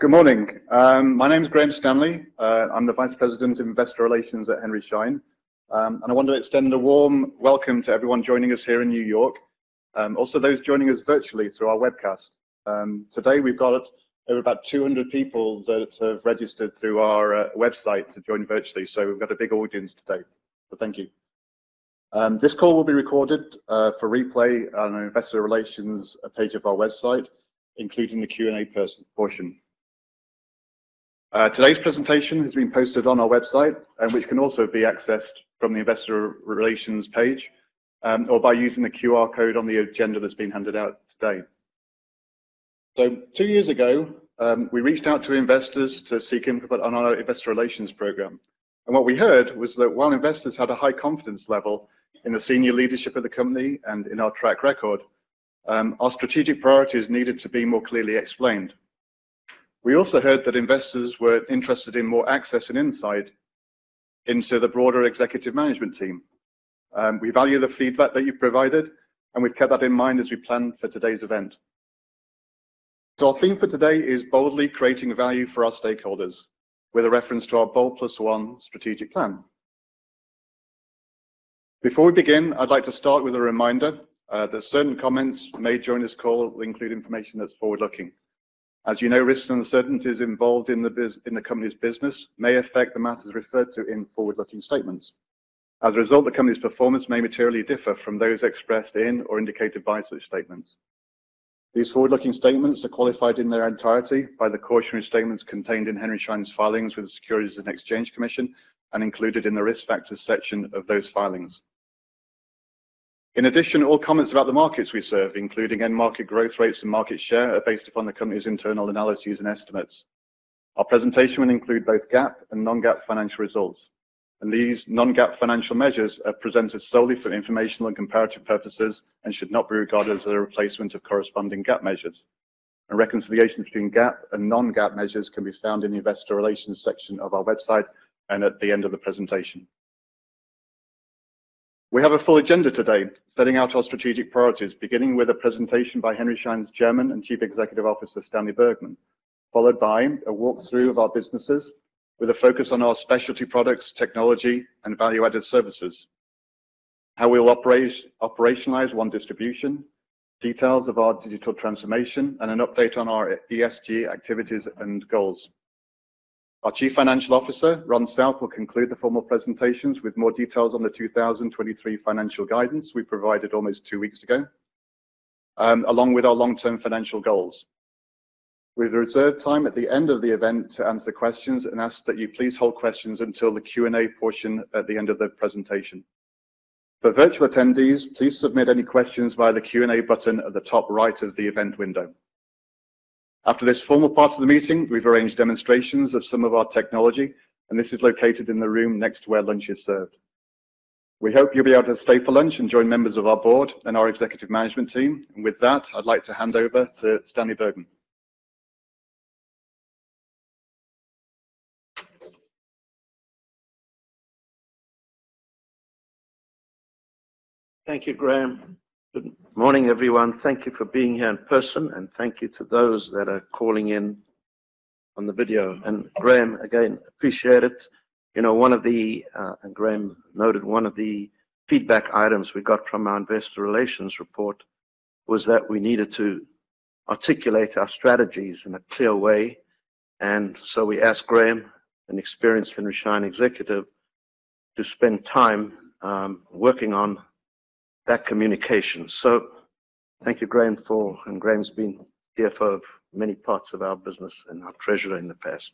Good morning. My name is Graham Stanley. I'm the Vice President of Investor Relations at Henry Schein. I want to extend a warm welcome to everyone joining us here in New York, also those joining us virtually through our webcast. Today we've got over about 200 people that have registered through our website to join virtually. We've got a big audience today. Thank you. This call will be recorded for replay on our Investor Relations page of our website, including the Q&A portion. Today's presentation has been posted on our website, which can also be accessed from the Investor Relations page, or by using the QR code on the agenda that's been handed out today. 2 years ago, we reached out to investors to seek input on our Investor Relations program. What we heard was that while investors had a high confidence level in the senior leadership of the company and in our track record, our strategic priorities needed to be more clearly explained. We also heard that investors were interested in more access and insight into the broader executive management team. We value the feedback that you provided, and we've kept that in mind as we plan for today's event. Our theme for today is boldly creating value for our stakeholders with a reference to our BOLD+1 Strategic Plan. Before we begin, I'd like to start with a reminder that certain comments made during this call will include information that's forward-looking. As you know, risks and uncertainties involved in the company's business may affect the matters referred to in forward-looking statements. As a result, the company's performance may materially differ from those expressed in or indicated by such statements. These forward-looking statements are qualified in their entirety by the cautionary statements contained in Henry Schein's filings with the Securities and Exchange Commission and included in the Risk Factors section of those filings. In addition, all comments about the markets we serve, including end market growth rates and market share, are based upon the company's internal analyses and estimates. Our presentation will include both GAAP and non-GAAP financial results. These non-GAAP financial measures are presented solely for informational and comparative purposes and should not be regarded as a replacement of corresponding GAAP measures. A reconciliation between GAAP and non-GAAP measures can be found in the Investor Relations section of our website and at the end of the presentation. We have a full agenda today setting out our strategic priorities, beginning with a presentation by Henry Schein's Chairman and Chief Executive Officer, Stanley Bergman. Followed by a walk-through of our businesses with a focus on our specialty products, technology, and value-added services. How we will operationalize One Distribution, details of our digital transformation, and an update on our ESG activities and goals. Our Chief Financial Officer, Ron South, will conclude the formal presentations with more details on the 2023 financial guidance we provided almost two weeks ago, along with our long-term financial goals. We've reserved time at the end of the event to answer questions and ask that you please hold questions until the Q&A portion at the end of the presentation. For virtual attendees, please submit any questions via the Q&A button at the top right of the event window. After this formal part of the meeting, we've arranged demonstrations of some of our technology, and this is located in the room next to where lunch is served. We hope you'll be able to stay for lunch and join members of our board and our executive management team. With that, I'd like to hand over to Stanley Bergman. Thank you, Graham. Good morning, everyone. Thank you for being here in person, and thank you to those that are calling in on the video. Graham, again, appreciate it. You know, one of the, and Graham noted one of the feedback items we got from our Investor Relations report was that we needed to articulate our strategies in a clear way. We asked Graham, an experienced Henry Schein executive, to spend time working on that communication. Thank you, Graham, and Graham's been CFO of many parts of our business and our treasurer in the past.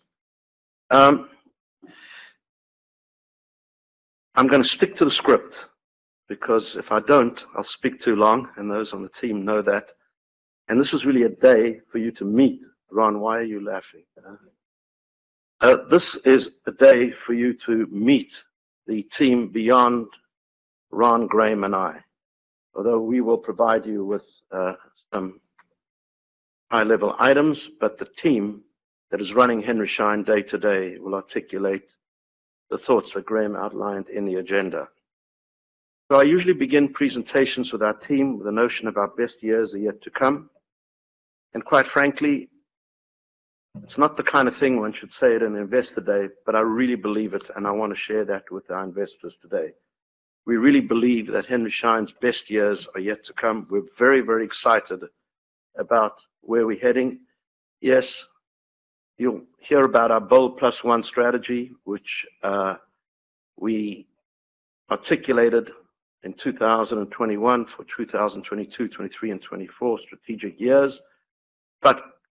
I'm gonna stick to the script because if I don't, I'll speak too long, and those on the team know that. This is really a day for you to meet. Ron, why are you laughing? This is a day for you to meet the team beyond Ron, Graham, and I. Although we will provide you with some high-level items, but the team that is running Henry Schein day-to-day will articulate the thoughts that Graham outlined in the agenda. I usually begin presentations with our team with a notion of our best years are yet to come. Quite frankly, it's not the kind of thing one should say at an Investor Day, but I really believe it, and I wanna share that with our investors today. We really believe that Henry Schein's best years are yet to come. We're very, very excited about where we're heading. Yes, you'll hear about our BOLD+1 strategy, which we articulated in 2021 for 2022, 2023, and 2024 strategic years.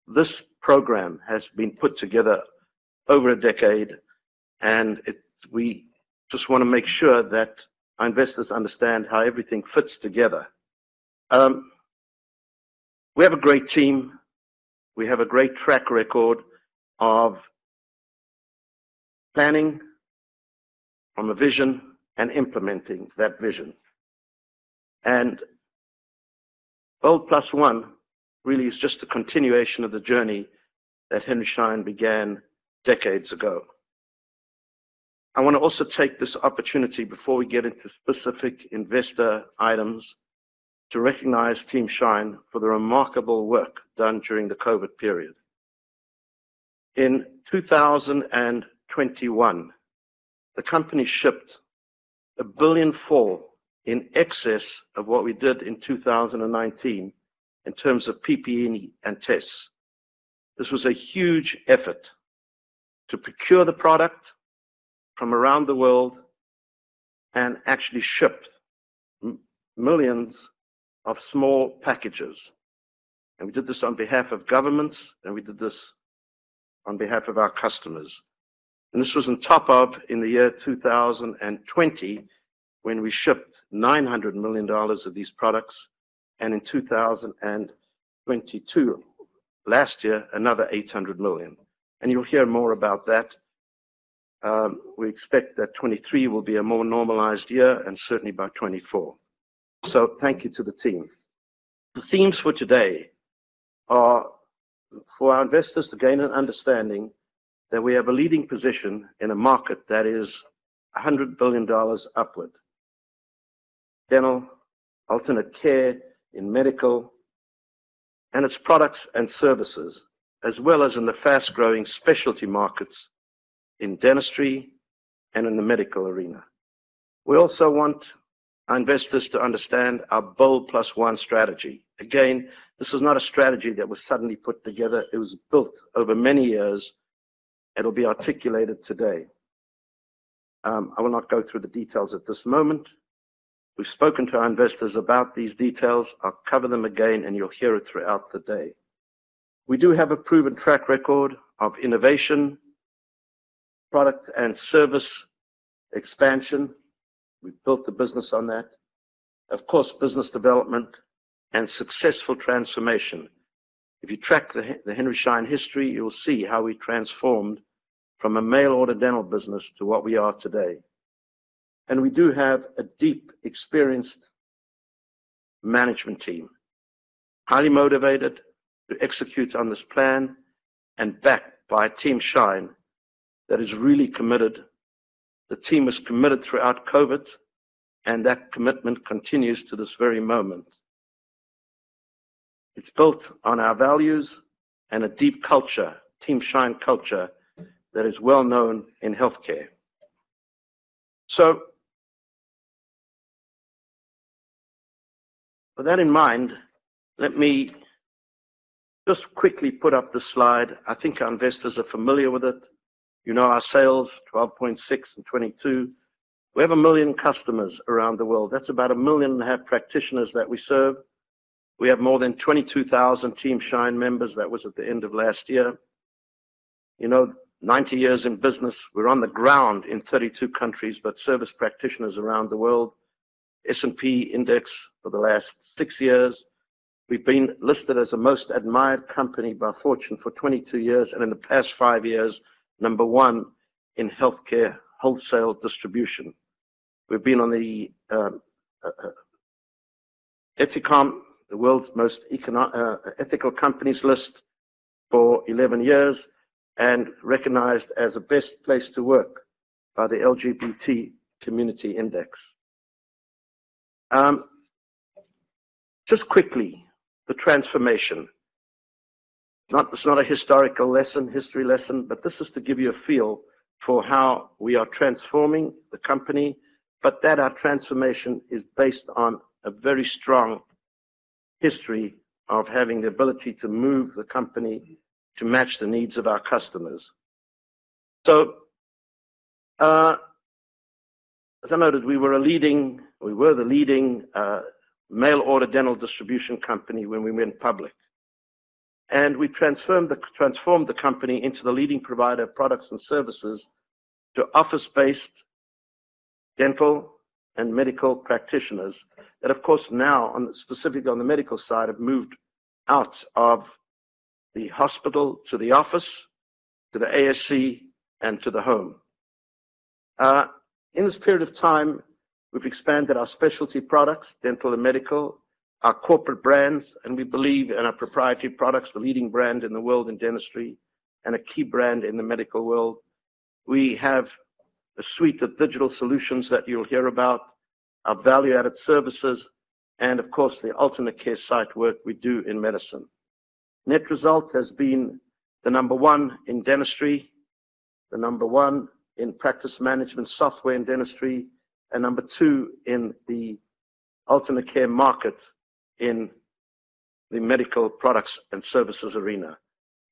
This program has been put together over a decade, and we just wanna make sure that our investors understand how everything fits together. We have a great team. We have a great track record of planning from a vision and implementing that vision. BOLD+1 really is just a continuation of the journey that Henry Schein began decades ago. I want to also take this opportunity before we get into specific investor items to recognize Team Schein for the remarkable work done during the COVID period. In 2021, the company shipped $1.4 billion in excess of what we did in 2019 in terms of PPE and tests. This was a huge effort to procure the product from around the world and actually ship millions of small packages. We did this on behalf of governments, and we did this on behalf of our customers. This was on top of in the year 2020 when we shipped $900 million of these products and in 2022, last year, another $800 million. You'll hear more about that. We expect that 23 will be a more normalized year and certainly by 24. Thank you to the team. The themes for today are for our investors to gain an understanding that we have a leading position in a market that is $100 billion upward. Dental, alternate care in medical, and its products and services, as well as in the fast-growing specialty markets in dentistry and in the medical arena. We also want our investors to understand our BOLD+1 strategy. Again, this is not a strategy that was suddenly put together. It was built over many years. It'll be articulated today. I will not go through the details at this moment. We've spoken to our investors about these details. I'll cover them again, and you'll hear it throughout the day. We do have a proven track record of innovation, product and service expansion. We've built the business on that. Of course, business development and successful transformation. If you track the Henry Schein history, you'll see how we transformed from a mail-order dental business to what we are today. We do have a deep, experienced management team, highly motivated to execute on this plan and backed by a Team Schein that is really committed. The team was committed throughout COVID, and that commitment continues to this very moment. It's built on our values and a deep culture, Team Schein culture, that is well known in healthcare. With that in mind, let me just quickly put up this slide. I think our investors are familiar with it. You know our sales, $12.6 in 2022. We have 1 million customers around the world. That's about 1.5 million practitioners that we serve. We have more than 22,000 Team Schein members. That was at the end of last year. You know, 90 years in business. We're on the ground in 32 countries, but service practitioners around the world. S&P Index for the last 6 years. We've been listed as the most admired company by Fortune for 22 years, and in the past 5 years, number 1 in healthcare wholesale distribution. We've been on the Ethisphere, the world's most ethical companies list for 11 years and recognized as a best place to work by the Corporate Equality Index. Just quickly, the transformation. It's not a historical lesson, history lesson, but this is to give you a feel for how we are transforming the company, but that our transformation is based on a very strong history of having the ability to move the company to match the needs of our customers. As I noted, we were the leading mail-order dental distribution company when we went public. We transformed the company into the leading provider of products and services to office-based dental and medical practitioners. Of course now specifically on the medical side, have moved out of the hospital to the office, to the ASC, and to the home. In this period of time, we've expanded our specialty products, dental and medical, our corporate brands, and we believe in our proprietary products, the leading brand in the world in dentistry, and a key brand in the medical world. We have a suite of digital solutions that you'll hear about, our value-added services, and of course, the alternate care site work we do in medicine. Net result has been the number one in dentistry, the number one in practice management software in dentistry, and number two in the alternate care market in the medical products and services arena.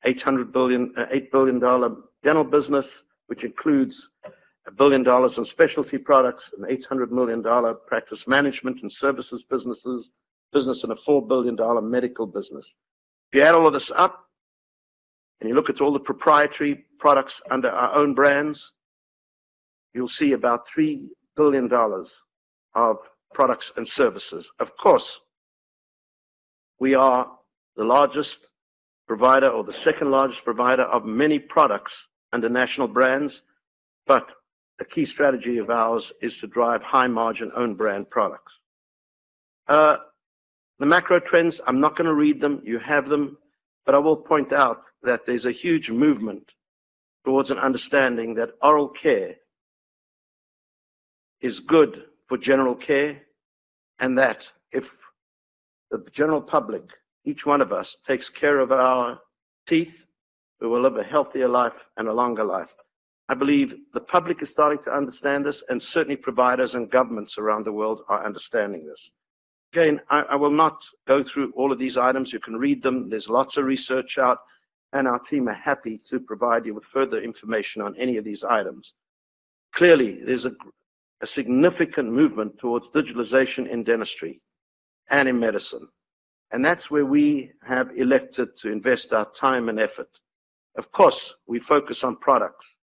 $8 billion dental business, which includes $1 billion in specialty products, an $800 million practice management and services business, and a $4 billion medical business. If you add all of this up and you look at all the proprietary products under our own brands, you'll see about $3 billion of products and services. Of course, we are the largest provider or the second-largest provider of many products under national brands, a key strategy of ours is to drive high-margin own brand products. The macro trends, I'm not gonna read them. You have them, but I will point out that there's a huge movement towards an understanding that oral care is good for general care, and that if the general public, each one of us, takes care of our teeth, we will live a healthier life and a longer life. I believe the public is starting to understand this, and certainly providers and governments around the world are understanding this. Again, I will not go through all of these items. You can read them. There's lots of research out, and our team are happy to provide you with further information on any of these items. Clearly, there's a significant movement towards digitalization in dentistry and in medicine, and that's where we have elected to invest our time and effort. Of course, we focus on products.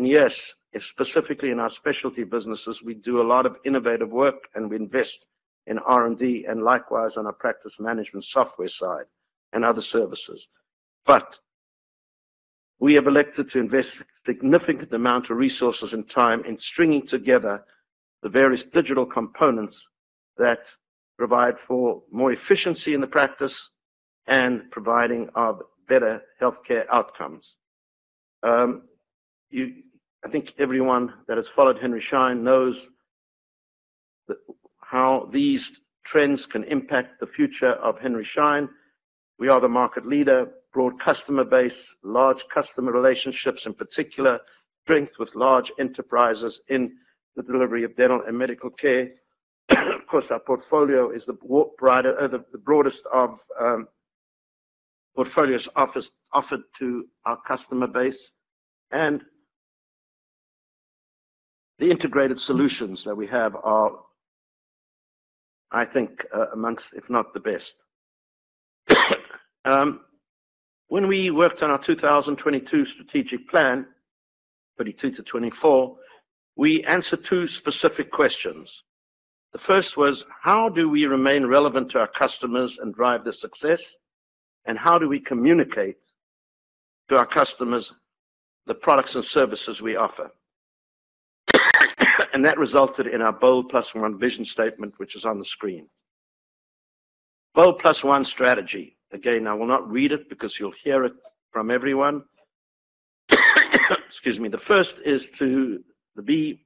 Yes, if specifically in our specialty businesses, we do a lot of innovative work, and we invest in R&D, and likewise on our practice management software side and other services. We have elected to invest significant amount of resources and time in stringing together the various digital components that provide for more efficiency in the practice and providing of better healthcare outcomes. I think everyone that has followed Henry Schein knows how these trends can impact the future of Henry Schein. We are the market leader, broad customer base, large customer relationships, in particular, strength with large enterprises in the delivery of dental and medical care. Of course, our portfolio is the broadest of portfolios offered to our customer base. The integrated solutions that we have are, I think, amongst, if not the best. When we worked on our 2022 strategic plan, 2022-2024, we answered 2 specific questions. The first was, how do we remain relevant to our customers and drive their success? How do we communicate to our customers the products and services we offer? That resulted in our BOLD+1 vision statement, which is on the screen. BOLD+1 strategy. Again, I will not read it because you'll hear it from everyone. Excuse me. The B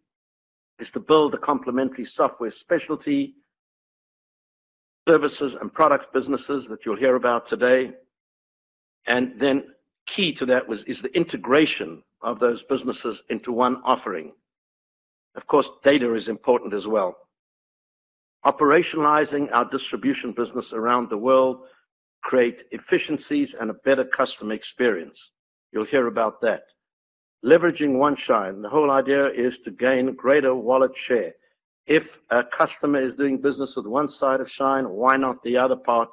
is to build a complementary software specialty, services and product businesses that you'll hear about today. Key to that is the integration of those businesses into 1 offering. Of course, data is important as well. Operationalizing our distribution business around the world create efficiencies and a better customer experience. You'll hear about that. Leveraging One Schein. The whole idea is to gain greater wallet share. If a customer is doing business with one side of Schein, why not the other part?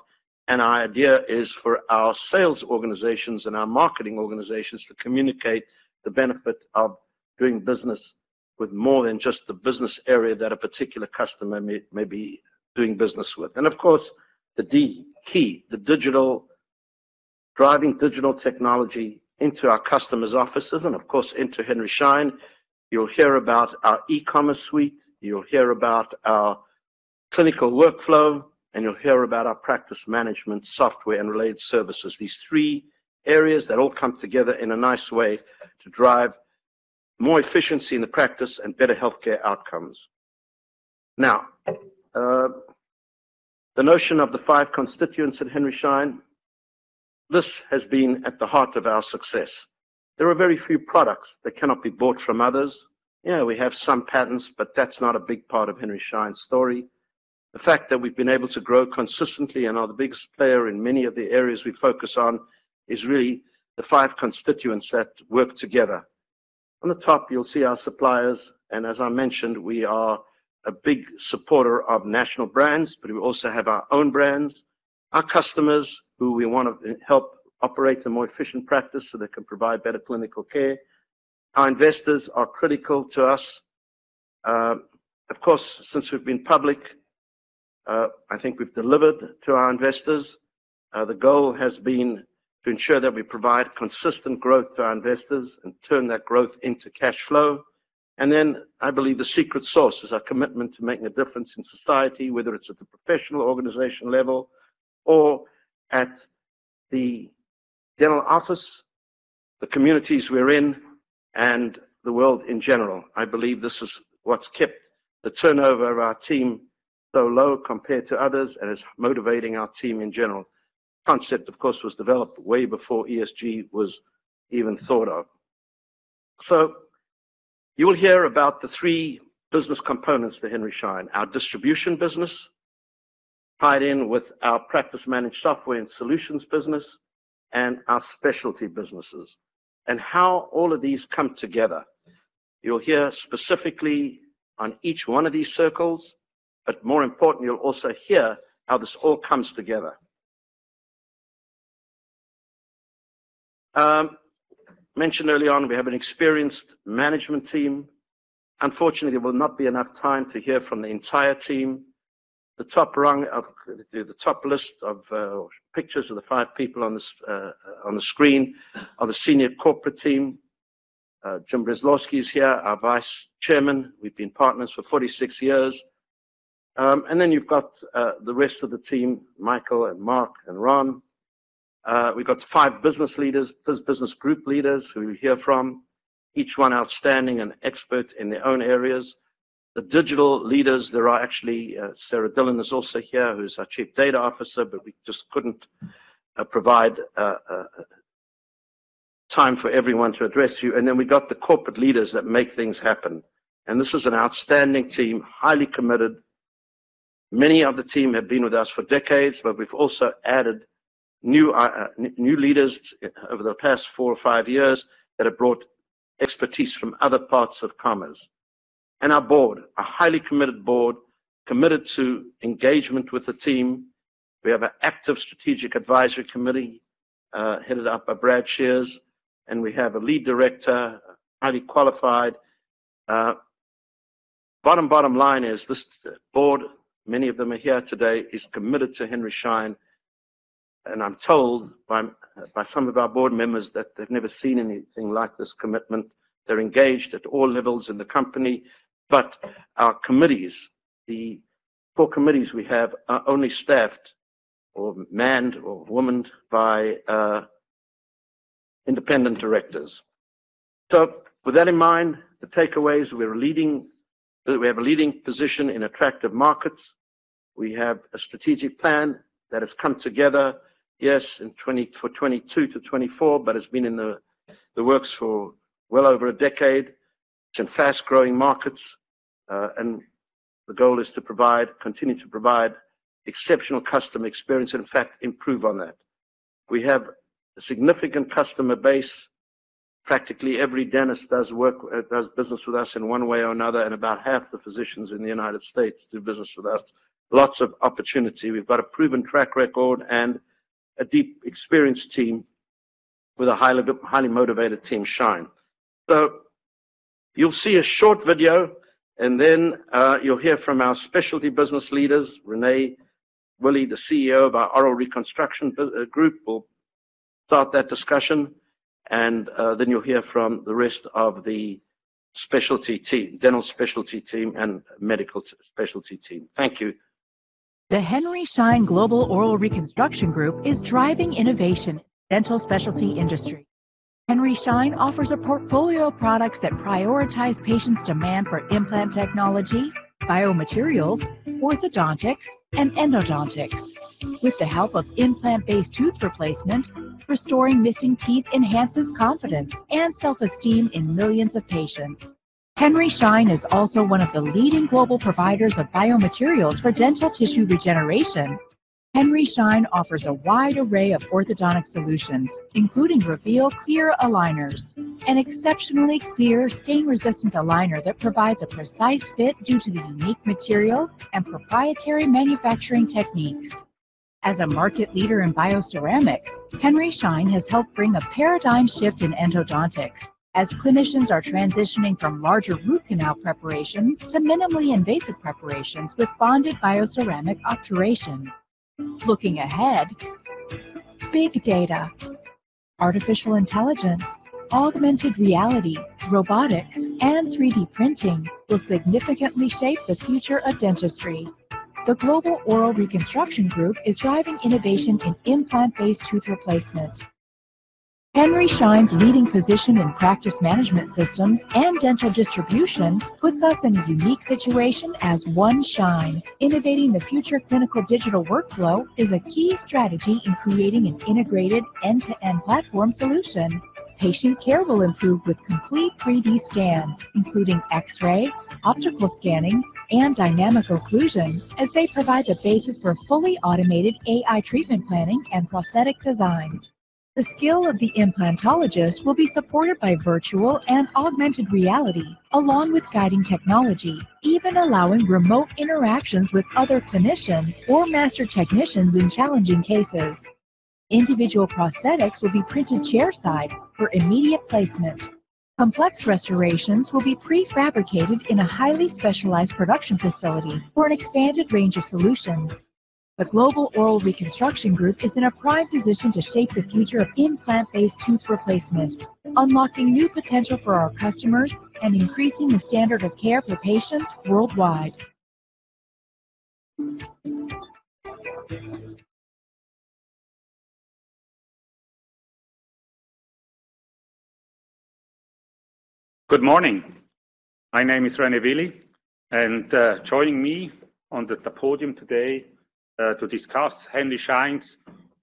Our idea is for our sales organizations and our marketing organizations to communicate the benefit of doing business with more than just the business area that a particular customer may be doing business with. Of course, the D key, driving digital technology into our customers' offices and of course, into Henry Schein. You'll hear about our e-commerce suite, you'll hear about our clinical workflow, and you'll hear about our practice management software and related services. These three areas that all come together in a nice way to drive more efficiency in the practice and better healthcare outcomes. The notion of the five constituents at Henry Schein, this has been at the heart of our success. There are very few products that cannot be bought from others. Yeah, we have some patents, but that's not a big part of Henry Schein's story. The fact that we've been able to grow consistently and are the biggest player in many of the areas we focus on is really the five constituents that work together. On the top, you'll see our suppliers, and as I mentioned, we are a big supporter of national brands, but we also have our own brands. Our customers, who we wanna help operate a more efficient practice so they can provide better clinical care. Our investors are critical to us. Of course, since we've been public, I think we've delivered to our investors. The goal has been to ensure that we provide consistent growth to our investors and turn that growth into cash flow. I believe the secret sauce is our commitment to making a difference in society, whether it's at the professional organization level or at the dental office, the communities we're in, and the world in general. I believe this is what's kept the turnover of our team so low compared to others and is motivating our team in general. Concept, of course, was developed way before ESG was even thought of. You will hear about the 3 business components to Henry Schein, our distribution business, tied in with our practice managed software and solutions business, and our specialty businesses, and how all of these come together. You'll hear specifically on each 1 of these circles, but more important, you'll also hear how this all comes together. Mentioned early on, we have an experienced management team. Unfortunately, there will not be enough time to hear from the entire team. The top list of pictures of the 5 people on the screen are the senior corporate team. Jim Breslawski is here, our Vice Chairman. We've been partners for 46 years. Then you've got the rest of the team, Michael and Mark and Ron. We've got 5 business leaders, business group leaders who you hear from, each one outstanding and expert in their own areas. The digital leaders, there are actually Sara Dillon is also here, who's our Chief Data Officer, but we just couldn't provide time for everyone to address you. Then we've got the corporate leaders that make things happen. This is an outstanding team, highly committed. Many of the team have been with us for decades, We've also added new leaders over the past 4 or 5 years that have brought expertise from other parts of commerce. Our board, a highly committed board, committed to engagement with the team. We have an active strategic advisory committee, headed up by Brad Connett, and we have a lead director, highly qualified. Bottom line is this board, many of them are here today, is committed to Henry Schein. I'm told by some of our board members that they've never seen anything like this commitment. They're engaged at all levels in the company. Our committees, the 4 committees we have are only staffed or manned or womaned by independent directors. With that in mind, the takeaways, we have a leading position in attractive markets. We have a strategic plan that has come together, yes, for 2022 to 2024, but it's been in the works for well over a decade. It's in fast-growing markets, and the goal is to continue to provide exceptional customer experience and, in fact, improve on that. We have a significant customer base. Practically every dentist does business with us in one way or another, and about half the physicians in the United States do business with us. Lots of opportunity. We've got a proven track record and a deep experienced team with a highly motivated Team Schein. You'll see a short video, and then, you'll hear from our specialty business leaders. René Willi, the CEO of our Oral Reconstruction Group, will start that discussion. You'll hear from the rest of the specialty team, dental specialty team and medical specialty team. Thank you. The Henry Schein Global Oral Reconstruction Group is driving innovation in dental specialty industry. Henry Schein offers a portfolio of products that prioritize patients' demand for implant technology, biomaterials, orthodontics, and endodontics. With the help of implant-based tooth replacement, restoring missing teeth enhances confidence and self-esteem in millions of patients. Henry Schein is also one of the leading global providers of biomaterials for dental tissue regeneration. Henry Schein offers a wide array of orthodontic solutions, including Reveal clear aligners, an exceptionally clear, stain-resistant aligner that provides a precise fit due to the unique material and proprietary manufacturing techniques. As a market leader in bioceramics, Henry Schein has helped bring a paradigm shift in endodontics as clinicians are transitioning from larger root canal preparations to minimally invasive preparations with bonded bioceramic obturation. Looking ahead, big data, artificial intelligence, augmented reality, robotics, and 3-D printing will significantly shape the future of dentistry. The Global Oral Reconstruction Group is driving innovation in implant-based tooth replacement. Henry Schein's leading position in practice management systems and dental distribution puts us in a unique situation as One Schein. Innovating the future clinical digital workflow is a key strategy in creating an integrated end-to-end platform solution. Patient care will improve with complete 3D scans, including X-ray, optical scanning, and dynamic occlusion, as they provide the basis for fully automated AI treatment planning and prosthetic design. The skill of the implantologist will be supported by virtual and augmented reality, along with guiding technology, even allowing remote interactions with other clinicians or master technicians in challenging cases. Individual prosthetics will be printed chairside for immediate placement. Complex restorations will be prefabricated in a highly specialized production facility for an expanded range of solutions. The Global Oral Reconstruction Group is in a prime position to shape the future of implant-based tooth replacement, unlocking new potential for our customers and increasing the standard of care for patients worldwide. Good morning. My name is René Willi, joining me on the podium today to discuss Henry Schein's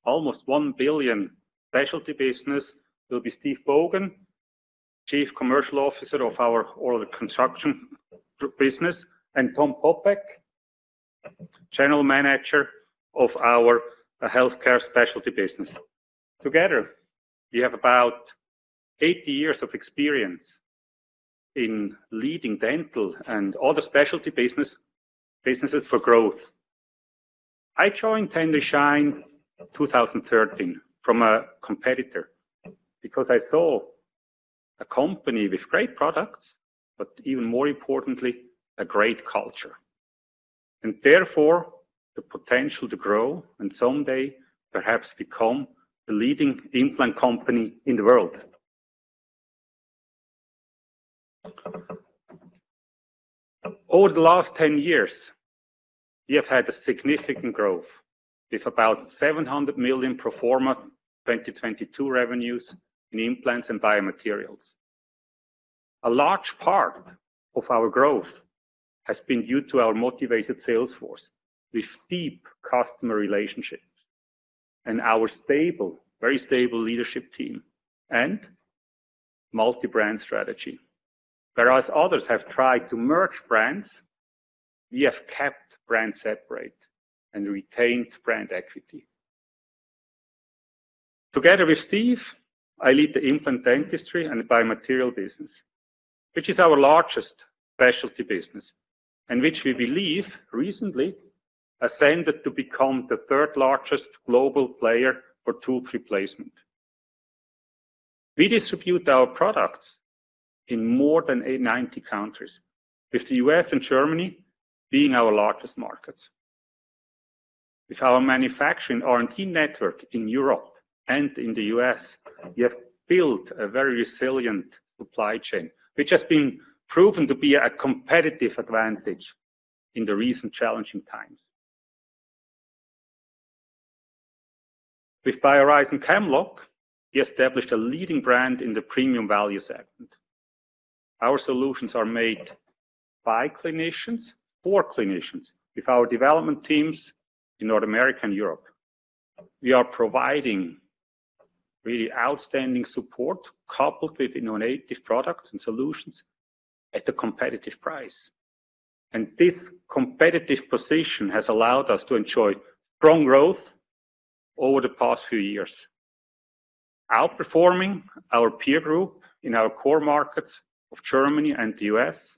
almost $1 billion specialty business will be Steve Boggan, Chief Commercial Officer of our Oral Reconstruction Group business, Tom Zopp, General Manager of our Healthcare Specialty business. Together, we have about 80 years of experience in leading dental and other specialty businesses for growth. I joined Henry Schein in 2013 from a competitor because I saw a company with great products, but even more importantly, a great culture. Therefore, the potential to grow and someday perhaps become the leading implant company in the world. Over the last 10 years, we have had a significant growth with about $700 million pro forma 2022 revenues in implants and biomaterials. A large part of our growth has been due to our motivated sales force with deep customer relationships and our stable, very stable leadership team and multi-brand strategy. Whereas others have tried to merge brands, we have kept brands separate and retained brand equity. Together with Steve, I lead the implant dentistry and biomaterial business, which is our largest specialty business, and which we believe recently ascended to become the third-largest global player for tooth replacement. We distribute our products in more than 80-90 countries, with the U.S. and Germany being our largest markets. With our manufacturing R&D network in Europe and in the U.S., we have built a very resilient supply chain, which has been proven to be a competitive advantage in the recent challenging times. With BioHorizons Camlog, we established a leading brand in the premium value segment. Our solutions are made by clinicians for clinicians with our development teams in North America and Europe. We are providing really outstanding support coupled with innovative products and solutions at a competitive price. This competitive position has allowed us to enjoy strong growth over the past few years, outperforming our peer group in our core markets of Germany and the U.S.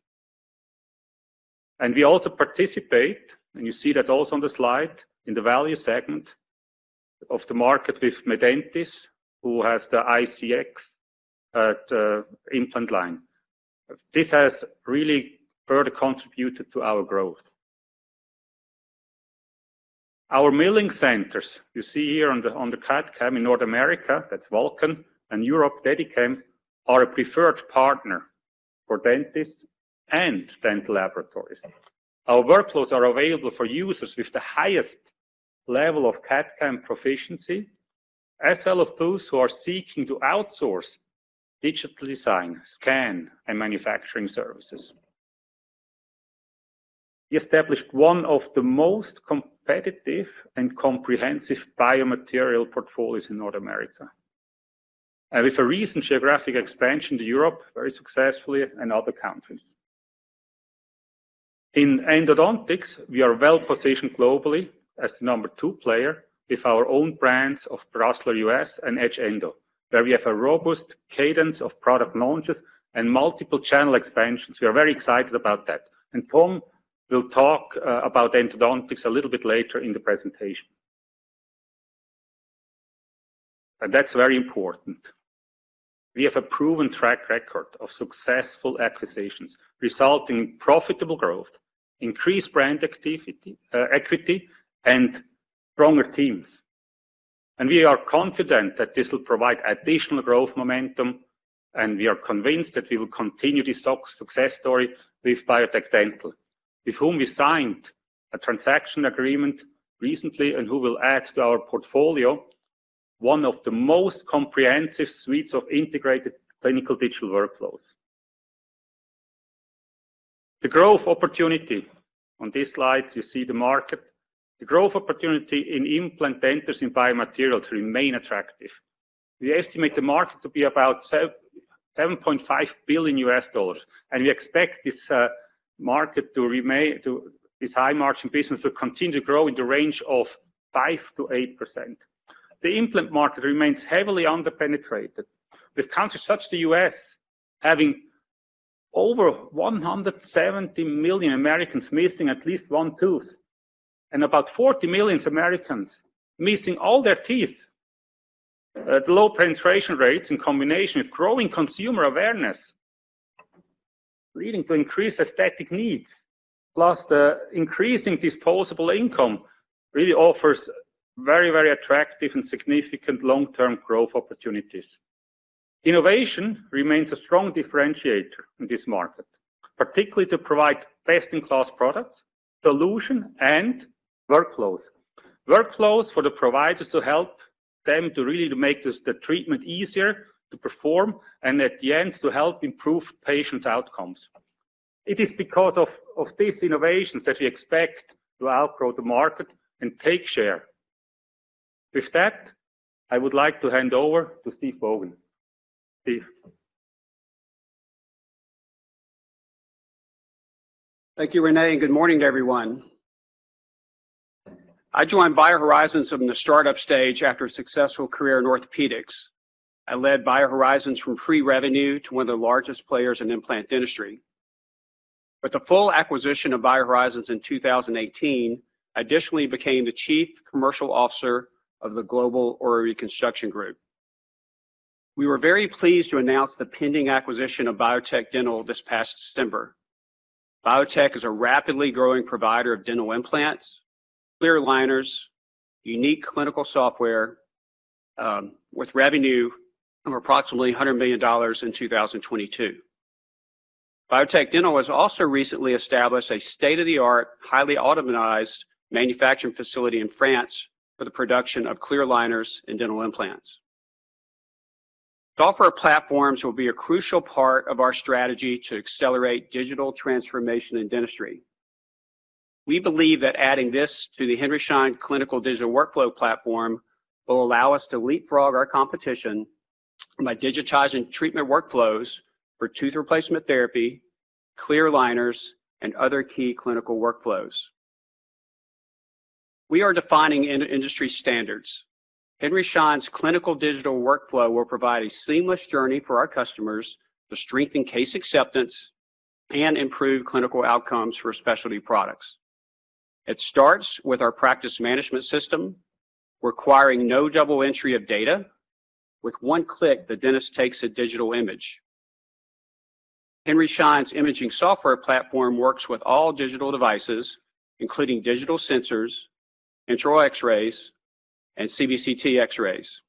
We also participate, and you see that also on the slide, in the value segment of the market with Medentis, who has the ICX implant line. This has really further contributed to our growth. Our milling centers you see here on the CAD/CAM in North America, that's Vulcan, and Europe, DEDICAM, are a preferred partner for dentists and dental laboratories. Our workflows are available for users with the highest level of CAD/CAM proficiency, as well as those who are seeking to outsource digital design, scan, and manufacturing services. We established one of the most competitive and comprehensive biomaterial portfolios in North America, with a recent geographic expansion to Europe very successfully in other countries. In endodontics, we are well-positioned globally as the number 2 player with our own brands of Brasseler US and H-Endo, where we have a robust cadence of product launches and multiple channel expansions. We are very excited about that. Tom will talk about endodontics a little bit later in the presentation. That's very important. We have a proven track record of successful acquisitions, resulting in profitable growth, increased brand activity equity, and stronger teams. We are confident that this will provide additional growth momentum. We are convinced that we will continue this success story with Biotech Dental, with whom we signed a transaction agreement recently and who will add to our portfolio one of the most comprehensive suites of integrated clinical digital workflows. The growth opportunity. On this slide, you see the market. The growth opportunity in implant dentists and biomaterials remain attractive. We estimate the market to be about $7.5 billion, and we expect this market to remain this high-margin business to continue to grow in the range of 5%-8%. The implant market remains heavily under-penetrated, with countries such as the US having over 170 million Americans missing at least one tooth and about 40 million Americans missing all their teeth. At low penetration rates in combination with growing consumer awareness leading to increased aesthetic needs, plus the increasing disposable income, really offers very, very attractive and significant long-term growth opportunities. Innovation remains a strong differentiator in this market, particularly to provide best-in-class products, solutions, and workflows. Workflows for the providers to help them to really to make the treatment easier to perform and at the end to help improve patients' outcomes. It is because of these innovations that we expect to outgrow the market and take share. With that, I would like to hand over to Steve Boggan. Steve. Thank you, René. Good morning to everyone. I joined BioHorizons from the startup stage after a successful career in orthopedics. I led BioHorizons from pre-revenue to one of the largest players in implant dentistry. With the full acquisition of BioHorizons in 2018, I additionally became the Chief Commercial Officer of the Global Oral Reconstruction Group. We were very pleased to announce the pending acquisition of Biotech Dental this past December. Biotech is a rapidly growing provider of dental implants, clear aligners, unique clinical software, with revenue of approximately $100 million in 2022. Biotech Dental has also recently established a state-of-the-art, highly automated manufacturing facility in France for the production of clear aligners and dental implants. Software platforms will be a crucial part of our strategy to accelerate digital transformation in dentistry. We believe that adding this to the Henry Schein clinical digital workflow platform will allow us to leapfrog our competition by digitizing treatment workflows for tooth replacement therapy, clear aliners, and other key clinical workflows. We are defining in-industry standards. Henry Schein's clinical digital workflow will provide a seamless journey for our customers to strengthen case acceptance and improve clinical outcomes for specialty products. It starts with our practice management system, requiring no double entry of data. With one click, the dentist takes a digital image. Henry Schein's imaging software platform works with all digital devices, including digital sensors, intraoral X-rays, and CBCT X-rays.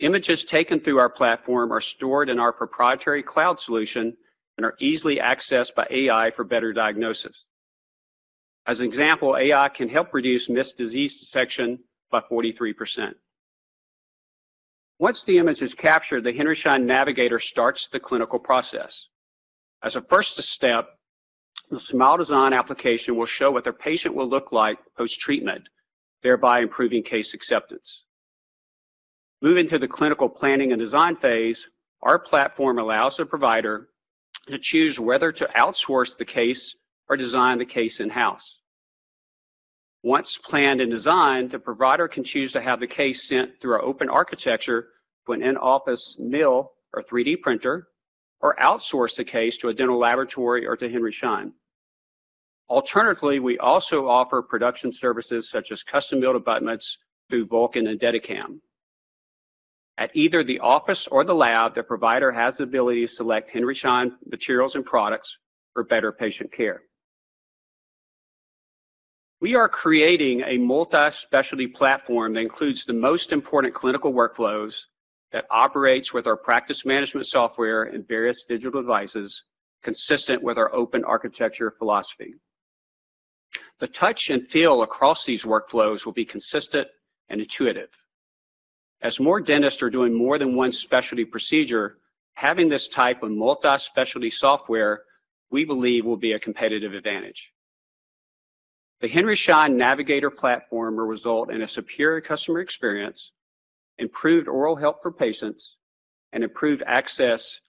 Images taken through our platform are stored in our proprietary cloud solution and are easily accessed by AI for better diagnosis. As an example, AI can help reduce missed disease detection by 43%. Once the image is captured, the Henry Schein Navigator starts the clinical process. As a first step, the Smile Design application will show what their patient will look like post-treatment, thereby improving case acceptance. Moving to the clinical planning and design phase, our platform allows the provider to choose whether to outsource the case or design the case in-house. Once planned and designed, the provider can choose to have the case sent through our open architecture to an in-office mill or 3D printer, or outsource the case to a dental laboratory or to Henry Schein. Alternatively, we also offer production services such as custom-built abutments through Vulcan and DEDICAM. At either the office or the lab, the provider has the ability to select Henry Schein materials and products for better patient care. We are creating a multi-specialty platform that includes the most important clinical workflows that operates with our practice management software and various digital devices, consistent with our open architecture philosophy. The touch and feel across these workflows will be consistent and intuitive. As more dentists are doing more than one specialty procedure, having this type of multi-specialty software, we believe will be a competitive advantage. The Henry Schein Navigator platform will result in a superior customer experience, improved oral health for patients, and improved access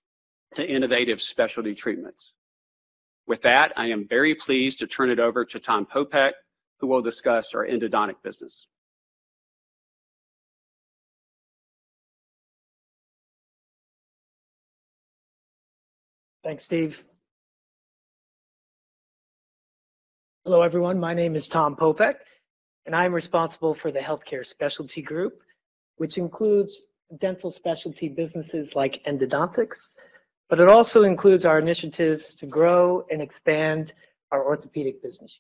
to innovative specialty treatments. With that, I am very pleased to turn it over to Tom Popeck, who will discuss our endodontic business. Thanks, Steve. Hello, everyone. My name is Tom Popeck. I'm responsible for the Healthcare Specialty Group, which includes dental specialty businesses like Endodontics. It also includes our initiatives to grow and expand our orthopedic business.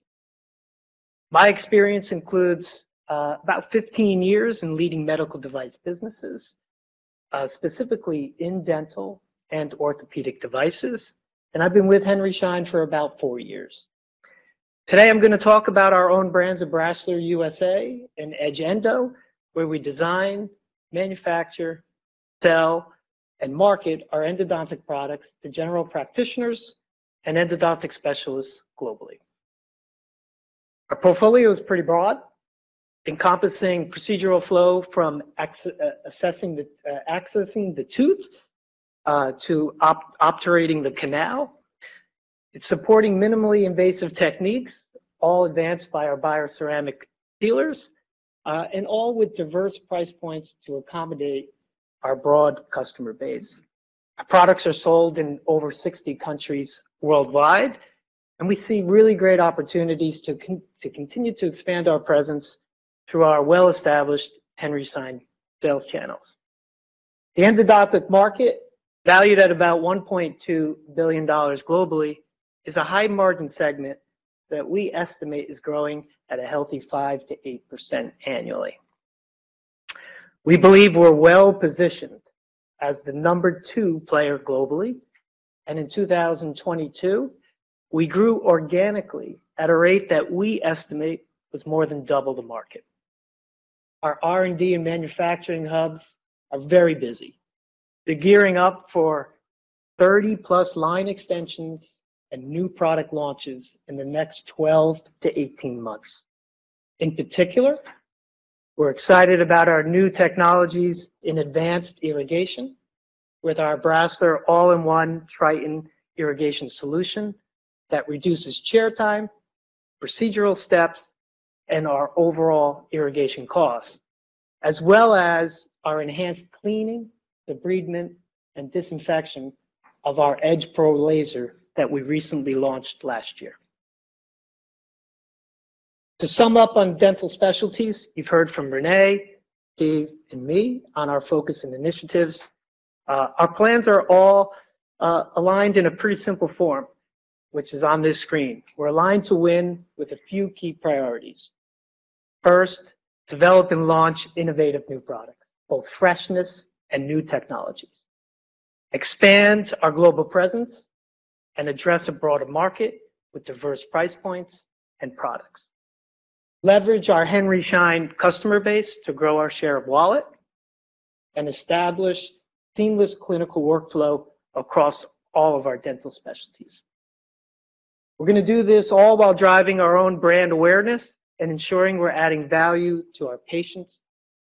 My experience includes about 15 years in leading medical device businesses, specifically in dental and orthopedic devices. I've been with Henry Schein for about 4 years. Today, I'm gonna talk about our own brands of Brasseler USA and EdgeEndo, where we design, manufacture, sell, and market our endodontic products to general practitioners and endodontic specialists globally. Our portfolio is pretty broad, encompassing procedural flow from accessing the tooth to operating the canal. It's supporting minimally invasive techniques, all advanced by our bioceramic sealers, all with diverse price points to accommodate our broad customer base. Our products are sold in over 60 countries worldwide. We see really great opportunities to continue to expand our presence through our well-established Henry Schein sales channels. The endodontic market, valued at about $1.2 billion globally, is a high-margin segment that we estimate is growing at a healthy 5%-8% annually. We believe we're well-positioned as the number two player globally. In 2022, we grew organically at a rate that we estimate was more than double the market. Our R&D and manufacturing hubs are very busy. They're gearing up for 30+ line extensions and new product launches in the next 12-18 months. In particular, we're excited about our new technologies in advanced irrigation with our Brasseler all-in-one Triton irrigation solution that reduces chair time, procedural steps, and our overall irrigation costs, as well as our enhanced cleaning, debridement, and disinfection of our EdgePRO laser that we recently launched last year. To sum up on dental specialties, you've heard from René, Dave, and me on our focus and initiatives. Our plans are all aligned in a pretty simple form, which is on this screen. We're aligned to win with a few key priorities. First, develop and launch innovative new products, both freshness and new technologies. Expand our global presence and address a broader market with diverse price points and products. Leverage our Henry Schein customer base to grow our share of wallet and establish seamless clinical workflow across all of our dental specialties. We're gonna do this all while driving our own brand awareness and ensuring we're adding value to our patients,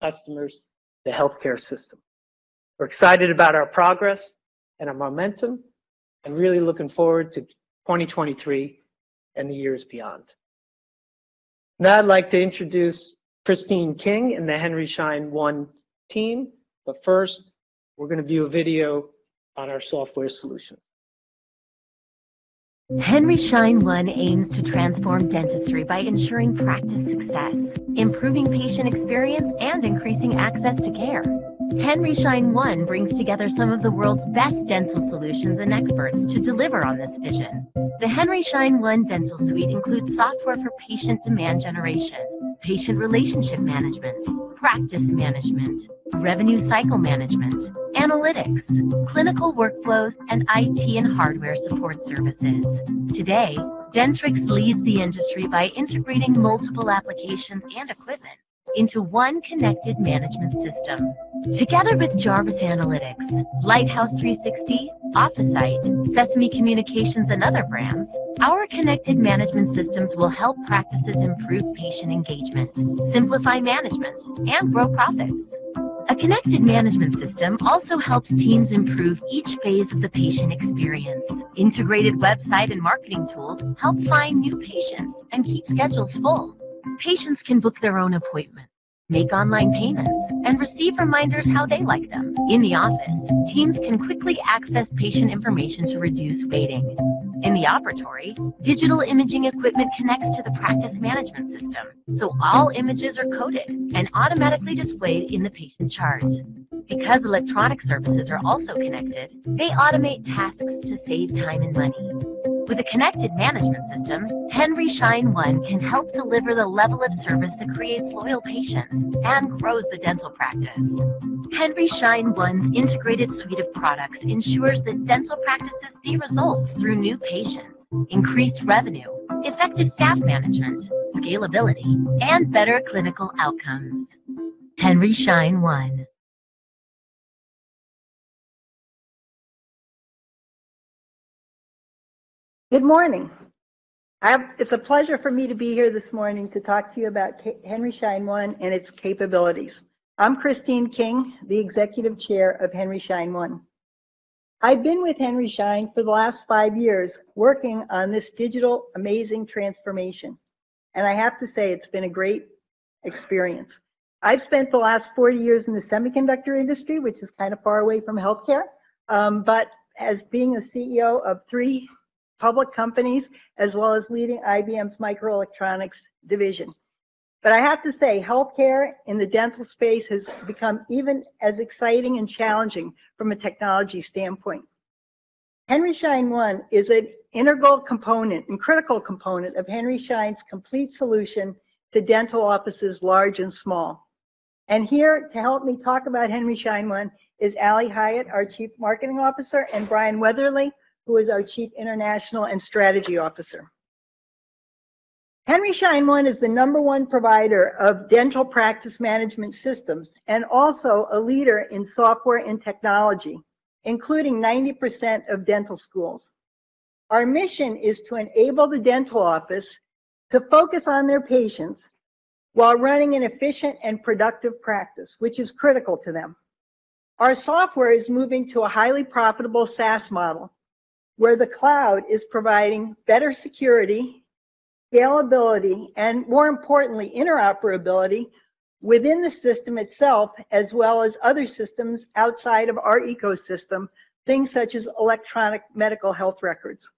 customers, the healthcare system. We're excited about our progress and our momentum and really looking forward to 2023 and the years beyond. I'd like to introduce Christine King and the Henry Schein One team, but first, we're gonna view a video on our software solutions. Henry Schein One aims to transform dentistry by ensuring practice success, improving patient experience, and increasing access to care. Henry Schein One brings together some of the world's best dental solutions and experts to deliver on this vision. The Henry Schein One dental suite includes software for patient demand generation, patient relationship management, practice management, revenue cycle management, analytics, clinical workflows, and IT and hardware support services. Today, Dentrix leads the industry by integrating multiple applications and equipment into one connected management system. Together with Jarvis Analytics, Lighthouse 360, Officite, Sesame Communications, and other brands, our connected management systems will help practices improve patient engagement, simplify management, and grow profits. A connected management system also helps teams improve each phase of the patient experience. Integrated website and marketing tools help find new patients and keep schedules full. Patients can book their own appointments, make online payments, and receive reminders how they like them. In the office, teams can quickly access patient information to reduce waiting. In the operatory, digital imaging equipment connects to the practice management system, so all images are coded and automatically displayed in the patient chart. Because electronic services are also connected, they automate tasks to save time and money. With a connected management system, Henry Schein One can help deliver the level of service that creates loyal patients and grows the dental practice. Henry Schein One's integrated suite of products ensures that dental practices see results through new patients, increased revenue, effective staff management, scalability, and better clinical outcomes. Henry Schein One. Good morning. It's a pleasure for me to be here this morning to talk to you about Henry Schein One and its capabilities. I'm Christine King, the Executive Chair of Henry Schein One. I've been with Henry Schein for the last 5 years working on this digital amazing transformation. I have to say, it's been a great experience. I've spent the last 40 years in the semiconductor industry, which is kind of far away from healthcare, as being a CEO of 3 public companies as well as leading IBM's microelectronics division. I have to say, healthcare in the dental space has become even as exciting and challenging from a technology standpoint. Henry Schein One is an integral component and critical component of Henry Schein's complete solution to dental offices large and small. Here to help me talk about Henry Schein One is Ali Hyatt, our Chief Marketing Officer, and Brian Weatherly, who is our Chief International and Strategy Officer. Henry Schein One is the number one provider of dental practice management systems and also a leader in software and technology, including 90% of dental schools. Our mission is to enable the dental office to focus on their patients while running an efficient and productive practice, which is critical to them. Our software is moving to a highly profitable SaaS model, where the cloud is providing better security, scalability, and more importantly, interoperability within the system itself as well as other systems outside of our ecosystem, things such as electronic medical health records.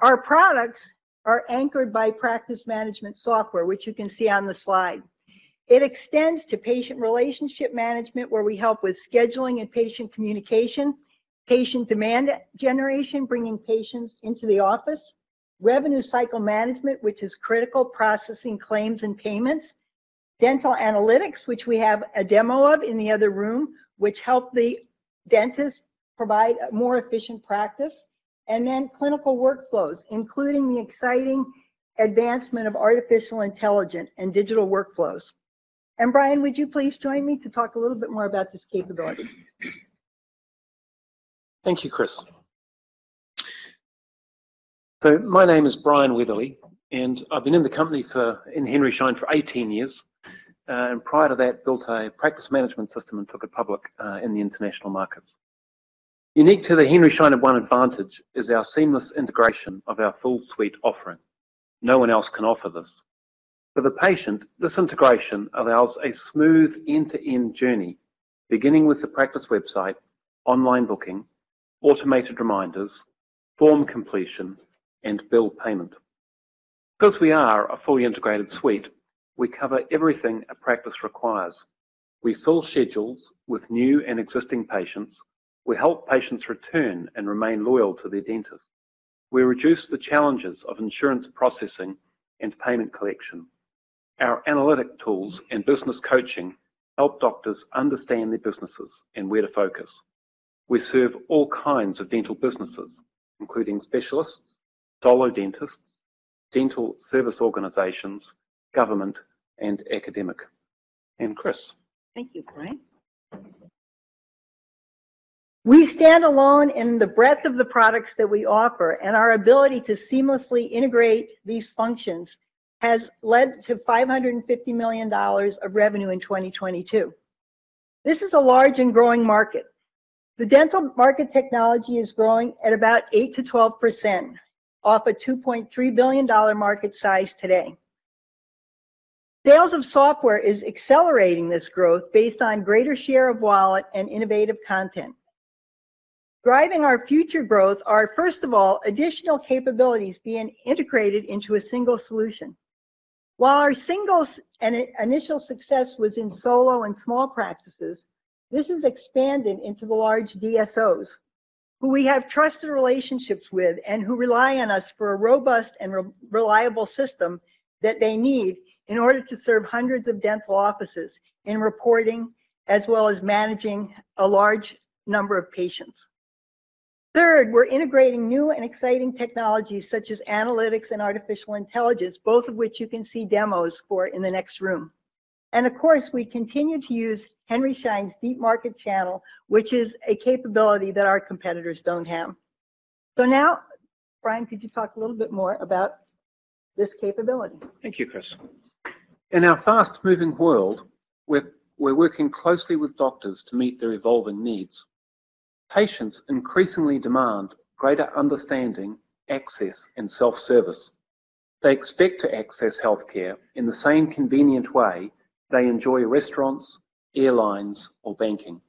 Our products are anchored by practice management software, which you can see on the slide. It extends to patient relationship management, where we help with scheduling and patient communication, patient demand generation, bringing patients into the office, revenue cycle management, which is critical, processing claims and payments, dental analytics, which we have a demo of in the other room, which help the dentists provide a more efficient practice, and then clinical workflows, including the exciting advancement of artificial intelligence and digital workflows. Brian, would you please join me to talk a little bit more about this capability? Thank you, Chris. My name is Brian Weatherly, and I've been in the company in Henry Schein for 18 years, and prior to that built a practice management system and took it public in the international markets. Unique to the Henry Schein One advantage is our seamless integration of our full suite offering. No one else can offer this. For the patient, this integration allows a smooth end-to-end journey, beginning with the practice website, online booking-Automated reminders, form completion, and bill payment. We are a fully integrated suite, we cover everything a practice requires. We fill schedules with new and existing patients. We help patients return and remain loyal to their dentist. We reduce the challenges of insurance processing and payment collection. Our analytic tools and business coaching help doctors understand their businesses and where to focus. We serve all kinds of dental businesses, including specialists, solo dentists, dental service organizations, government, and academic. Chris. Thank you, Brian. We stand alone in the breadth of the products that we offer. Our ability to seamlessly integrate these functions has led to $550 million of revenue in 2022. This is a large and growing market. The dental market technology is growing at about 8%-12% off a $2.3 billion market size today. Sales of software is accelerating this growth based on greater share of wallet and innovative content. Driving our future growth are, first of all, additional capabilities being integrated into a single solution. While our singles and initial success was in solo and small practices, this has expanded into the large DSOs, who we have trusted relationships with and who rely on us for a robust and reliable system that they need in order to serve hundreds of dental offices in reporting as well as managing a large number of patients. Third, we're integrating new and exciting technologies such as analytics and artificial intelligence, both of which you can see demos for in the next room. Of course, we continue to use Henry Schein's deep market channel, which is a capability that our competitors don't have. Now, Brian, could you talk a little bit more about this capability? Thank you, Chris. In our fast-moving world, we're working closely with doctors to meet their evolving needs. Patients increasingly demand greater understanding, access, and self-service. They expect to access healthcare in the same convenient way they enjoy restaurants, airlines, or banking.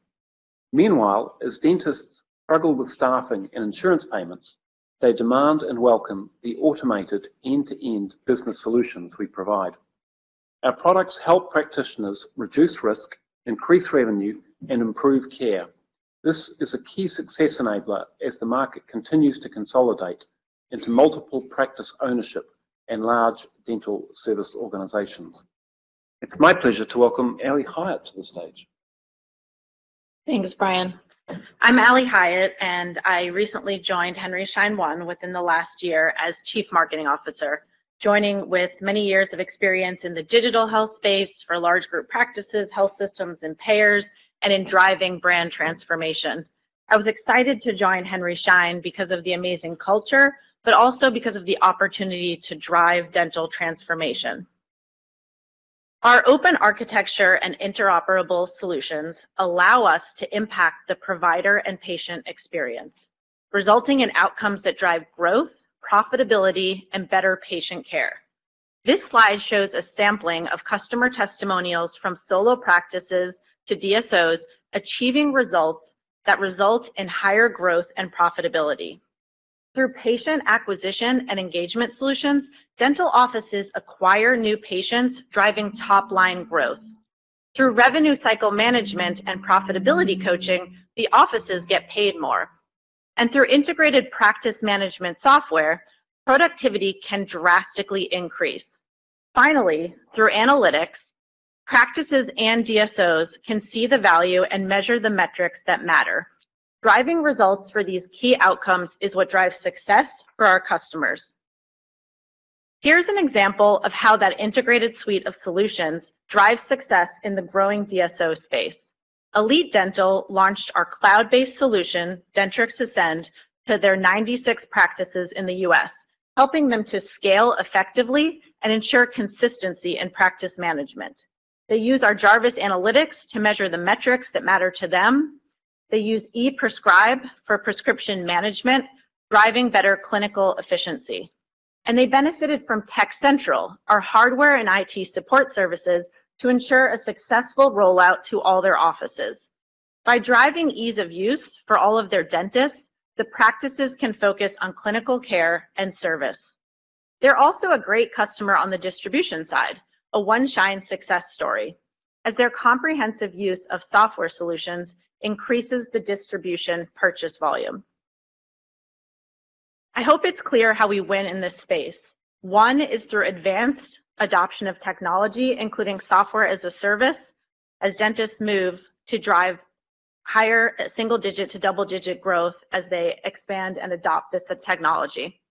As dentists struggle with staffing and insurance payments, they demand and welcome the automated end-to-end business solutions we provide. Our products help practitioners reduce risk, increase revenue, and improve care. This is a key success enabler as the market continues to consolidate into multiple practice ownership and large dental service organizations. It's my pleasure to welcome Ali Hyatt to the stage. Thanks, Brian. I'm Ali Hyatt, and I recently joined Henry Schein One within the last year as Chief Marketing Officer, joining with many years of experience in the digital health space for large group practices, health systems, and payers, and in driving brand transformation. I was excited to join Henry Schein because of the amazing culture, but also because of the opportunity to drive dental transformation. Our open architecture and interoperable solutions allow us to impact the provider and patient experience, resulting in outcomes that drive growth, profitability, and better patient care. This slide shows a sampling of customer testimonials from solo practices to DSOs achieving results that result in higher growth and profitability. Through patient acquisition and engagement solutions, dental offices acquire new patients driving top-line growth. Through revenue cycle management and profitability coaching, the offices get paid more. And through integrated practice management software, productivity can drastically increase. Finally, through analytics, practices and DSOs can see the value and measure the metrics that matter. Driving results for these key outcomes is what drives success for our customers. Here's an example of how that integrated suite of solutions drives success in the growing DSO space. Elite Dental launched our cloud-based solution, Dentrix Ascend, to their 96 practices in the U.S., helping them to scale effectively and ensure consistency in practice management. They use our Jarvis Analytics to measure the metrics that matter to them. They use ePrescribe for prescription management, driving better clinical efficiency. They benefited from TechCentral, our hardware and IT support services, to ensure a successful rollout to all their offices. By driving ease of use for all of their dentists, the practices can focus on clinical care and service. They're also a great customer on the distribution side, a One Schein success story, as their comprehensive use of software solutions increases the distribution purchase volume. I hope it's clear how we win in this space. One is through advanced adoption of technology, including software-as-a-service, as dentists move to drive higher single-digit to double-digit growth as they expand and adopt this technology.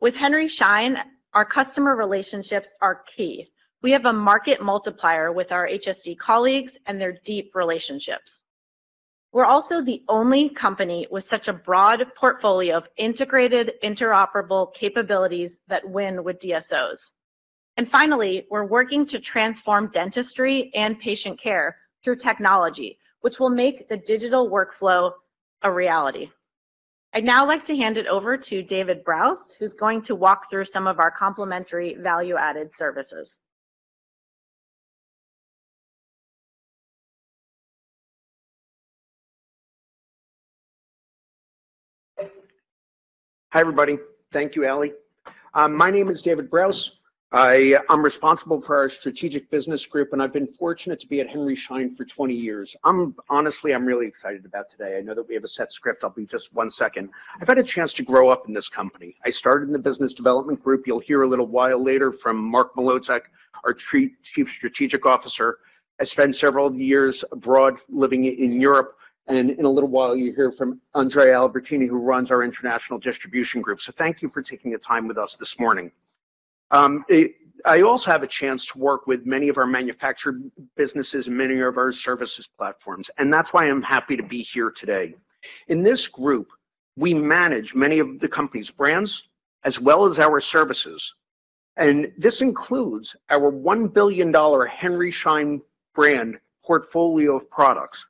With Henry Schein, our customer relationships are key. We have a market multiplier with our HSD colleagues and their deep relationships. We're also the only company with such a broad portfolio of integrated, interoperable capabilities that win with DSOs. Finally, we're working to transform dentistry and patient care through technology, which will make the digital workflow a reality. I'd now like to hand it over to David Brous, who's going to walk through some of our complimentary value-added services Hi, everybody. Thank you, Ali. My name is David Brous. I'm responsible for our strategic business group, I've been fortunate to be at Henry Schein for 20 years. Honestly, I'm really excited about today. I know that we have a set script. I'll be just 1 second. I've had a chance to grow up in this company. I started in the business development group. You'll hear a little while later from Mark Mlotek, our Chief Strategic Officer. I spent several years abroad living in Europe. In a little while, you'll hear from Andrea Albertini, who runs our international distribution group. Thank you for taking the time with us this morning. I also have a chance to work with many of our manufactured businesses and many of our services platforms, that's why I'm happy to be here today. In this group, we manage many of the company's brands as well as our services. This includes our $1 billion Henry Schein brand portfolio of products.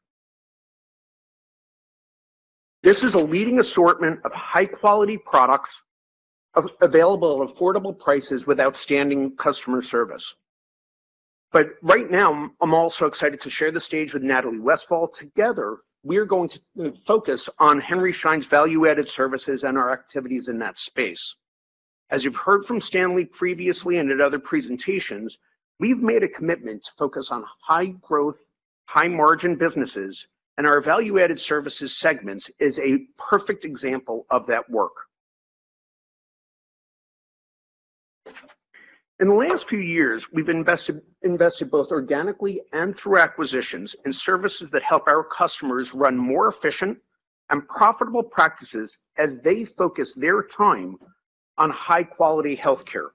This is a leading assortment of high-quality products available at affordable prices with outstanding customer service. Right now, I'm also excited to share the stage with Natalie Westfall. Together, we're going to focus on Henry Schein's value-added services and our activities in that space. As you've heard from Stanley previously and at other presentations, we've made a commitment to focus on high growth, high margin businesses. Our value-added services segment is a perfect example of that work. In the last few years, we've invested both organically and through acquisitions in services that help our customers run more efficient and profitable practices as they focus their time on high-quality healthcare.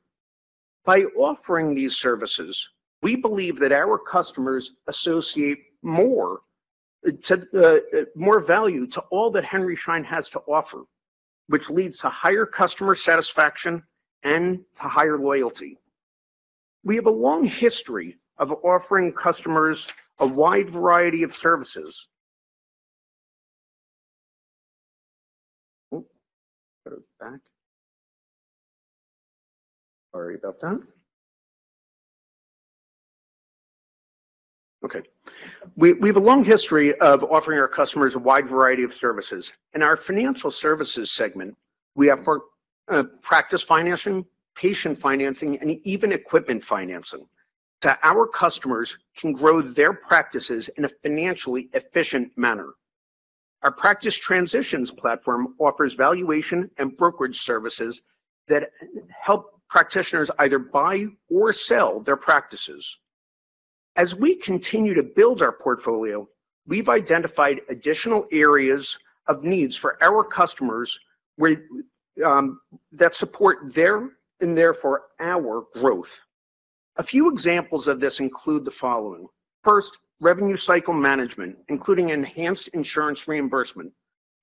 By offering these services, we believe that our customers associate more to more value to all that Henry Schein has to offer, which leads to higher customer satisfaction and to higher loyalty. We have a long history of offering our customers a wide variety of services. In our financial services segment, we offer practice financing, patient financing, and even equipment financing, that our customers can grow their practices in a financially efficient manner. Our Practice Transitions platform offers valuation and brokerage services that help practitioners either buy or sell their practices. As we continue to build our portfolio, we've identified additional areas of needs for our customers where that support their, and therefore, our growth. A few examples of this include the following. First, revenue cycle management, including enhanced insurance reimbursement.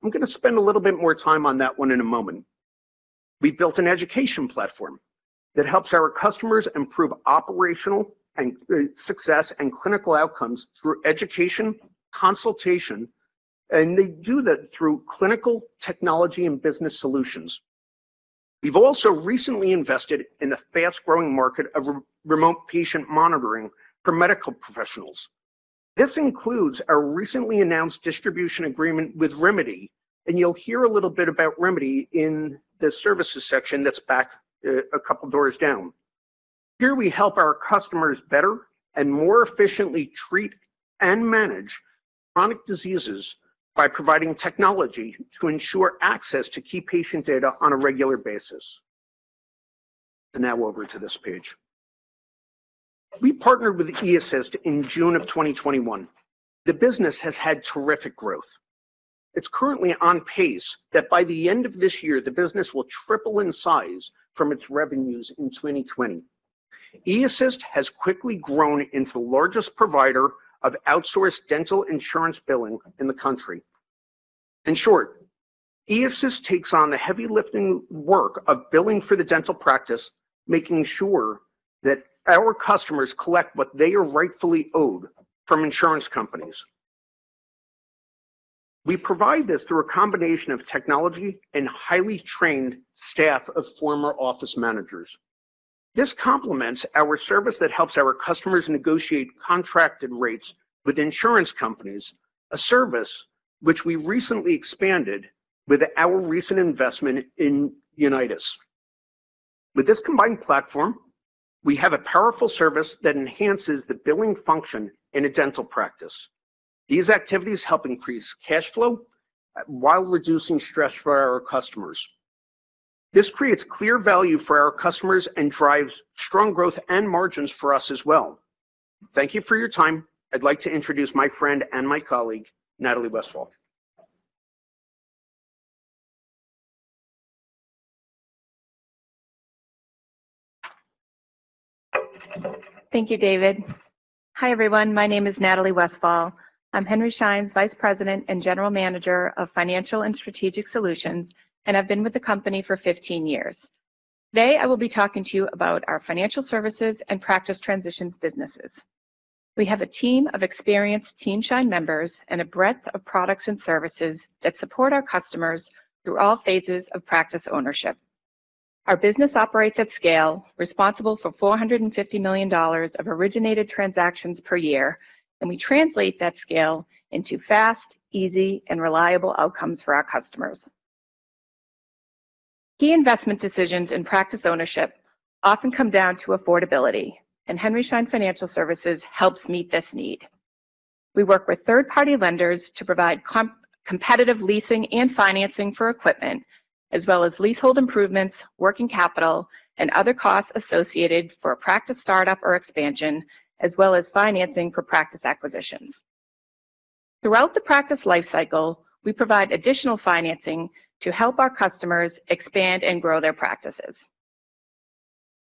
I'm gonna spend a little bit more time on that one in a moment. We built an education platform that helps our customers improve operational success and clinical outcomes through education consultation. They do that through clinical technology and business solutions. We've also recently invested in the fast-growing market of remote patient monitoring for medical professionals. This includes our recently announced distribution agreement with Rimidi. You'll hear a little bit about Rimidi in the services section that's back a couple doors down. Here, we help our customers better and more efficiently treat and manage chronic diseases by providing technology to ensure access to key patient data on a regular basis. Now over to this page. We partnered with eAssist in June of 2021. The business has had terrific growth. It's currently on pace that by the end of this year, the business will triple in size from its revenues in 2020. eAssist has quickly grown into the largest provider of outsourced dental insurance billing in the country. In short, eAssist takes on the heavy lifting work of billing for the dental practice, making sure that our customers collect what they are rightfully owed from insurance companies. We provide this through a combination of technology and highly trained staff of former office managers. This complements our service that helps our customers negotiate contracted rates with insurance companies, a service which we recently expanded with our recent investment in Unitas. With this combined platform, we have a powerful service that enhances the billing function in a dental practice. These activities help increase cash flow while reducing stress for our customers. This creates clear value for our customers and drives strong growth and margins for us as well. Thank you for your time. I'd like to introduce my friend and my colleague, Natalie Westfall. Thank you, David. Hi, everyone. My name is Natalie Westfall. I'm Henry Schein's Vice President and General Manager of Financial and Strategic Solutions, and I've been with the company for 15 years. Today, I will be talking to you about our financial services and practice transitions businesses. We have a team of experienced Team Schein members and a breadth of products and services that support our customers through all phases of practice ownership. Our business operates at scale, responsible for $450 million of originated transactions per year, and we translate that scale into fast, easy and reliable outcomes for our customers. Key investment decisions and practice ownership often come down to affordability, and Henry Schein Financial Services helps meet this need. We work with third-party lenders to provide competitive leasing and financing for equipment, as well as leasehold improvements, working capital and other costs associated for a practice startup or expansion, as well as financing for practice acquisitions. Throughout the practice life cycle, we provide additional financing to help our customers expand and grow their practices.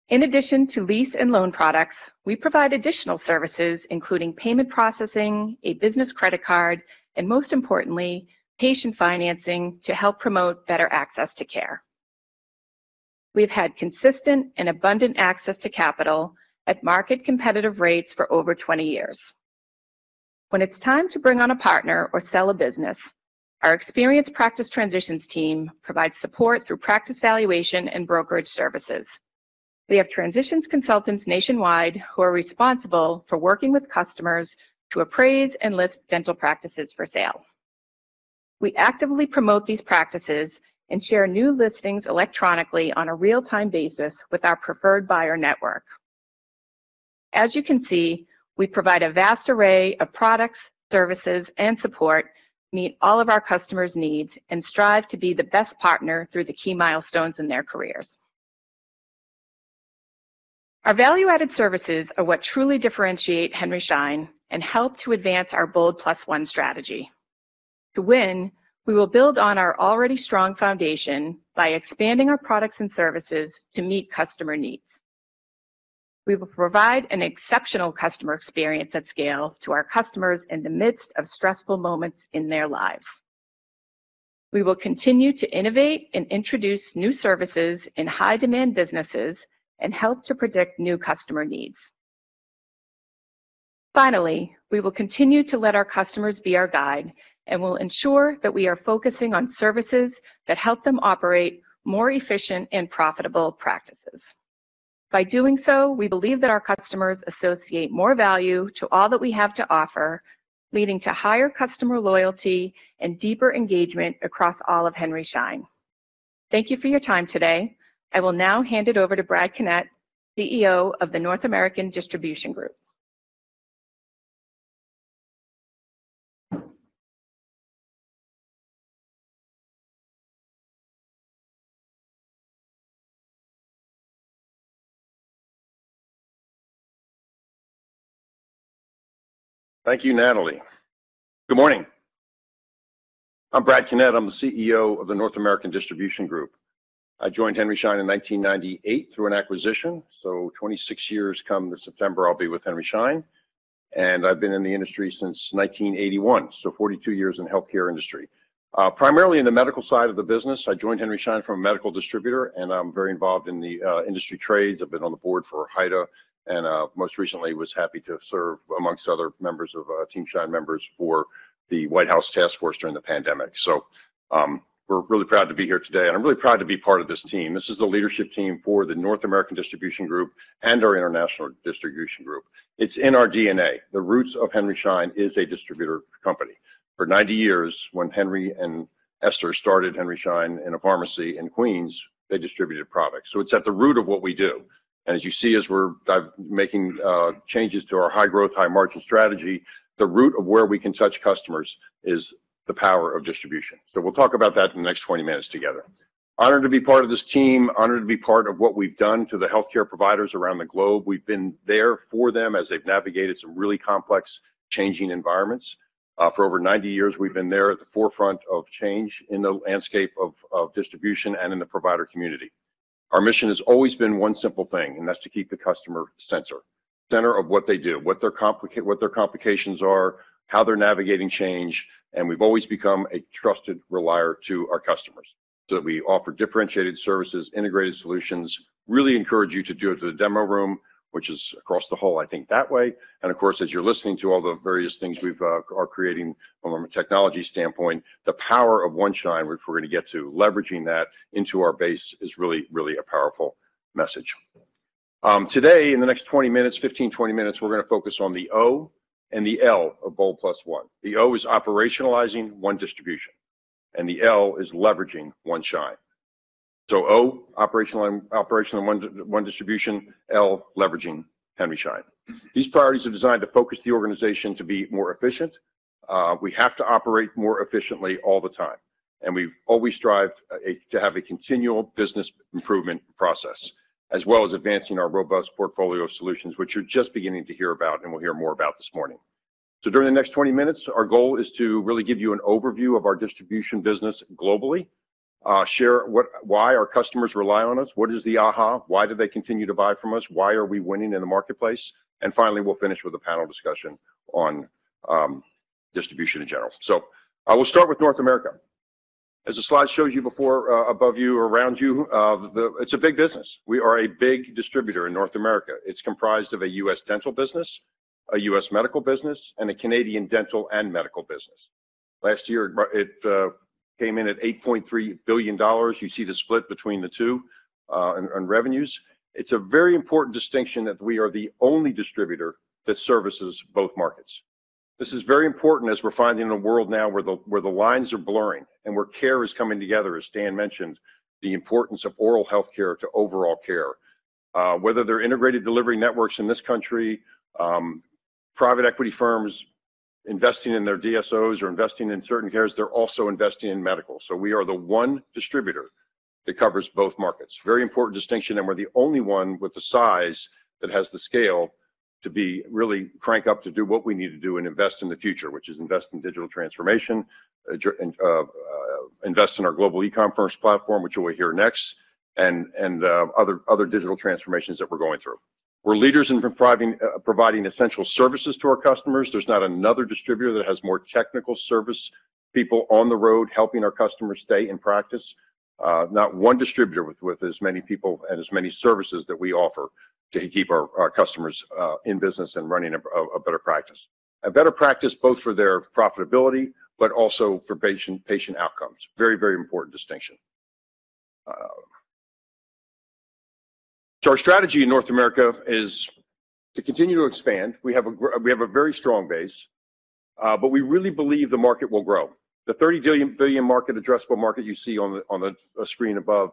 In addition to lease and loan products, we provide additional services including payment processing, a business credit card, and most importantly, patient financing to help promote better access to care. We've had consistent and abundant access to capital at market competitive rates for over 20 years. When it's time to bring on a partner or sell a business, our experienced practice transitions team provides support through practice valuation and brokerage services. We have transitions consultants nationwide who are responsible for working with customers to appraise and list dental practices for sale. We actively promote these practices and share new listings electronically on a real-time basis with our preferred buyer network. As you can see, we provide a vast array of products, services and support to meet all of our customers' needs and strive to be the best partner through the key milestones in their careers. Our value-added services are what truly differentiate Henry Schein and help to advance our BOLD+1 Strategic Plan. To win, we will build on our already strong foundation by expanding our products and services to meet customer needs. We will provide an exceptional customer experience at scale to our customers in the midst of stressful moments in their lives. We will continue to innovate and introduce new services in high demand businesses and help to predict new customer needs. Finally, we will continue to let our customers be our guide and will ensure that we are focusing on services that help them operate more efficient and profitable practices. By doing so, we believe that our customers associate more value to all that we have to offer, leading to higher customer loyalty and deeper engagement across all of Henry Schein. Thank you for your time today. I will now hand it over to Brad Connett, CEO of the North American Distribution Group. Thank you, Natalie. Good morning. I'm Brad Connett. I'm the CEO of the North American Distribution Group. I joined Henry Schein in 1998 through an acquisition. 26 years come this September, I'll be with Henry Schein, and I've been in the industry since 1981, so 42 years in the healthcare industry. Primarily in the medical side of the business. I joined Henry Schein from a medical distributor, and I'm very involved in the industry trades. I've been on the board for HIDA, and most recently was happy to serve amongst other members of Team Schein members for the White House Task Force during the pandemic. We're really proud to be here today, and I'm really proud to be part of this team. This is the leadership team for the North American Distribution Group and our International Distribution Group. It's in our DNA. The roots of Henry Schein is a distributor company. For 90 years, when Henry and Esther started Henry Schein in a pharmacy in Queens, they distributed products. It's at the root of what we do. As you see, as we're making changes to our high-growth, high-margin strategy, the root of where we can touch customers is the power of distribution. We'll talk about that in the next 20 minutes together. Honored to be part of this team. Honored to be part of what we've done to the healthcare providers around the globe. We've been there for them as they've navigated some really complex changing environments. For over 90 years, we've been there at the forefront of change in the landscape of distribution and in the provider community. Our mission has always been one simple thing, and that's to keep the customer center. Center of what they do, what their complications are, how they're navigating change. We've always become a trusted relier to our customers. We offer differentiated services, integrated solutions. Really encourage you to do it to the demo room, which is across the hall, I think that way. Of course, as you're listening to all the various things we've are creating from a technology standpoint, the power of One Schein, which we're going to get to, leveraging that into our base is really, really a powerful message. Today in the next 15, 20 minutes, we're going to focus on the O and the L of BOLD+1. The O is operationalizing One Distribution, and the L is leveraging One Schein. O, operational One Distribution, L, leveraging Henry Schein. These priorities are designed to focus the organization to be more efficient. We have to operate more efficiently all the time, and we always strive to have a continual business improvement process, as well as advancing our robust portfolio of solutions, which you're just beginning to hear about and will hear more about this morning. During the next 20 minutes, our goal is to really give you an overview of our distribution business globally, share why our customers rely on us, what is the aha, why do they continue to buy from us, why are we winning in the marketplace? Finally, we'll finish with a panel discussion on distribution in general. I will start with North America. As the slide shows you before, above you, around you, it's a big business. We are a big distributor in North America. It's comprised of a U.S. dental business, a U.S. medical business, and a Canadian dental and medical business. Last year it came in at $8.3 billion. You see the split between the two on revenues. It's a very important distinction that we are the only distributor that services both markets. This is very important as we're finding a world now where the lines are blurring and where care is coming together, as Dan mentioned, the importance of oral health care to overall care. Whether they're integrated delivery networks in this country, private equity firms investing in their DSOs or investing in certain cares, they're also investing in medical. We are the one distributor that covers both markets. Very important distinction, we're the only one with the size that has the scale to be really crank up to do what we need to do and invest in the future, which is invest in digital transformation, and invest in our global e-commerce platform, which you will hear next, and other digital transformations that we're going through. We're leaders in providing essential services to our customers. There's not another distributor that has more technical service people on the road helping our customers stay in practice. Not one distributor with as many people and as many services that we offer to keep our customers in business and running a better practice. A better practice both for their profitability but also for patient outcomes. Very important distinction. Our strategy in North America is to continue to expand. We have a very strong base, but we really believe the market will grow. The $30 billion market, addressable market you see on the screen above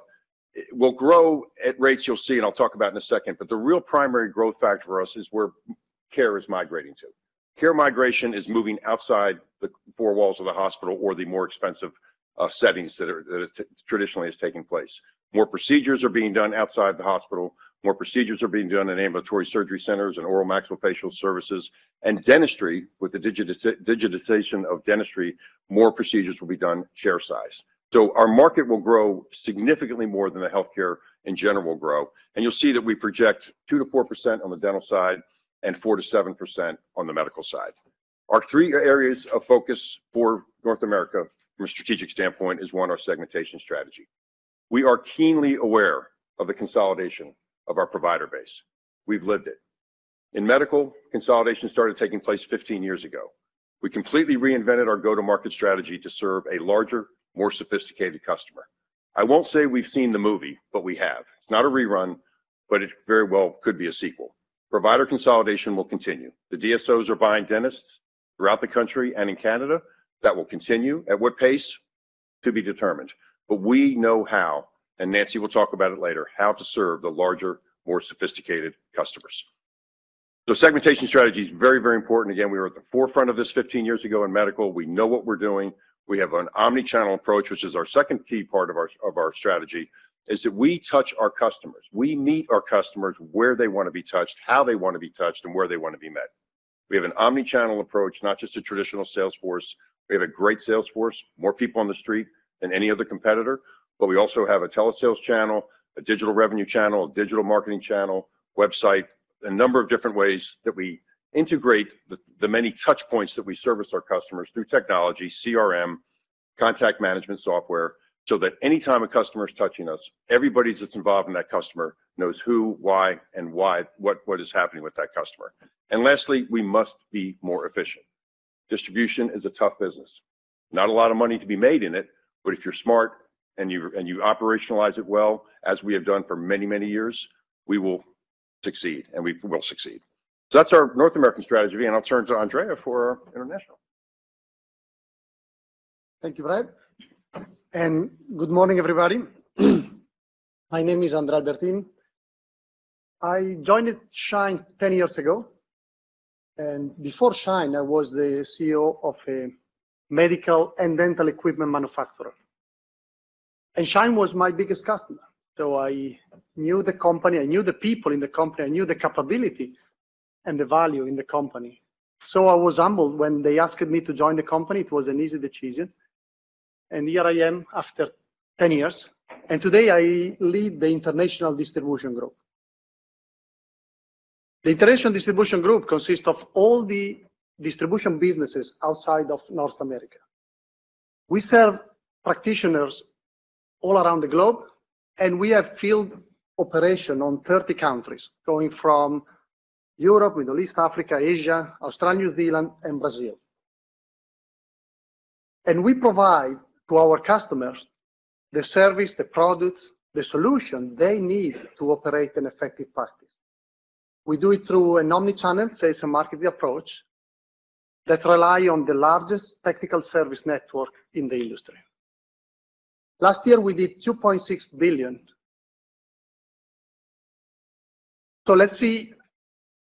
will grow at rates you'll see, and I'll talk about in a second. The real primary growth factor for us is where care is migrating to. Care migration is moving outside the 4 walls of the hospital or the more expensive settings that traditionally is taking place. More procedures are being done outside the hospital. More procedures are being done in ambulatory surgery centers and oral maxillofacial services. Dentistry, with the digitization of dentistry, more procedures will be done chair sides. Our market will grow significantly more than the healthcare in general grow. You'll see that we project 2%-4% on the dental side and 4%-7% on the medical side. Our 3 areas of focus for North America from a strategic standpoint is, 1, our segmentation strategy. We are keenly aware of the consolidation of our provider base. We've lived it. In medical, consolidation started taking place 15 years ago. We completely reinvented our go-to-market strategy to serve a larger, more sophisticated customer. I won't say we've seen the movie, but we have. It's not a rerun, but it very well could be a sequel. Provider consolidation will continue. The DSOs are buying dentists throughout the country and in Canada. That will continue. At what pace? To be determined. We know how, and Nancy will talk about it later, how to serve the larger, more sophisticated customers. Segmentation strategy is very, very important. We were at the forefront of this 15 years ago in medical. We know what we're doing. We have an omni-channel approach, which is our second key part of our strategy, is that we touch our customers. We meet our customers where they wanna be touched, how they wanna be touched, and where they wanna be met. We have an omni-channel approach, not just a traditional sales force. We have a great sales force, more people on the street than any other competitor, but we also have a telesales channel, a digital revenue channel, a digital marketing channel, website. A number of different ways that we integrate the many touch points that we service our customers through technology, CRM, contact management software, so that anytime a customer is touching us, everybody that's involved in that customer knows who, why, and what is happening with that customer. Lastly, we must be more efficient. Distribution is a tough business. Not a lot of money to be made in it, but if you're smart and you operationalize it well, as we have done for many, many years, we will succeed. That's our North American strategy, and I'll turn to Andrea for international. Thank you, Brad. Good morning, everybody. My name is Andrea Albertini. I joined Schein 10 years ago. Before Schein, I was the CEO of a medical and dental equipment manufacturer. Schein was my biggest customer. I knew the company, I knew the people in the company, I knew the capability and the value in the company. I was humbled when they asked me to join the company. It was an easy decision. Here I am after 10 years. Today, I lead the international distribution group. The international distribution group consists of all the distribution businesses outside of North America. We serve practitioners all around the globe, we have field operation on 30 countries, going from Europe, Middle East, Africa, Asia, Australia, New Zealand, and Brazil. We provide to our customers the service, the product, the solution they need to operate an effective practice. We do it through an omni-channel sales and marketing approach that rely on the largest technical service network in the industry. Last year, we did $2.6 billion. Let's see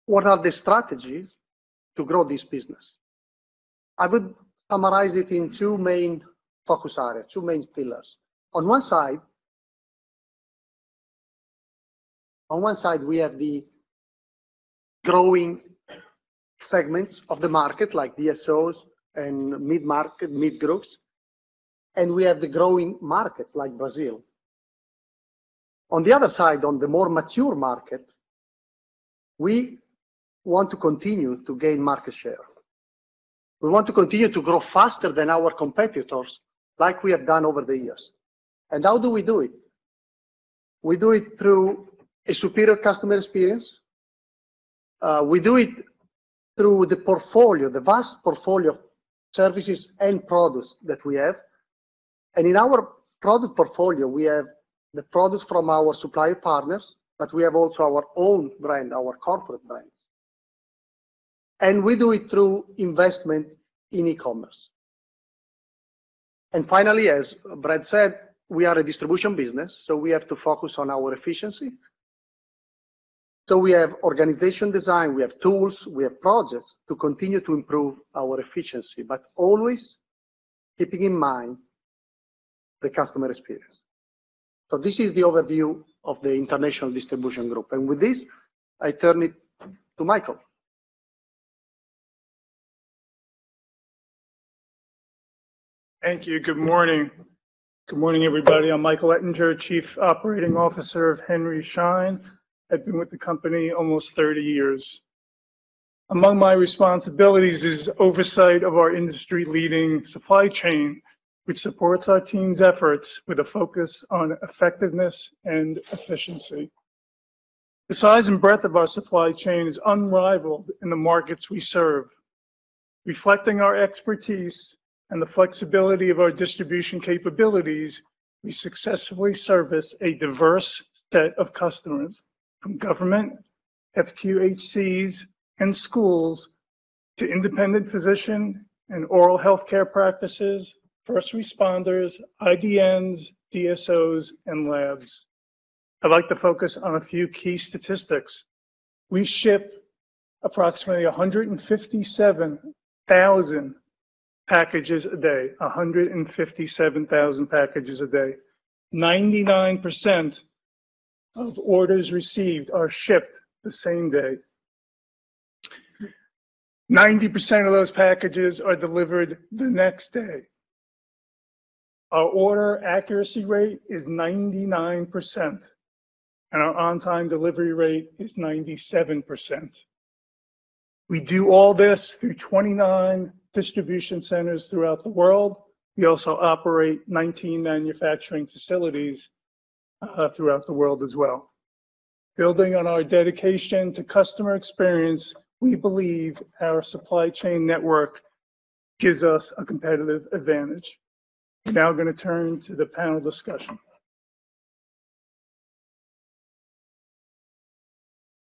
what are the strategies to grow this business. I would summarize it in two main focus areas, two main pillars. On one side, we have the growing segments of the market like DSOs and mid-market, mid-groups, and we have the growing markets like Brazil. On the other side, on the more mature market, we want to continue to gain market share. We want to continue to grow faster than our competitors like we have done over the years. How do we do it? We do it through a superior customer experience. We do it through the portfolio, the vast portfolio of services and products that we have. In our product portfolio, we have the products from our supplier partners, but we have also our own brand, our corporate brands. We do it through investment in e-commerce. Finally, as Brad said, we are a distribution business, so we have to focus on our efficiency. We have organization design, we have tools, we have projects to continue to improve our efficiency, but always keeping in mind the customer experience. This is the overview of the international distribution group. With this, I turn it to Michael. Thank you. Good morning. Good morning, everybody. I'm Michael Ettinger, Chief Operating Officer of Henry Schein. I've been with the company almost 30 years. Among my responsibilities is oversight of our industry-leading supply chain, which supports our team's efforts with a focus on effectiveness and efficiency. The size and breadth of our supply chain is unrivaled in the markets we serve. Reflecting our expertise and the flexibility of our distribution capabilities, we successfully service a diverse set of customers from government, FQHCs, and schools, to independent physician and oral healthcare practices, first responders, IDNs, DSOs, and labs. I'd like to focus on a few key statistics. We ship approximately 157,000 packages a day. A hundred and fifty-seven thousand packages a day. 99% of orders received are shipped the same day. 90% of those packages are delivered the next day. Our order accuracy rate is 99%, and our on-time delivery rate is 97%. We do all this through 29 distribution centers throughout the world. We also operate 19 manufacturing facilities throughout the world as well. Building on our dedication to customer experience, we believe our supply chain network gives us a competitive advantage. We're now gonna turn to the panel discussion.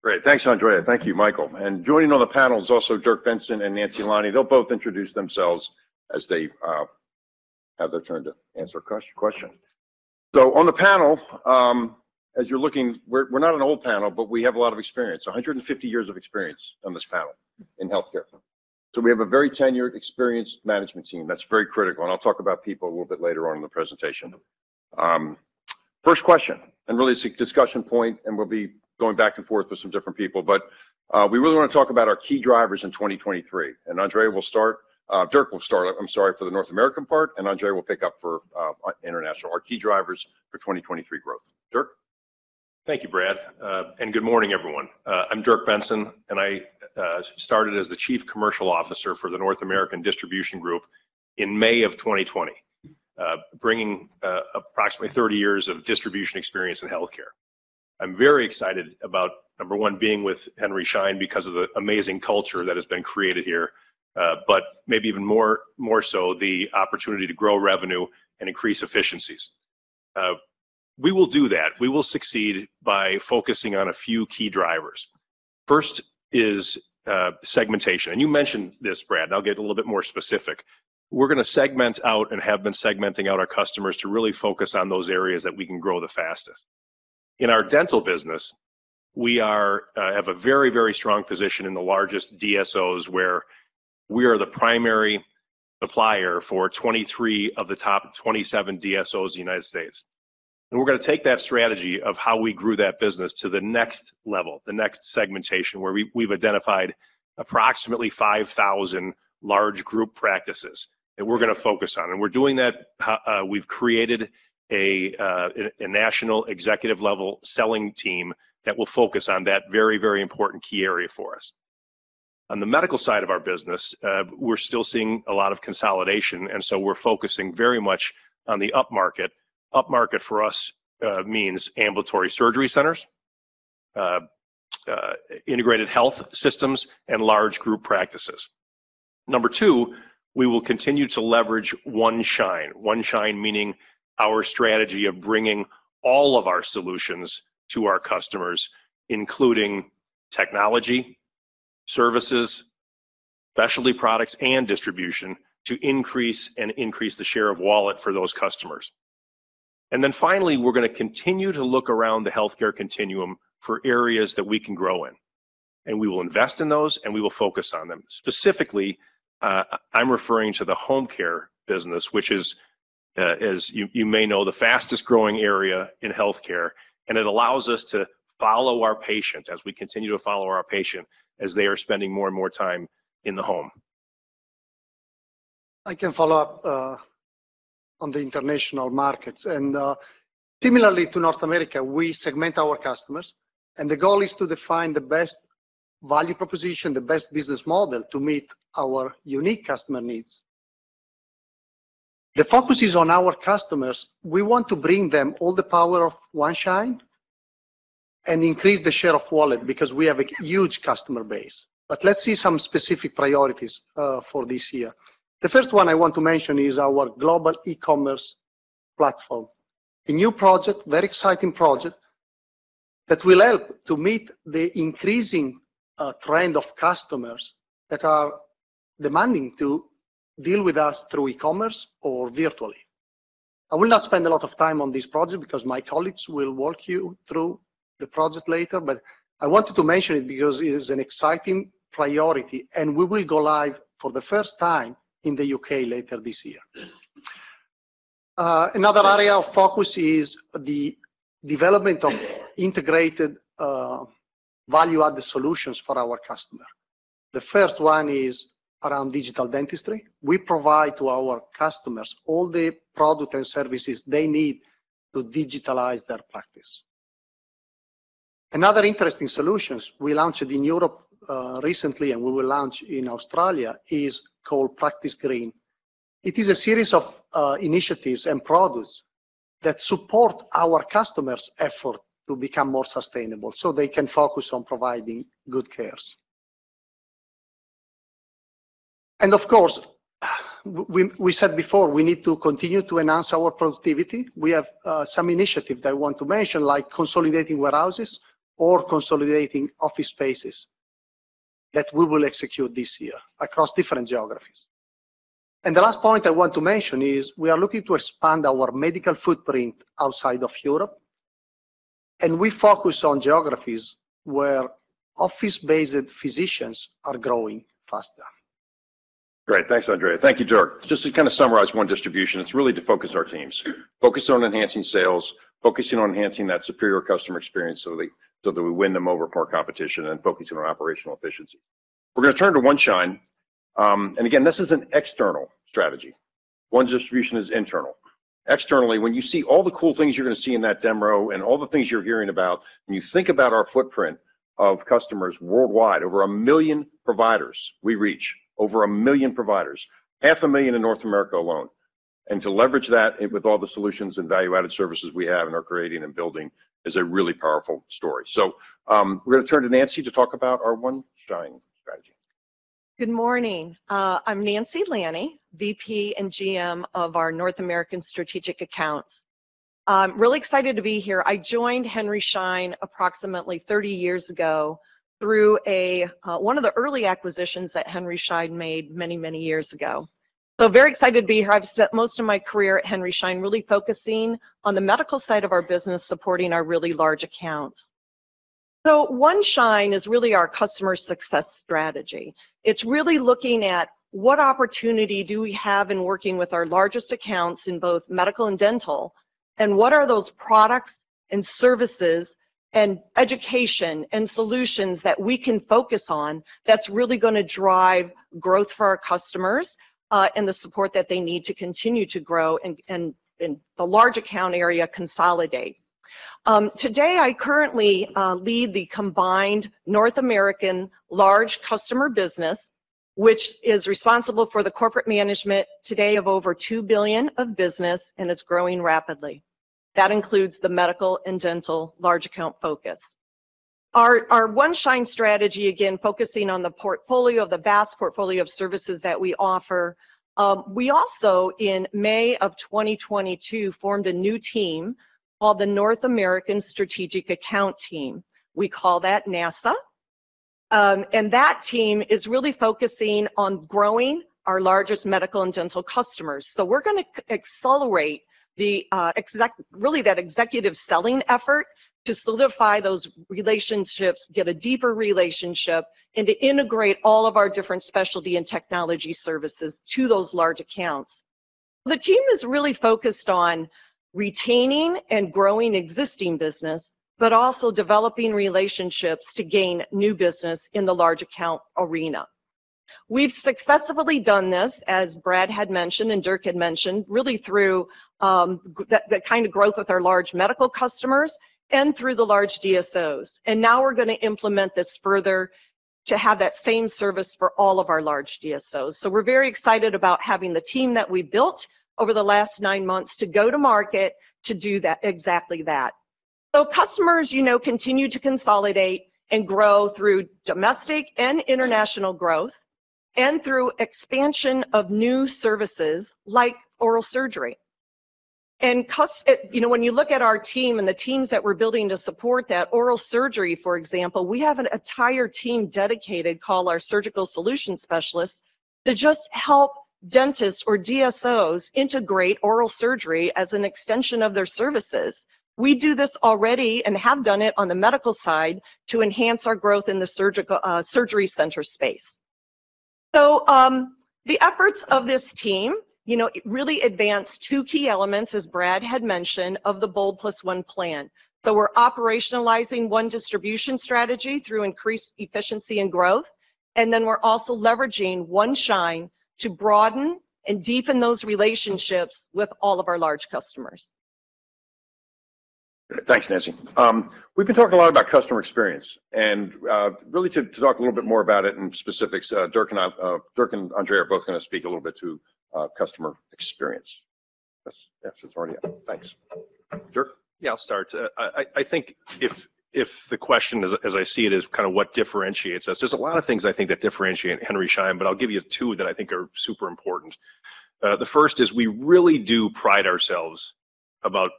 Great. Thanks, Andrea. Thank you, Michael. Joining on the panel is also Dirk Benson and Nancy Lanni. They'll both introduce themselves as they have their turn to answer a question. On the panel, as you're looking, we're not an old panel, but we have a lot of experience, 150 years of experience on this panel in healthcare. We have a very tenured experienced management team. That's very critical, and I'll talk about people a little bit later on in the presentation. First question, and really it's a discussion point, and we'll be going back and forth with some different people. We really wanna talk about our key drivers in 2023. Andrea will start. Dirk will start, I'm sorry, for the North American part, and Andrea will pick up for international. Our key drivers for 2023 growth. Dirk. Thank you, Brad. Good morning, everyone. I'm Dirk Benson, and I started as the Chief Commercial Officer for the North American Distribution Group in May of 2020, bringing approximately 30 years of distribution experience in healthcare. I'm very excited about, number one, being with Henry Schein because of the amazing culture that has been created here, but maybe even more so the opportunity to grow revenue and increase efficiencies. We will do that. We will succeed by focusing on a few key drivers. First is segmentation. You mentioned this, Brad, and I'll get a little bit more specific. We're gonna segment out and have been segmenting out our customers to really focus on those areas that we can grow the fastest. In our dental business, we have a very, very strong position in the largest DSOs, where we are the primary supplier for 23 of the top 27 DSOs in the United States. We're gonna take that strategy of how we grew that business to the next level, the next segmentation, where we've identified approximately 5,000 large group practices that we're gonna focus on. We're doing that, we've created a national executive-level selling team that will focus on that very, very important key area for us. On the medical side of our business, we're still seeing a lot of consolidation, we're focusing very much on the upmarket. Upmarket for us, means ambulatory surgery centers, integrated health systems, and large group practices. Number two, we will continue to leverage One Schein. One Schein, meaning our strategy of bringing all of our solutions to our customers, including technology, services, specialty products, and distribution, to increase the share of wallet for those customers. Finally, we're gonna continue to look around the healthcare continuum for areas that we can grow in, and we will invest in those, and we will focus on them. Specifically, I'm referring to the home care business, which is, as you may know, the fastest-growing area in healthcare, and it allows us to follow our patient as they are spending more and more time in the home. I can follow up on the international markets. Similarly to North America, we segment our customers, and the goal is to define the best value proposition, the best business model to meet our unique customer needs. The focus is on our customers. We want to bring them all the power of One Schein and increase the share of wallet because we have a huge customer base. Let's see some specific priorities for this year. The first one I want to mention is our global e-commerce platform. A new project, very exciting project, that will help to meet the increasing trend of customers that are demanding to deal with us through e-commerce or virtually. I will not spend a lot of time on this project because my colleagues will walk you through the project later. I wanted to mention it because it is an exciting priority, and we will go live for the first time in the U.K. later this year. Another area of focus is the development of integrated, value-added solutions for our customer. The first one is around digital dentistry. We provide to our customers all the product and services they need to digitalize their practice. Another interesting solutions we launched in Europe recently and we will launch in Australia is called Practice Green. It is a series of initiatives and products that support our customers' effort to become more sustainable, so they can focus on providing good cares. Of course, we said before, we need to continue to enhance our productivity. We have some initiative that I want to mention, like consolidating warehouses or consolidating office spaces that we will execute this year across different geographies. The last point I want to mention is we are looking to expand our medical footprint outside of Europe, and we focus on geographies where office-based physicians are growing faster. Great. Thanks, Andrea. Thank you, Dirk. Just to kinda summarize One Distribution, it's really to focus our teams. Focus on enhancing sales, focusing on enhancing that superior customer experience so that we win them over from our competition, and focusing on operational efficiency. We're gonna turn to One Schein. Again, this is an external strategy. One Distribution is internal. Externally, when you see all the cool things you're gonna see in that demo and all the things you're hearing about, when you think about our footprint of customers worldwide, over 1 million providers we reach. Over 1 million providers. Half a million in North America alone. To leverage that with all the solutions and value-added services we have and are creating and building is a really powerful story. We're gonna turn to Nancy to talk about our One Schein strategy. Good morning. I'm Nancy Lanni, VP and GM of our North American Strategic Accounts. I'm really excited to be here. I joined Henry Schein approximately 30 years ago through one of the early acquisitions that Henry Schein made many, many years ago. Very excited to be here. I've spent most of my career at Henry Schein really focusing on the medical side of our business, supporting our really large accounts. One Schein is really our customer success strategy. It's really looking at what opportunity do we have in working with our largest accounts in both medical and dental, and what are those products and services and education and solutions that we can focus on that's really gonna drive growth for our customers, and the support that they need to continue to grow and in the large account area consolidate. Today I currently lead the combined North American large customer business, which is responsible for the corporate management today of over $2 billion of business, and it's growing rapidly. That includes the medical and dental large account focus. Our One Schein strategy, again, focusing on the portfolio, the vast portfolio of services that we offer. We also, in May of 2022, formed a new team called the North American Strategic Account Team. We call that NASA. That team is really focusing on growing our largest medical and dental customers. We're gonna accelerate really that executive selling effort to solidify those relationships, get a deeper relationship, and to integrate all of our different specialty and technology services to those large accounts. The team is really focused on retaining and growing existing business, but also developing relationships to gain new business in the large account arena. We've successfully done this, as Brad had mentioned and Dirk had mentioned, really through the kind of growth with our large medical customers and through the large DSOs. Now we're gonna implement this further to have that same service for all of our large DSOs. We're very excited about having the team that we built over the last 9 months to go to market to do that, exactly that. Customers, you know, continue to consolidate and grow through domestic and international growth and through expansion of new services like oral surgery. you know, when you look at our team and the teams that we're building to support that oral surgery, for example, we have an entire team dedicated, called our surgical solution specialists, to just help dentists or DSOs integrate oral surgery as an extension of their services. We do this already and have done it on the medical side to enhance our growth in the surgical surgery center space. The efforts of this team, you know, really advanced two key elements, as Brad had mentioned, of the Bold+1 Plan. We're operationalizing One Distribution strategy through increased efficiency and growth, and we're also leveraging One Schein to broaden and deepen those relationships with all of our large customers. Thanks, Nancy. We've been talking a lot about customer experience, and, really to talk a little bit more about it in specifics, Dirk and Andrea are both gonna speak a little bit to customer experience. Yes, yeah, so it's already up. Thanks. Dirk? Yeah, I'll start. I think if the question as I see it is kinda what differentiates us, there's a lot of things I think that differentiate Henry Schein. I'll give you two that I think are super important. The first is we really do pride ourselves about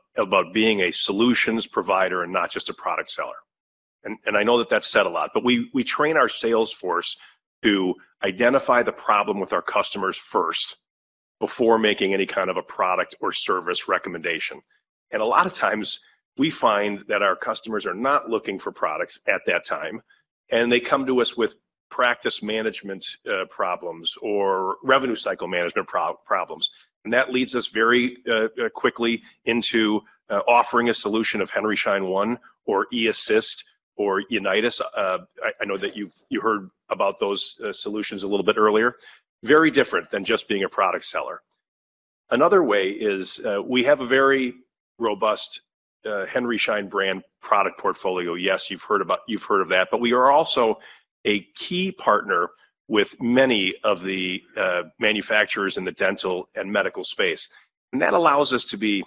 being a solutions provider and not just a product seller. I know that that's said a lot, but we train our sales force to identify the problem with our customers first before making any kind of a product or service recommendation. A lot of times we find that our customers are not looking for products at that time, and they come to us with practice management problems or revenue cycle management problems. That leads us very quickly into offering a solution of Henry Schein One or eAssist or Unitas. I know that you've heard about those solutions a little bit earlier. Very different than just being a product seller. Another way is we have a very robust Henry Schein brand product portfolio. Yes, you've heard of that, but we are also a key partner with many of the manufacturers in the dental and medical space, and that allows us to be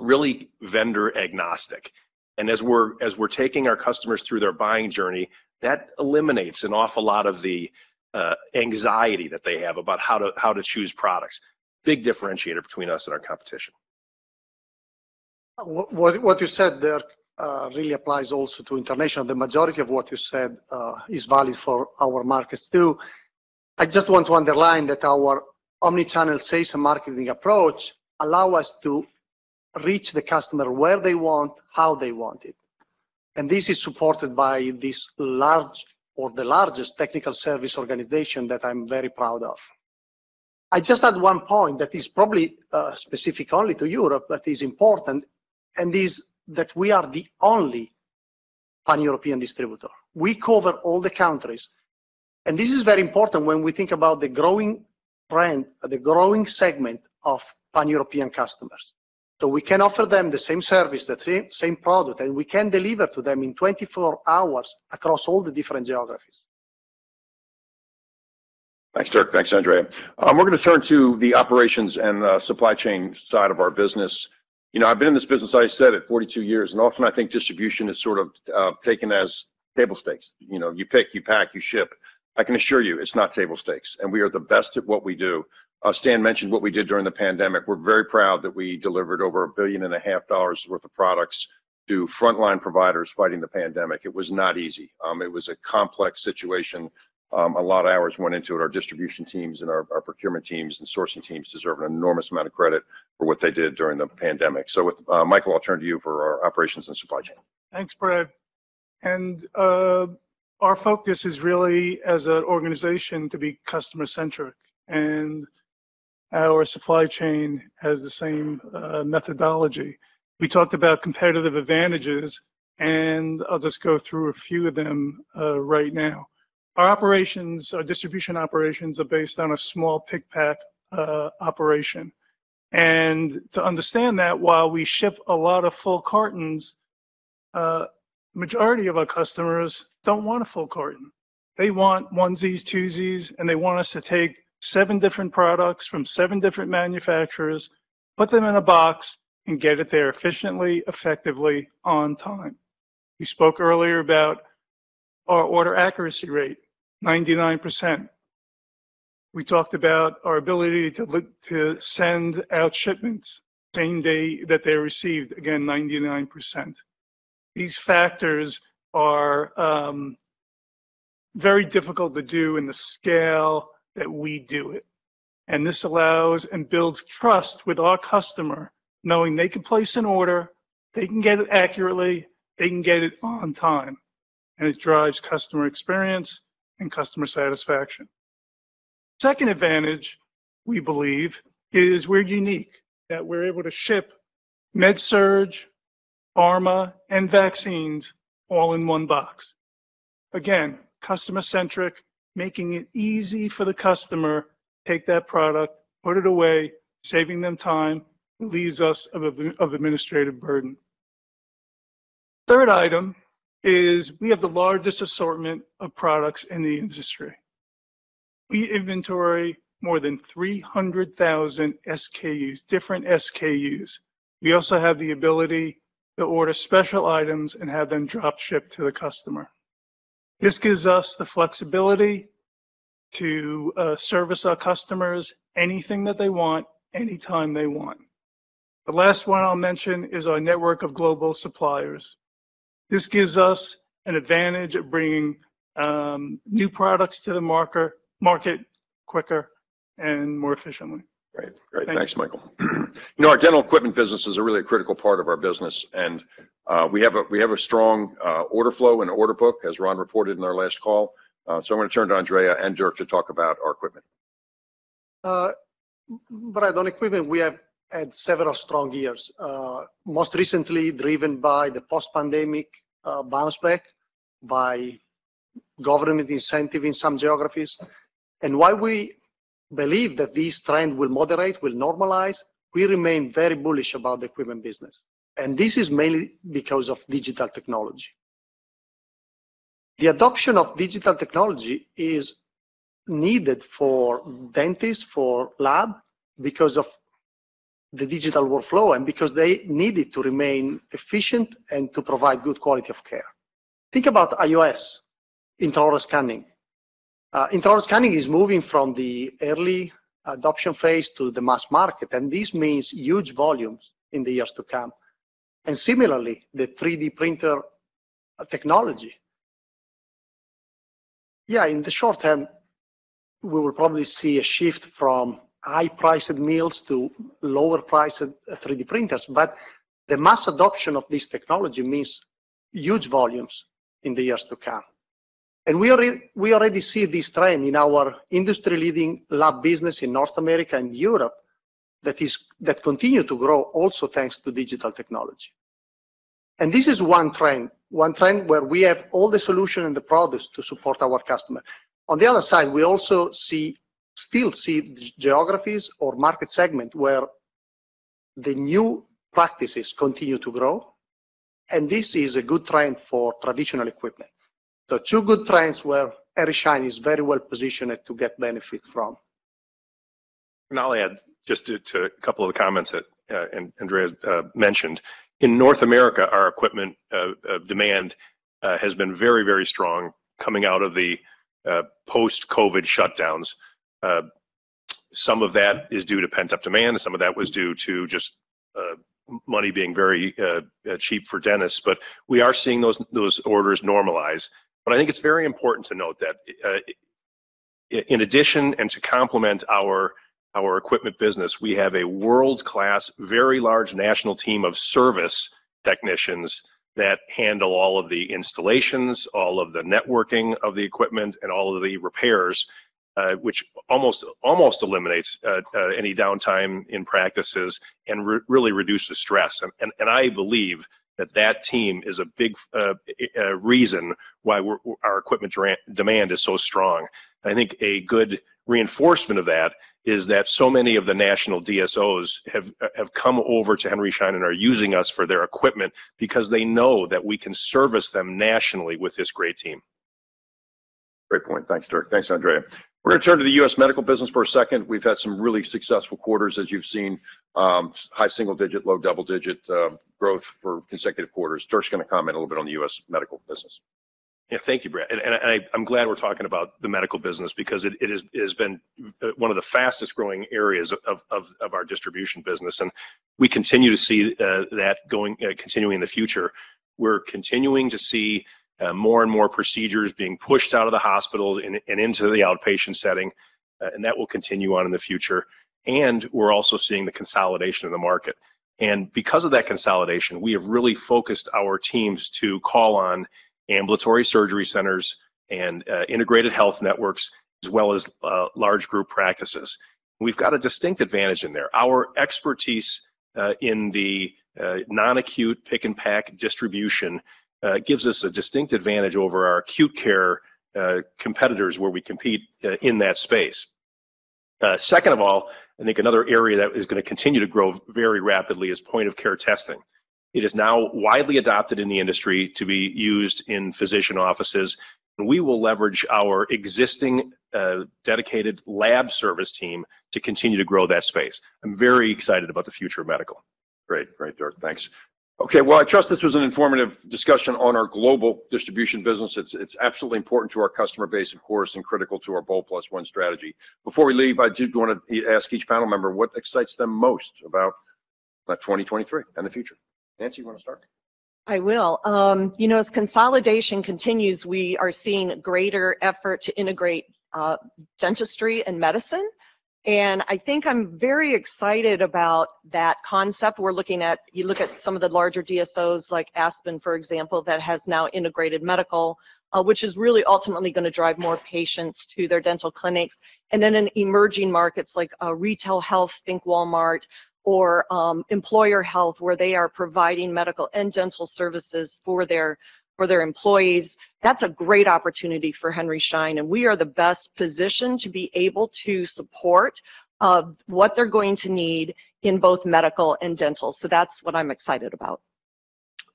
really vendor agnostic. As we're taking our customers through their buying journey, that eliminates an awful lot of the anxiety that they have about how to choose products. Big differentiator between us and our competition. What you said there really applies also to international. The majority of what you said is valid for our markets, too. I just want to underline that our omni-channel sales and marketing approach allow us to reach the customer where they want, how they want it, and this is supported by this large or the largest technical service organization that I'm very proud of. I just add one point that is probably specific only to Europe, but is important, and is that we are the only Pan-European distributor. We cover all the countries. This is very important when we think about the growing brand, the growing segment of Pan-European customers. We can offer them the same service, the same product, and we can deliver to them in 24 hours across all the different geographies. Thanks, Dirk. Thanks, Andrea. We're gonna turn to the operations and supply chain side of our business. You know, I've been in this business, I said it, 42 years, and often I think distribution is sort of taken as table stakes. You know, you pick, you pack, you ship. I can assure you it's not table stakes, and we are the best at what we do. Stan mentioned what we did during the pandemic. We're very proud that we delivered over a billion and a half dollars' worth of products to frontline providers fighting the pandemic. It was not easy. It was a complex situation. A lot of hours went into it. Our distribution teams and our procurement teams and sourcing teams deserve an enormous amount of credit for what they did during the pandemic. With, Michael, I'll turn to you for our operations and supply chain. Thanks, Brad. Our focus is really as an organization to be customer-centric, and our supply chain has the same methodology. We talked about competitive advantages, and I'll just go through a few of them right now. Our operations, our distribution operations are based on a small pick pack operation. To understand that, while we ship a lot of full cartons, a majority of our customers don't want a full carton. They want onesies, twosies, and they want us to take 7 different products from 7 different manufacturers, put them in a box, and get it there efficiently, effectively, on time. We spoke earlier about our order accuracy rate, 99%. We talked about our ability to send out shipments same day that they're received. Again, 99%. These factors are very difficult to do in the scale that we do it, and this allows and builds trust with our customer, knowing they can place an order, they can get it accurately, they can get it on time, and it drives customer experience and customer satisfaction. Second advantage, we believe, is we're unique, that we're able to ship med surg, pharma, and vaccines all in one box. Again, customer-centric, making it easy for the customer, take that product, put it away, saving them time. It leaves us of administrative burden. Third item is we have the largest assortment of products in the industry. We inventory more than 300,000 SKUs, different SKUs. We also have the ability to order special items and have them drop shipped to the customer. This gives us the flexibility to service our customers anything that they want, anytime they want. The last one I'll mention is our network of global suppliers. This gives us an advantage of bringing new products to the market quicker and more efficiently. Great. Great. Thanks. Thanks, Michael. You know, our dental equipment business is a really critical part of our business, and we have a strong order flow and order book, as Ron reported in our last call. I'm gonna turn to Andrea and Dirk to talk about our equipment. Brad, on equipment we have had several strong years, most recently driven by the post-pandemic bounce back, by Government incentive in some geographies. While we believe that this trend will moderate, will normalize, we remain very bullish about the equipment business, and this is mainly because of digital technology. The adoption of digital technology is needed for dentists, for lab because of the digital workflow, and because they need it to remain efficient and to provide good quality of care. Think about IOS, intraoral scanning. Intraoral scanning is moving from the early adoption phase to the mass market, and this means huge volumes in the years to come. Similarly, the 3D printer technology. Yeah, in the short term, we will probably see a shift from high-priced mills to lower-priced 3D printers. The mass adoption of this technology means huge volumes in the years to come. We already see this trend in our industry-leading lab business in North America and Europe that continue to grow also thanks to digital technology. This is one trend where we have all the solution and the products to support our customer. On the other side, we also see, still see these geographies or market segment where the new practices continue to grow, and this is a good trend for traditional equipment. Two good trends where Henry Schein is very well-positioned to get benefit from. I'll add just to a couple of the comments that Andrea mentioned. In North America, our equipment demand has been very, very strong coming out of the post-COVID shutdowns. Some of that is due to pent-up demand, and some of that was due to just money being very cheap for dentists. We are seeing those orders normalize. I think it's very important to note that in addition and to complement our equipment business, we have a world-class, very large national team of service technicians that handle all of the installations, all of the networking of the equipment, and all of the repairs, which almost eliminates any downtime in practices and really reduces stress. I believe that that team is a big reason why our equipment demand is so strong. I think a good reinforcement of that is that so many of the national DSOs have come over to Henry Schein and are using us for their equipment because they know that we can service them nationally with this great team. Great point. Thanks, Dirk. Thanks, Andrea. We're gonna turn to the U.S. medical business for a second. We've had some really successful quarters, as you've seen. high single digit, low double digit, growth for consecutive quarters. Dirk's gonna comment a little bit on the U.S. medical business. Thank you, Brad. I'm glad we're talking about the medical business because it has been one of the fastest-growing areas of our distribution business. We continue to see that going continuing in the future. We're continuing to see more and more procedures being pushed out of the hospital and into the outpatient setting, and that will continue on in the future. We're also seeing the consolidation of the market. Because of that consolidation, we have really focused our teams to call on ambulatory surgery centers and integrated health networks as well as large group practices. We've got a distinct advantage in there. Our expertise in the non-acute pick and pack distribution gives us a distinct advantage over our acute care competitors where we compete in that space. Second of all, I think another area that is gonna continue to grow very rapidly is point-of-care testing. It is now widely adopted in the industry to be used in physician offices, and we will leverage our existing dedicated lab service team to continue to grow that space. I'm very excited about the future of medical. Great, Dirk. Thanks. I trust this was an informative discussion on our global distribution business. It's absolutely important to our customer base, of course, and critical to our BOLD+1 Strategic Plan strategy. Before we leave, I do wanna ask each panel member what excites them most about 2023 and the future. Nancy, you wanna start? I will. You know, as consolidation continues, we are seeing greater effort to integrate dentistry and medicine, I think I'm very excited about that concept. You look at some of the larger DSOs like Aspen, for example, that has now integrated medical, which is really ultimately gonna drive more patients to their dental clinics. Then in emerging markets like retail health, think Walmart, or employer health where they are providing medical and dental services for their employees, that's a great opportunity for Henry Schein. We are the best positioned to be able to support what they're going to need in both medical and dental. That's what I'm excited about.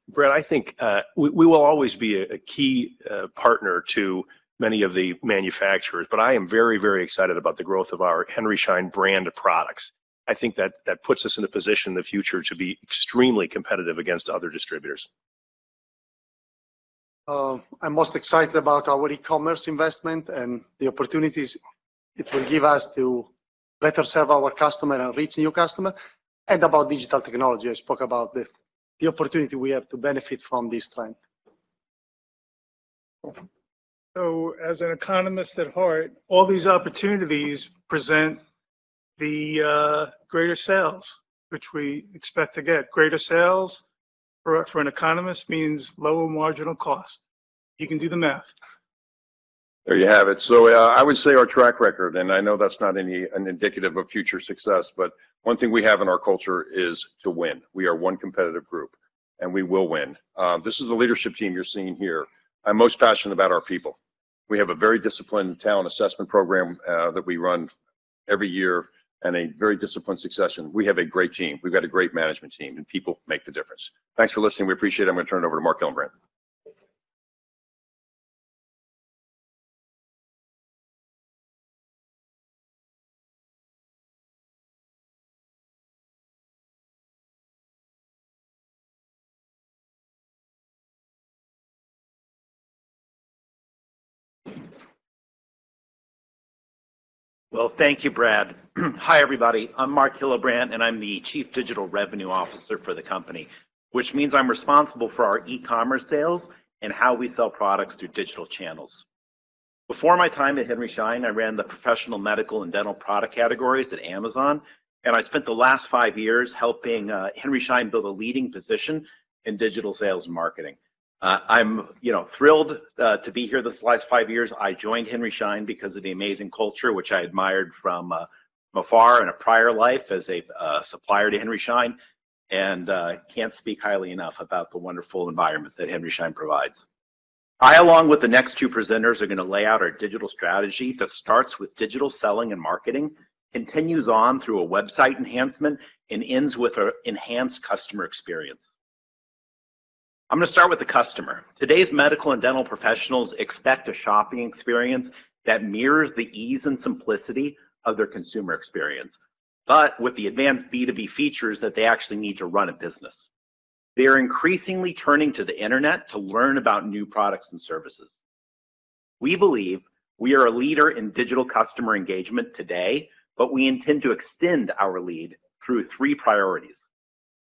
Brad, I think, we will always be a key partner to many of the manufacturers. I am very excited about the growth of our Henry Schein brand of products. I think that puts us in a position in the future to be extremely competitive against other distributors. I'm most excited about our e-commerce investment and the opportunities it will give us to better serve our customer and reach new customer and about digital technology. I spoke about the opportunity we have to benefit from this trend. As an economist at heart, all these opportunities present the greater sales, which we expect to get. Greater sales for an economist means lower marginal cost. You can do the math. There you have it. I would say our track record, and I know that's not any indicative of future success, but one thing we have in our culture is to win. We are one competitive group. We will win. This is the leadership team you're seeing here. I'm most passionate about our people. We have a very disciplined talent assessment program that we run every year and a very disciplined succession. We have a great team. We've got a great management team, and people make the difference. Thanks for listening. We appreciate it. I'm gonna turn it over to Mark Hillebrandt. Well, thank you, Brad. Hi, everybody. I'm Mark Hillebrandt, and I'm the Chief Digital Revenue Officer for the company, which means I'm responsible for our e-commerce sales and how we sell products through digital channels. Before my time at Henry Schein, I ran the professional, medical, and dental product categories at Amazon, and I spent the last five years helping Henry Schein build a leading position in digital sales and marketing. I'm, you know, thrilled to be here this last five years. I joined Henry Schein because of the amazing culture, which I admired from afar in a prior life as a supplier to Henry Schein, and can't speak highly enough about the wonderful environment that Henry Schein provides. I, along with the next two presenters, are going to lay out our digital strategy that starts with digital selling and marketing, continues on through a website enhancement, and ends with a enhanced customer experience. I'm going to start with the customer. Today's medical and dental professionals expect a shopping experience that mirrors the ease and simplicity of their consumer experience, but with the advanced B2B features that they actually need to run a business. They are increasingly turning to the internet to learn about new products and services. We believe we are a leader in digital customer engagement today, but we intend to extend our lead through three priorities.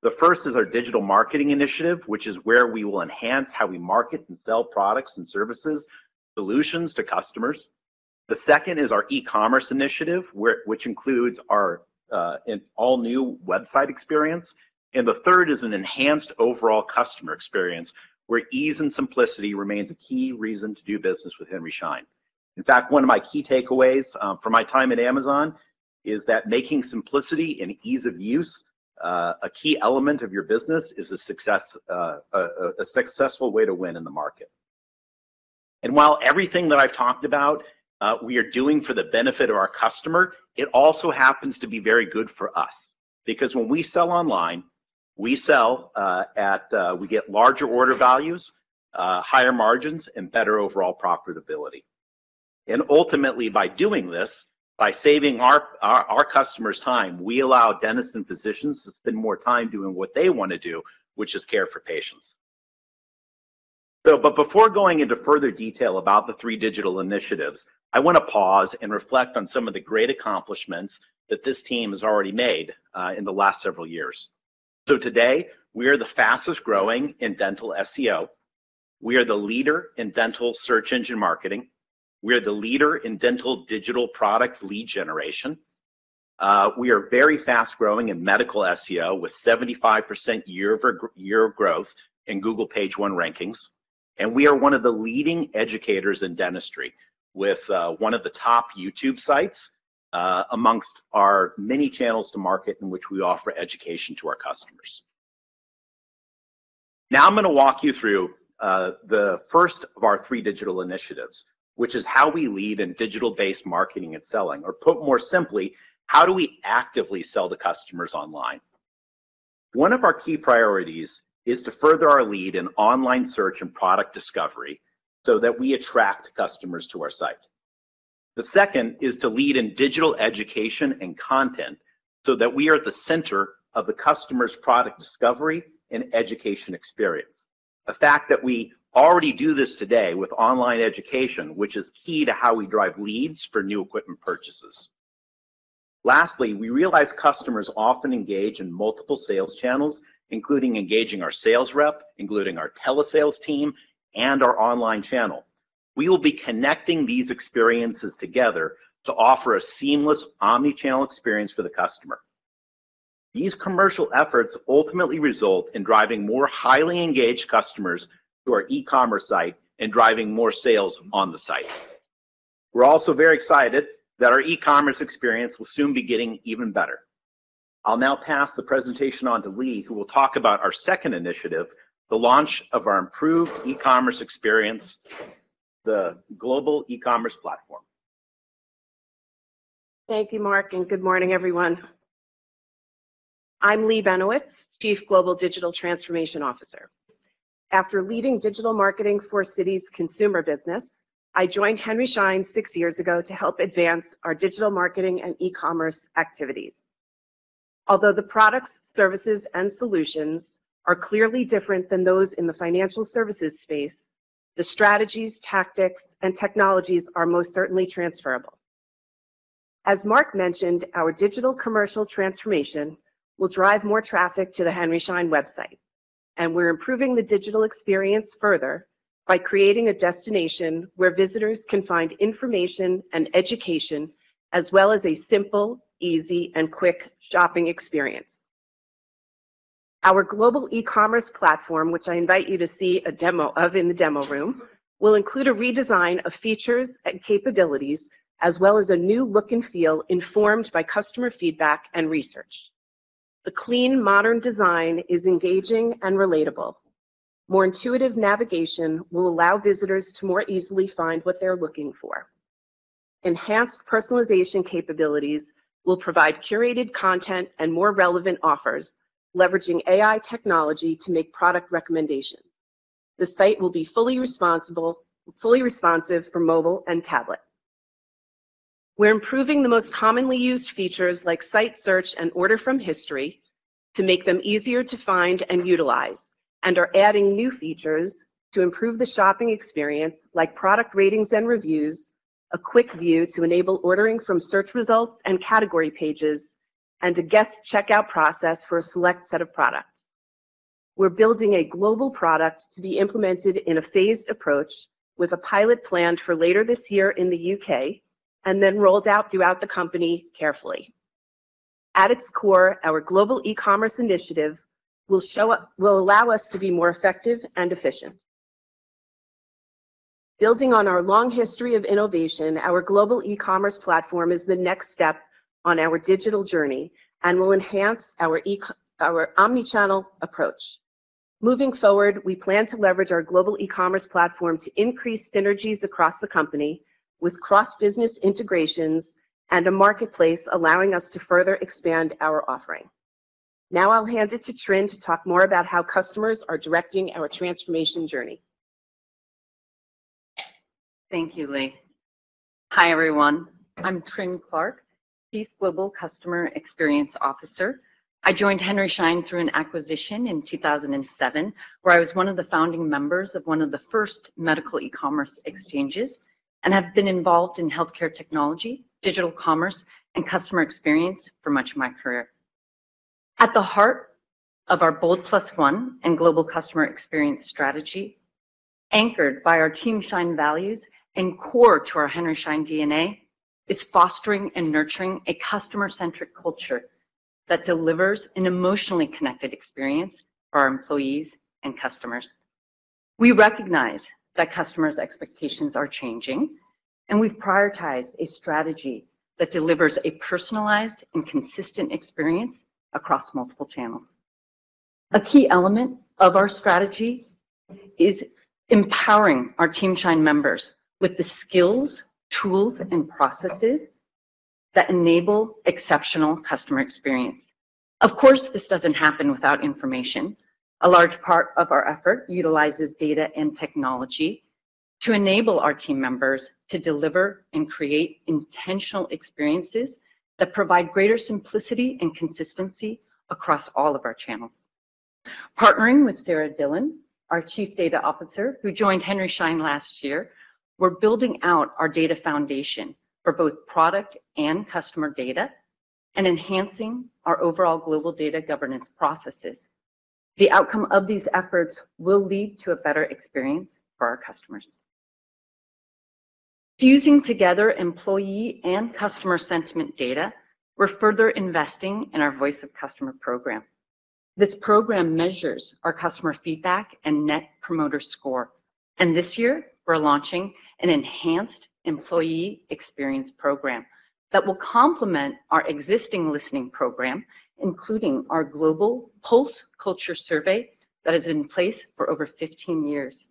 The first is our digital marketing initiative, which is where we will enhance how we market and sell products and services, solutions to customers. The second is our e-commerce initiative, which includes our, an all-new website experience. The third is an enhanced overall customer experience, where ease and simplicity remains a key reason to do business with Henry Schein. In fact, one of my key takeaways from my time at Amazon is that making simplicity and ease of use, a key element of your business is a successful way to win in the market. While everything that I've talked about, we are doing for the benefit of our customer, it also happens to be very good for us. Because when we sell online, we get larger order values, higher margins, and better overall profitability. Ultimately, by doing this, by saving our, our customers time, we allow dentists and physicians to spend more time doing what they wanna do, which is care for patients. Before going into further detail about the 3 digital initiatives, I want to pause and reflect on some of the great accomplishments that this team has already made in the last several years. Today, we are the fastest-growing in dental SEO. We are the leader in dental search engine marketing. We are the leader in dental digital product lead generation. We are very fast-growing in medical SEO, with 75% year-over-year growth in Google page one rankings. We are 1 of the leading educators in dentistry, with 1 of the top YouTube sites amongst our many channels to market in which we offer education to our customers. I'm going to walk you through the first of our 3 digital initiatives, which is how we lead in digital-based marketing and selling. Put more simply, how do we actively sell to customers online? One of our key priorities is to further our lead in online search and product discovery so that we attract customers to our site. The second is to lead in digital education and content so that we are at the center of the customer's product discovery and education experience, a fact that we already do this today with online education, which is key to how we drive leads for new equipment purchases. Lastly, we realize customers often engage in multiple sales channels, including engaging our sales rep, including our telesales team, and our online channel. We will be connecting these experiences together to offer a seamless omni-channel experience for the customer. These commercial efforts ultimately result in driving more highly engaged customers to our e-commerce site and driving more sales on the site. We're also very excited that our e-commerce experience will soon be getting even better. I'll now pass the presentation on to Lee, who will talk about our second initiative, the launch of our improved e-commerce experience, the global e-commerce platform. Thank you, Mark. Good morning, everyone. I'm Leigh Benowitz, Chief Global Digital Transformation Officer. After leading digital marketing for Citi's consumer business, I joined Henry Schein six years ago to help advance our digital marketing and e-commerce activities. Although the products, services, and solutions are clearly different than those in the financial services space, the strategies, tactics, and technologies are most certainly transferable. As Mark mentioned, our digital commercial transformation will drive more traffic to the Henry Schein website, and we're improving the digital experience further by creating a destination where visitors can find information and education, as well as a simple, easy, and quick shopping experience. Our global e-commerce platform, which I invite you to see a demo of in the demo room, will include a redesign of features and capabilities, as well as a new look and feel informed by customer feedback and research. The clean, modern design is engaging and relatable. More intuitive navigation will allow visitors to more easily find what they're looking for. Enhanced personalization capabilities will provide curated content and more relevant offers, leveraging AI technology to make product recommendations. The site will be fully responsive for mobile and tablet. We're improving the most commonly used features like site search and order from history to make them easier to find and utilize, and are adding new features to improve the shopping experience, like product ratings and reviews, a quick view to enable ordering from search results and category pages, and a guest checkout process for a select set of products. We're building a global product to be implemented in a phased approach with a pilot planned for later this year in the U.K. and then rolled out throughout the company carefully. At its core, our global e-commerce initiative will allow us to be more effective and efficient. Building on our long history of innovation, our global e-commerce platform is the next step on our digital journey and will enhance our omnichannel approach. Moving forward, we plan to leverage our global e-commerce platform to increase synergies across the company with cross-business integrations and a marketplace allowing us to further expand our offering. I'll hand it to Trinh to talk more about how customers are directing our transformation journey. Thank you, Lee. Hi, everyone. I'm Trinh Clark, Chief Global Customer Experience Officer. I joined Henry Schein through an acquisition in 2007, where I was one of the founding members of one of the first medical e-commerce exchanges and have been involved in healthcare technology, digital commerce, and customer experience for much of my career. At the heart of our BOLD+1 and global customer experience strategy, anchored by our Team Schein values and core to our Henry Schein DNA, is fostering and nurturing a customer-centric culture that delivers an emotionally connected experience for our employees and customers. We recognize that customers' expectations are changing, we've prioritized a strategy that delivers a personalized and consistent experience across multiple channels. A key element of our strategy is empowering our Team Schein members with the skills, tools, and processes that enable exceptional customer experience. Of course, this doesn't happen without information. A large part of our effort utilizes data and technology to enable our team members to deliver and create intentional experiences that provide greater simplicity and consistency across all of our channels. Partnering with Sara Dillon, our Chief Data Officer, who joined Henry Schein last year, we're building out our data foundation for both product and customer data and enhancing our overall global data governance processes. The outcome of these efforts will lead to a better experience for our customers. Fusing together employee and customer sentiment data, we're further investing in our Voice of Customer program. This program measures our customer feedback and net promoter score. This year, we're launching an enhanced employee experience program that will complement our existing listening program, including our global Pulse Culture Survey that has been in place for over 15 years.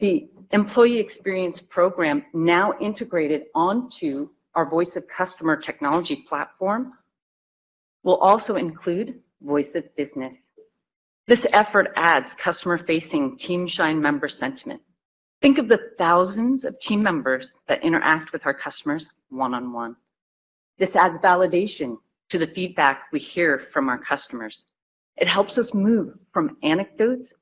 The employee experience program now integrated onto our Voice of Customer technology platform will also include Voice of Business. This effort adds customer-facing Team Schein member sentiment. Think of the thousands of team members that interact with our customers one-on-one. This adds validation to the feedback we hear from our customers. It helps us move from anecdotes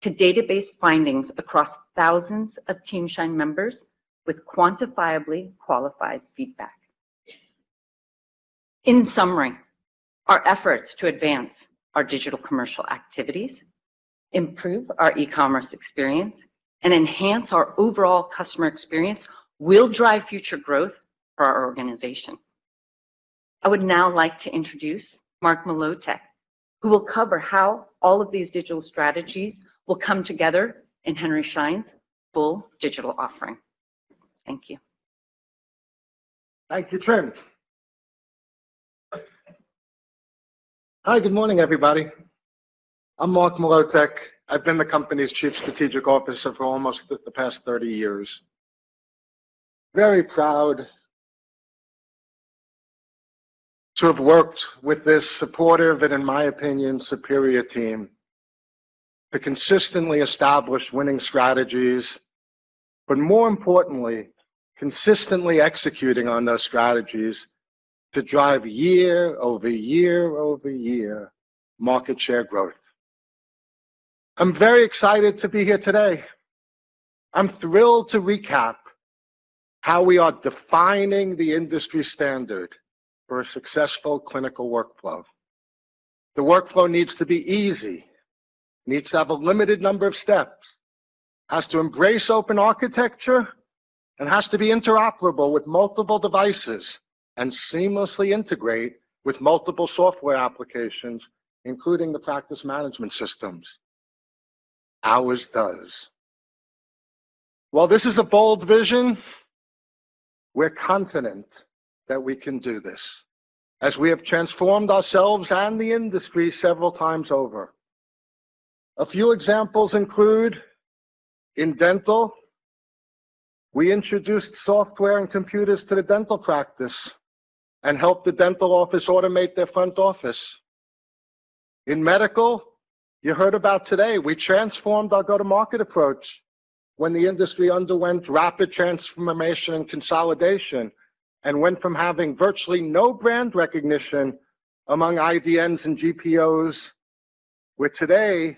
to database findings across thousands of Team Schein members with quantifiably qualified feedback. In summary, our efforts to advance our digital commercial activities, improve our e-commerce experience, and enhance our overall customer experience will drive future growth for our organization. I would now like to introduce Mark Mlotek, who will cover how all of these digital strategies will come together in Henry Schein's full digital offering. Thank you. Thank you, Trinh. Hi, good morning, everybody. I'm Mark Mlotek. I've been the company's Chief Strategic Officer for almost the past 30 years. Very proud to have worked with this supportive and, in my opinion, superior team to consistently establish winning strategies, more importantly, consistently executing on those strategies to drive year-over-year market share growth. I'm very excited to be here today. I'm thrilled to recap how we are defining the industry standard for a successful clinical workflow. The workflow needs to be easy, needs to have a limited number of steps, has to embrace open architecture, and has to be interoperable with multiple devices and seamlessly integrate with multiple software applications, including the practice management systems. Ours does. While this is a bold vision, we're confident that we can do this as we have transformed ourselves and the industry several times over. A few examples include in dental, we introduced software and computers to the dental practice and helped the dental office automate their front office. In medical, you heard about today, we transformed our go-to-market approach when the industry underwent rapid transformation and consolidation and went from having virtually no brand recognition among IDNs and GPOs, where today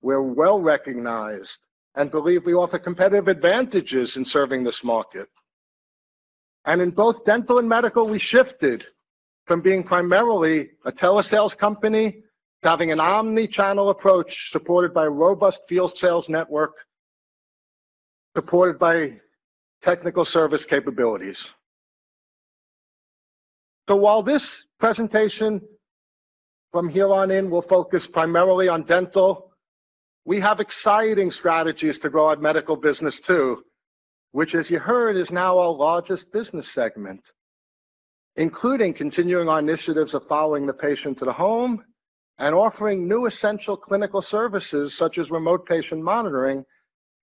we're well-recognized and believe we offer competitive advantages in serving this market. In both dental and medical, we shifted from being primarily a telesales company to having an omni-channel approach supported by a robust field sales network, supported by technical service capabilities. While this presentation from here on in will focus primarily on dental, we have exciting strategies to grow our medical business too, which as you heard, is now our largest business segment, including continuing our initiatives of following the patient to the home and offering new essential clinical services such as remote patient monitoring,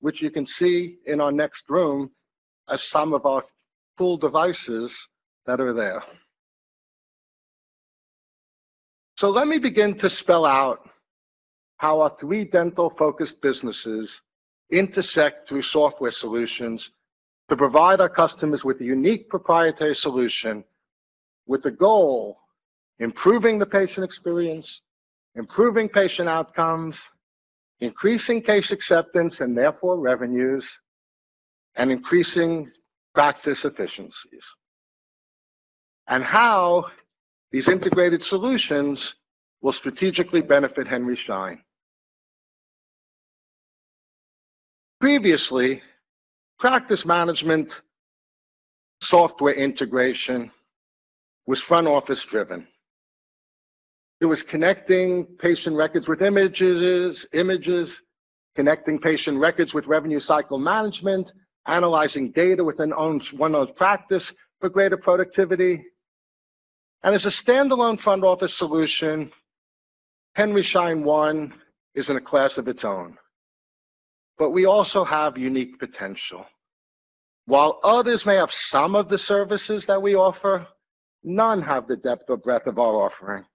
which you can see in our next room as some of our cool devices that are there. Let me begin to spell out how our three dental-focused businesses intersect through software solutions to provide our customers with a unique proprietary solution with the goal improving the patient experience, improving patient outcomes, increasing case acceptance, and therefore revenues, and increasing practice efficiencies, and how these integrated solutions will strategically benefit Henry Schein. Previously, practice management software integration was front office driven. It was connecting patient records with images, connecting patient records with revenue cycle management, analyzing data within one own practice for greater productivity. As a standalone front office solution, Henry Schein One is in a class of its own. We also have unique potential. While others may have some of the services that we offer, none have the depth or breadth of our offering.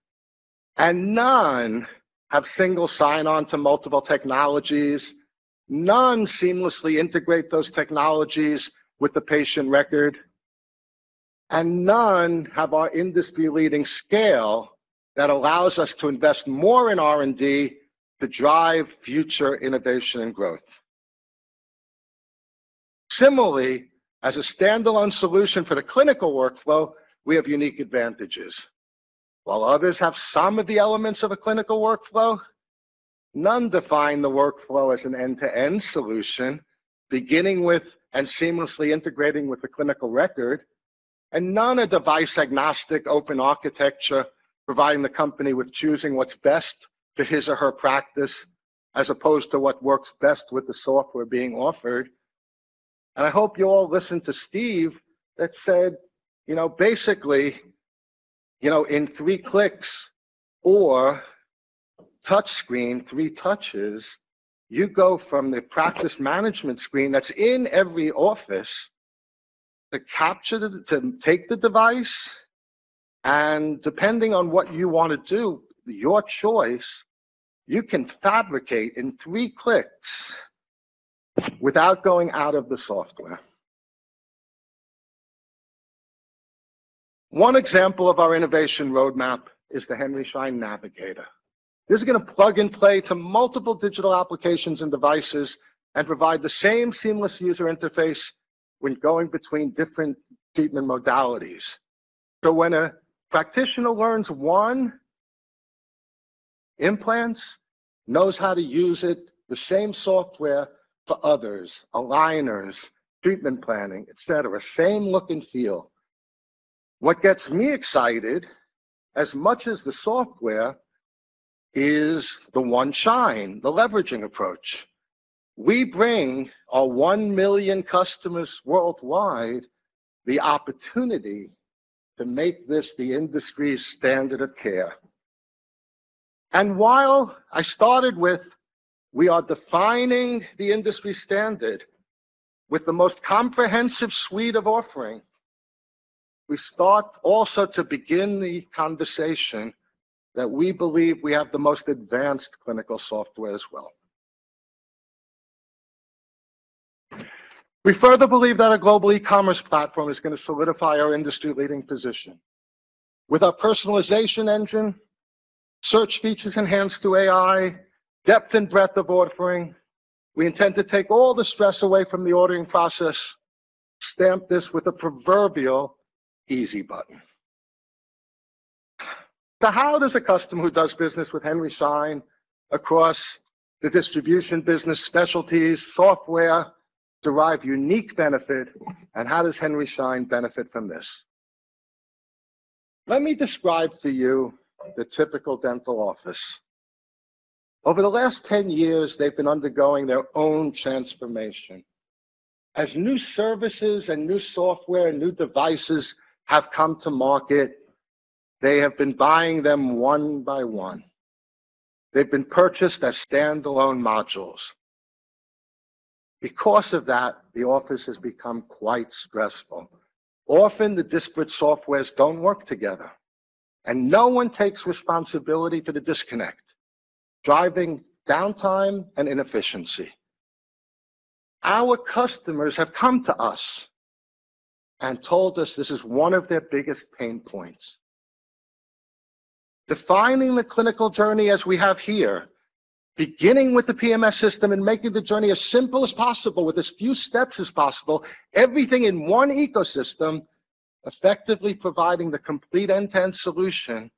None have single sign-on to multiple technologies. None seamlessly integrate those technologies with the patient record. None have our industry-leading scale that allows us to invest more in R&D to drive future innovation and growth. Similarly, as a standalone solution for the clinical workflow, we have unique advantages. While others have some of the elements of a clinical workflow, none define the workflow as an end-to-end solution, beginning with and seamlessly integrating with the clinical record. None a device-agnostic open architecture providing the company with choosing what's best for his or her practice as opposed to what works best with the software being offered. I hope you all listened to Steve that said, you know, basically, you know, in 3 clicks or touch screen, 3 touches, you go from the practice management screen that's in every office to take the device, and depending on what you want to do, your choice, you can fabricate in 3 clicks without going out of the software. One example of our innovation roadmap is the Henry Schein Navigator. This is going to plug and play to multiple digital applications and devices and provide the same seamless user interface when going between different treatment modalities. When a practitioner learns 1 implant, knows how to use it, the same software for others, aligners, treatment planning, et cetera, same look and feel. What gets me excited as much as the software is the One Schein, the leveraging approach. We bring our 1 million customers worldwide the opportunity to make this the industry's standard of care. While I started with we are defining the industry standard with the most comprehensive suite of offering, we start also to begin the conversation that we believe we have the most advanced clinical software as well. We further believe that our global e-commerce platform is going to solidify our industry-leading position. With our personalization engine, search features enhanced through AI, depth and breadth of offering, we intend to take all the stress away from the ordering process, stamp this with a proverbial easy button. How does a customer who does business with Henry Schein across the distribution business specialties software derive unique benefit? How does Henry Schein benefit from this? Let me describe to you the typical dental office. Over the last 10 years, they've been undergoing their own transformation. As new services and new software, new devices have come to market, they have been buying them one by one. They've been purchased as standalone modules. Because of that, the office has become quite stressful. Often the disparate softwares don't work together, and no one takes responsibility for the disconnect, driving downtime and inefficiency. Our customers have come to us and told us this is one of their biggest pain points. Defining the clinical journey as we have here, beginning with the PMS system and making the journey as simple as possible with as few steps as possible, everything in one ecosystem, effectively providing the complete end-to-end solution,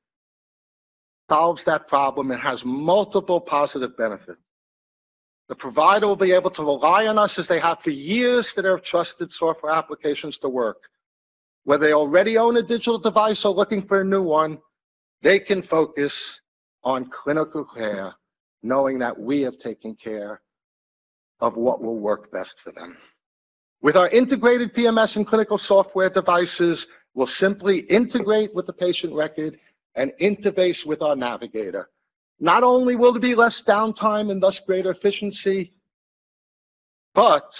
solves that problem and has multiple positive benefits. The provider will be able to rely on us as they have for years for their trusted software applications to work. Whether they already own a digital device or looking for a new one, they can focus on clinical care knowing that we have taken care of what will work best for them. With our integrated PMS and clinical software devices, we'll simply integrate with the patient record and interface with our navigator. Not only will there be less downtime and thus greater efficiency, but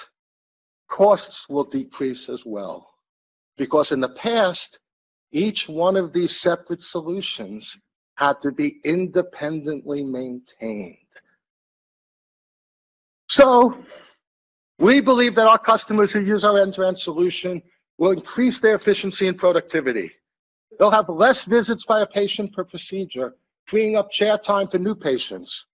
costs will decrease as well. In the past, each one of these separate solutions had to be independently maintained. We believe that our customers who use our end-to-end solution will increase their efficiency and productivity. They'll have less visits by a patient per procedure, freeing up chair time for new patients.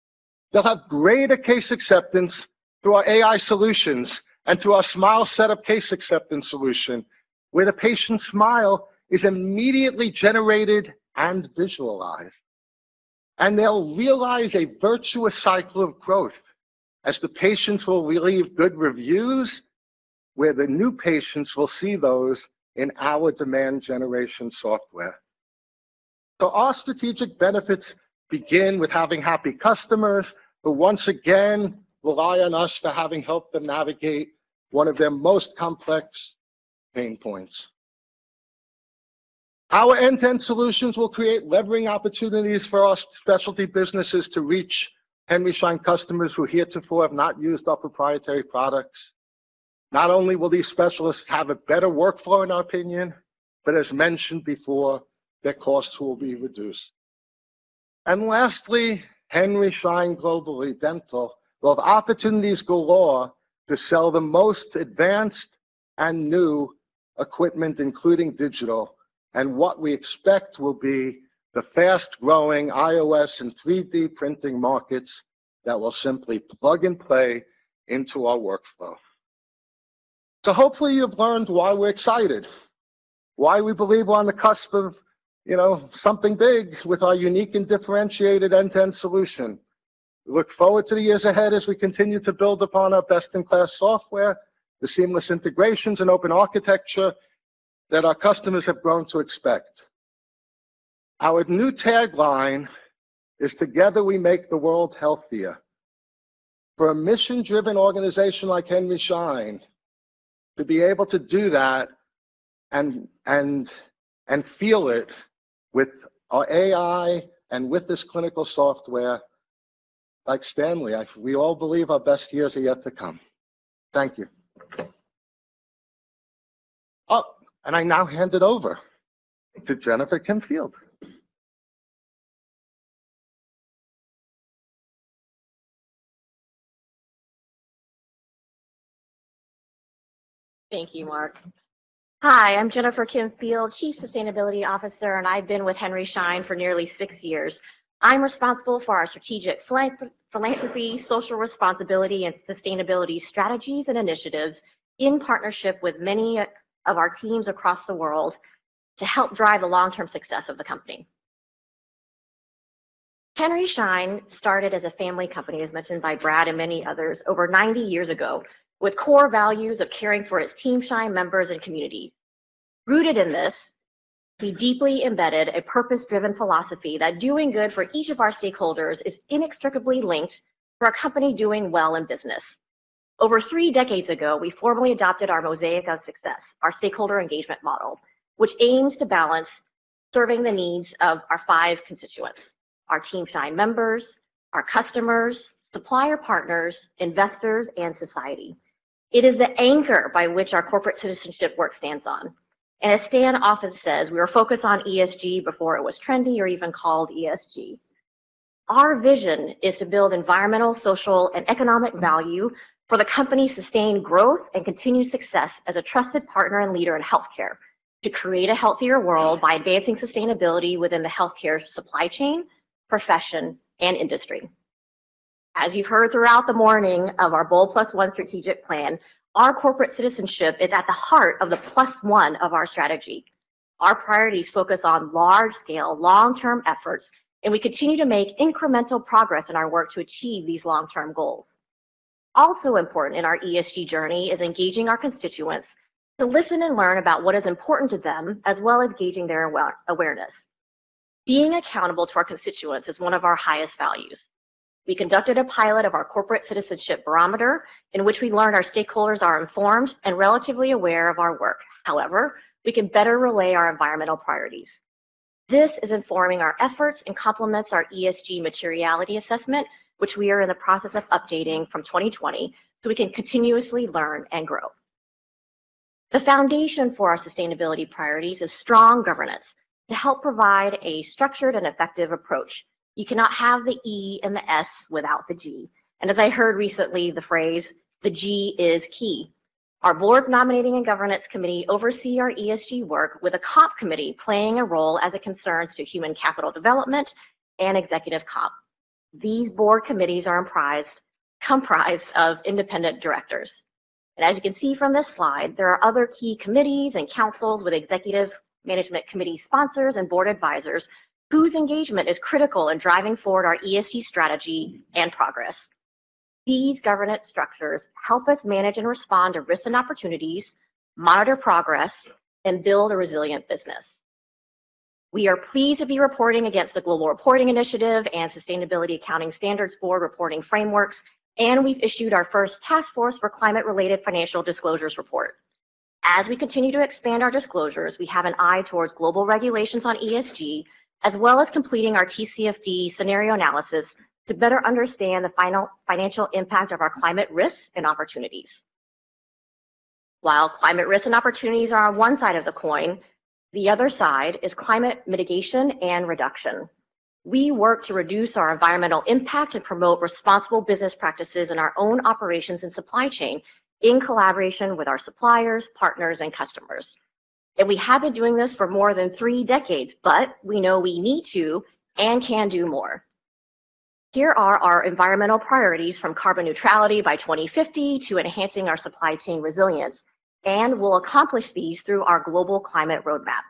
They'll have greater case acceptance through our AI solutions and through our Smile Setup case acceptance solution, where the patient's smile is immediately generated and visualized. They'll realize a virtuous cycle of growth as the patients will leave good reviews, where the new patients will see those in our demand generation software. Our strategic benefits begin with having happy customers who once again rely on us for having helped them navigate one of their most complex pain points. Our end-to-end solutions will create levering opportunities for our specialty businesses to reach Henry Schein customers who heretofore have not used our proprietary products. Not only will these specialists have a better workflow, in our opinion, but as mentioned before, their costs will be reduced. Lastly, Henry Schein Globally Dental will have opportunities galore to sell the most advanced and new equipment, including digital, and what we expect will be the fast-growing IOS and 3D printing markets that will simply plug and play into our workflow. Hopefully you've learned why we're excited, why we believe we're on the cusp of, you know, something big with our unique and differentiated end-to-end solution. We look forward to the years ahead as we continue to build upon our best-in-class software, the seamless integrations and open architecture that our customers have grown to expect. Our new tagline is, "Together we make the world healthier." For a mission-driven organization like Henry Schein to be able to do that and feel it with our AI and with this clinical software, like Stanley, we all believe our best years are yet to come. Thank you. I now hand it over to Jennifer Kim Field. Thank you, Mark. Hi, I'm Jennifer Kim Field, Chief Sustainability Officer, and I've been with Henry Schein for nearly six years. I'm responsible for our strategic philanthropy, social responsibility, and sustainability strategies and initiatives in partnership with many of our teams across the world to help drive the long-term success of the company. Henry Schein started as a family company, as mentioned by Brad and many others, over 90 years ago, with core values of caring for its Team Schein members and communities. Rooted in this, we deeply embedded a purpose-driven philosophy that doing good for each of our stakeholders is inextricably linked to our company doing well in business. Over three decades ago, we formally adopted our Mosaic of Success, our stakeholder engagement model, which aims to balance serving the needs of our five constituents: our Team Schein members, our customers, supplier partners, investors, and society. It is the anchor by which our corporate citizenship work stands on. As Stan often says, we were focused on ESG before it was trendy or even called ESG. Our vision is to build environmental, social, and economic value for the company's sustained growth and continued success as a trusted partner and leader in healthcare to create a healthier world by advancing sustainability within the healthcare supply chain, profession, and industry. As you've heard throughout the morning of our BOLD+1 Strategic Plan, our corporate citizenship is at the heart of the +1 of our strategy. Our priorities focus on large-scale, long-term efforts, and we continue to make incremental progress in our work to achieve these long-term goals. Also important in our ESG journey is engaging our constituents to listen and learn about what is important to them, as well as gauging their awareness. Being accountable to our constituents is one of our highest values. We conducted a pilot of our corporate citizenship barometer, in which we learned our stakeholders are informed and relatively aware of our work. However, we can better relay our environmental priorities. This is informing our efforts and complements our ESG materiality assessment, which we are in the process of updating from 2020. We can continuously learn and grow. The foundation for our sustainability priorities is strong governance to help provide a structured and effective approach. You cannot have the E and the S without the G. As I heard recently, the phrase, "The G is key." Our board's nominating and governance committee oversee our ESG work with a comp committee playing a role as it concerns to human capital development and executive comp. These board committees are comprised of independent directors. As you can see from this slide, there are other key committees and councils with executive management committee sponsors and board advisors whose engagement is critical in driving forward our ESG strategy and progress. These governance structures help us manage and respond to risks and opportunities, monitor progress, and build a resilient business. We've issued our first Task Force for Climate-Related Financial Disclosures report. We continue to expand our disclosures, we have an eye towards global regulations on ESG, as well as completing our TCFD scenario analysis to better understand the financial impact of our climate risks and opportunities. Climate risks and opportunities are on one side of the coin, the other side is climate mitigation and reduction. We work to reduce our environmental impact and promote responsible business practices in our own operations and supply chain in collaboration with our suppliers, partners, and customers. We have been doing this for more than three decades, but we know we need to and can do more. Here are our environmental priorities, from carbon neutrality by 2050 to enhancing our supply chain resilience, and we'll accomplish these through our global climate roadmap.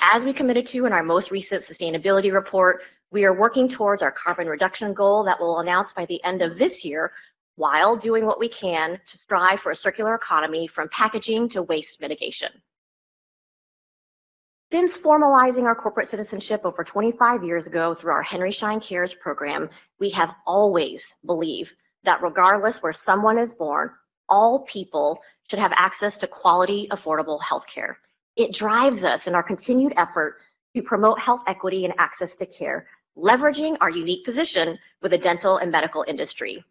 As we committed to in our most recent sustainability report, we are working towards our carbon reduction goal that we'll announce by the end of this year while doing what we can to strive for a circular economy from packaging to waste mitigation. Since formalizing our corporate citizenship over 25 years ago through our Henry Schein Cares program, we have always believed that regardless where someone is born, all people should have access to quality, affordable healthcare. It drives us in our continued effort to promote health equity and access to care, leveraging our unique position with the dental and medical industry.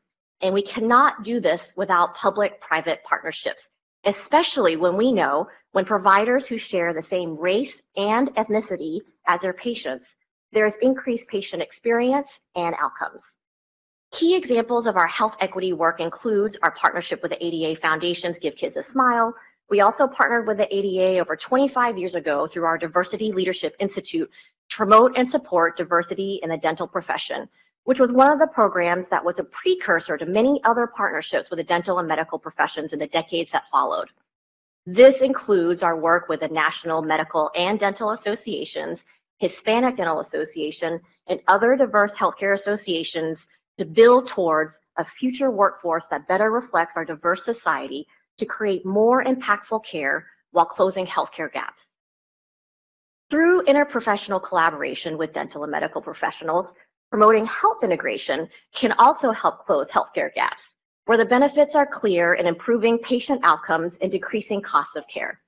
We cannot do this without public-private partnerships, especially when we know when providers who share the same race and ethnicity as their patients, there is increased patient experience and outcomes. Key examples of our health equity work includes our partnership with the ADA Foundation's Give Kids A Smile. We also partnered with the ADA over 25 years ago through our Institute for Diversity in Leadership to promote and support diversity in the dental profession, which was one of the programs that was a precursor to many other partnerships with the dental and medical professions in the decades that followed. This includes our work with the National Medical Association and National Dental Association, Hispanic Dental Association, and other diverse healthcare associations to build towards a future workforce that better reflects our diverse society to create more impactful care while closing healthcare gaps. Through interprofessional collaboration with dental and medical professionals, promoting health integration can also help close healthcare gaps, where the benefits are clear in improving patient outcomes and decreasing costs of care.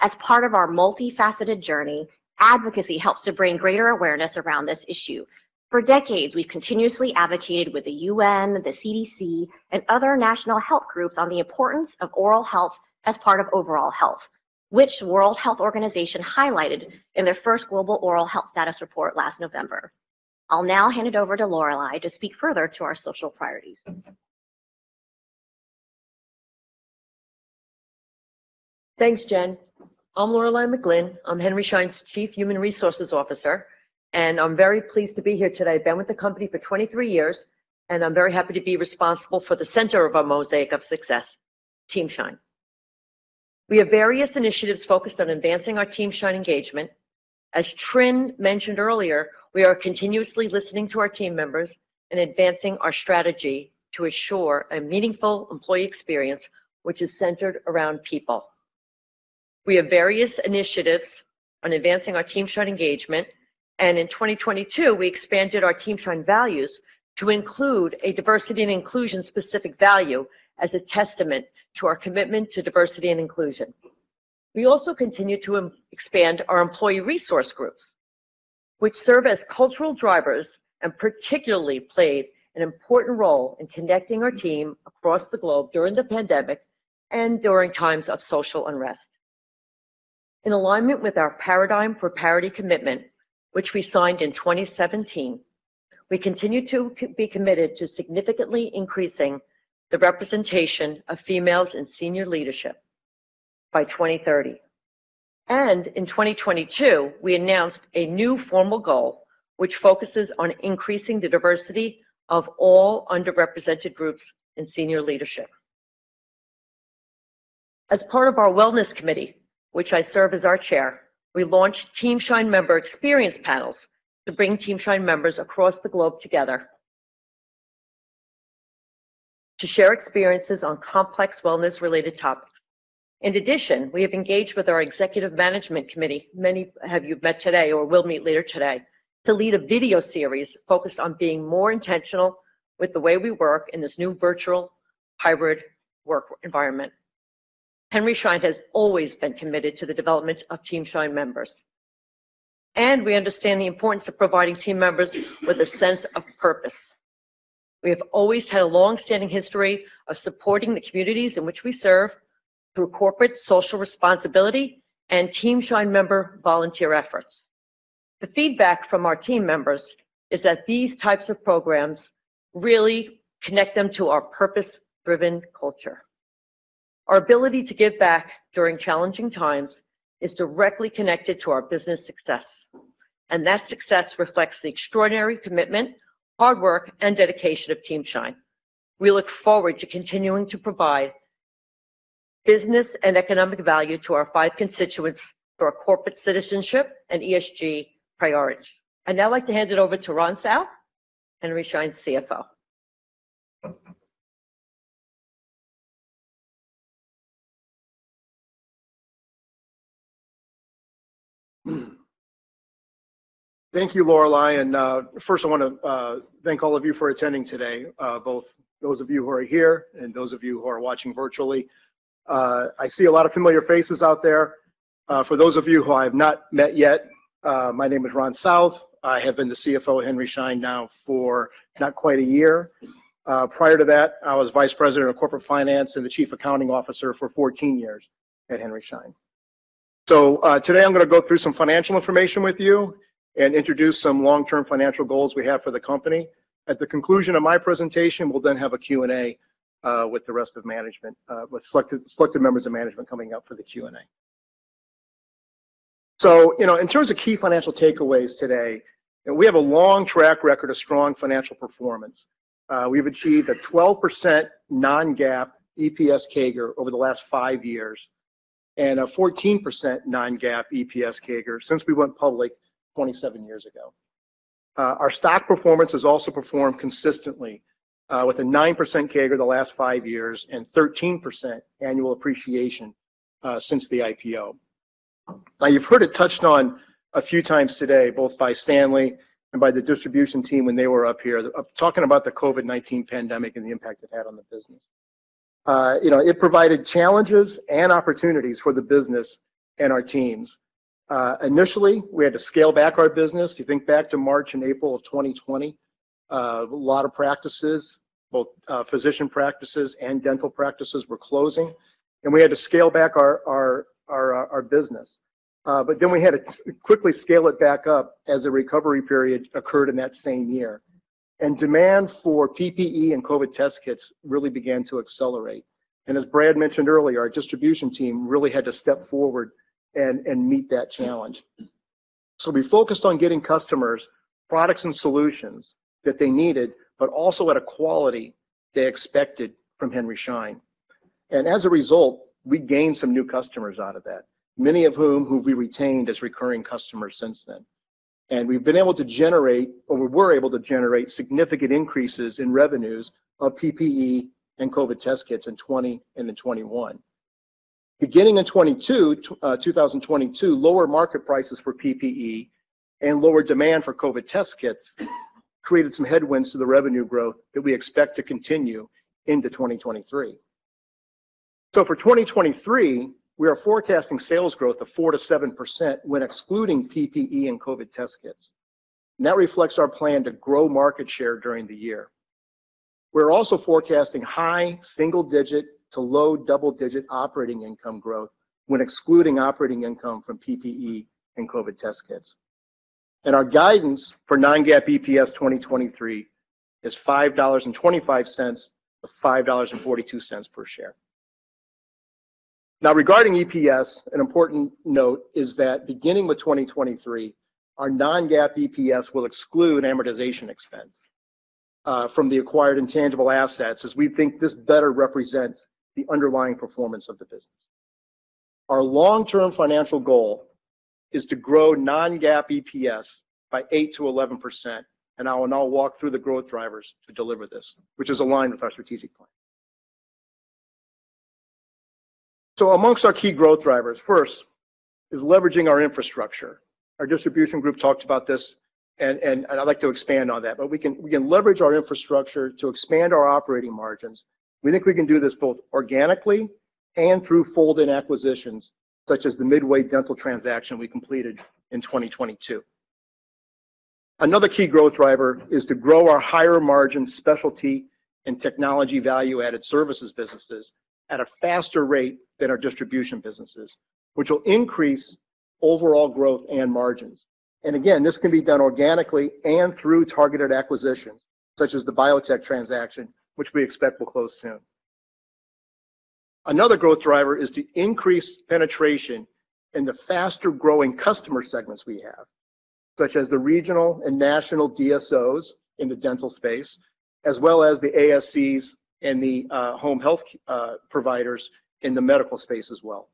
As part of our multifaceted journey, advocacy helps to bring greater awareness around this issue. For decades, we've continuously advocated with the UN, the CDC, and other national health groups on the importance of oral health as part of overall health, which World Health Organization highlighted in their first Global Oral Health Status Report last November. I'll now hand it over to Lorelei to speak further to our social priorities. Thanks, Jen. I'm Lorelei McGlynn. I'm Henry Schein's Chief Human Resources Officer. I'm very pleased to be here today. I've been with the company for 23 years. I'm very happy to be responsible for the center of our Mosaic of Success, Team Schein. We have various initiatives focused on advancing our Team Schein engagement. As Trinh mentioned earlier, we are continuously listening to our team members and advancing our strategy to assure a meaningful employee experience, which is centered around people. We have various initiatives on advancing our Team Schein engagement. In 2022, we expanded our Team Schein values to include a diversity and inclusion specific value as a testament to our commitment to diversity and inclusion. We also continue to expand our employee resource groups, which serve as cultural drivers and particularly played an important role in connecting our team across the globe during the pandemic and during times of social unrest. In alignment with our Paradigm for Parity commitment, which we signed in 2017, we continue to be committed to significantly increasing the representation of females in senior leadership by 2030. In 2022, we announced a new formal goal which focuses on increasing the diversity of all underrepresented groups in senior leadership. As part of our wellness committee, which I serve as our chair, we launched Team Schein member experience panels to bring Team Schein members across the globe together to share experiences on complex wellness-related topics. In addition, we have engaged with our executive management committee, many have you met today or will meet later today, to lead a video series focused on being more intentional with the way we work in this new virtual hybrid work environment. Henry Schein has always been committed to the development of Team Schein members. We understand the importance of providing team members with a sense of purpose. We have always had a long-standing history of supporting the communities in which we serve through corporate social responsibility and Team Schein member volunteer efforts. The feedback from our team members is that these types of programs really connect them to our purpose-driven culture. Our ability to give back during challenging times is directly connected to our business success, and that success reflects the extraordinary commitment, hard work, and dedication of Team Schein. We look forward to continuing to provide business and economic value to our five constituents through our corporate citizenship and ESG priorities. I'd now like to hand it over to Ron South, Henry Schein's CFO. Thank you, Lorelei. First I wanna thank all of you for attending today, both those of you who are here and those of you who are watching virtually. I see a lot of familiar faces out there. For those of you who I have not met yet, my name is Ron South. I have been the CFO at Henry Schein now for not quite one year. Prior to that, I was vice president of corporate finance and the chief accounting officer for 14 years at Henry Schein. Today I'm gonna go through some financial information with you and introduce some long-term financial goals we have for the company. At the conclusion of my presentation, we'll then have a Q&A with the rest of management, with selected members of management coming up for the Q&A. You know, in terms of key financial takeaways today, and we have a long track record of strong financial performance. We've achieved a 12% non-GAAP EPS CAGR over the last 5 years, and a 14% non-GAAP EPS CAGR since we went public 27 years ago. Our stock performance has also performed consistently, with a 9% CAGR the last 5 years and 13% annual appreciation since the IPO. You've heard it touched on a few times today, both by Stanley and by the distribution team when they were up here, talking about the COVID-19 pandemic and the impact it had on the business. You know, it provided challenges and opportunities for the business and our teams. Initially, we had to scale back our business. You think back to March and April of 2020. A lot of practices, both physician practices and dental practices were closing, we had to scale back our business. We had to quickly scale it back up as a recovery period occurred in that same year. Demand for PPE and COVID test kits really began to accelerate. As Brad mentioned earlier, our distribution team really had to step forward and meet that challenge. We focused on getting customers products and solutions that they needed, but also at a quality they expected from Henry Schein. As a result, we gained some new customers out of that, many of whom who we retained as recurring customers since then. We've been able to generate, or we were able to generate significant increases in revenues of PPE and COVID test kits in 2020 and in 2021. Beginning in 2022, lower market prices for PPE and lower demand for COVID test kits created some headwinds to the revenue growth that we expect to continue into 2023. For 2023, we are forecasting sales growth of 4%-7% when excluding PPE and COVID test kits. That reflects our plan to grow market share during the year. We're also forecasting high single-digit to low double-digit operating income growth when excluding operating income from PPE and COVID test kits. Our guidance for non-GAAP EPS 2023 is $5.25-$5.42 per share. Now regarding EPS, an important note is that beginning with 2023, our non-GAAP EPS will exclude amortization expense from the acquired intangible assets, as we think this better represents the underlying performance of the business. Our long-term financial goal is to grow non-GAAP EPS by 8% to 11%. I will now walk through the growth drivers to deliver this, which is aligned with our strategic plan. Amongst our key growth drivers, first is leveraging our infrastructure. Our distribution group talked about this and I'd like to expand on that. We can leverage our infrastructure to expand our operating margins. We think we can do this both organically and through fold-in acquisitions, such as the Midway Dental transaction we completed in 2022. Another key growth driver is to grow our higher margin specialty and technology value-added services businesses at a faster rate than our distribution businesses, which will increase overall growth and margins. Again, this can be done organically and through targeted acquisitions, such as the Biotech transaction, which we expect will close soon. Another growth driver is to increase penetration in the faster-growing customer segments we have. Such as the regional and national DSOs in the dental space, as well as the ASCs and the home health providers in the medical space as well.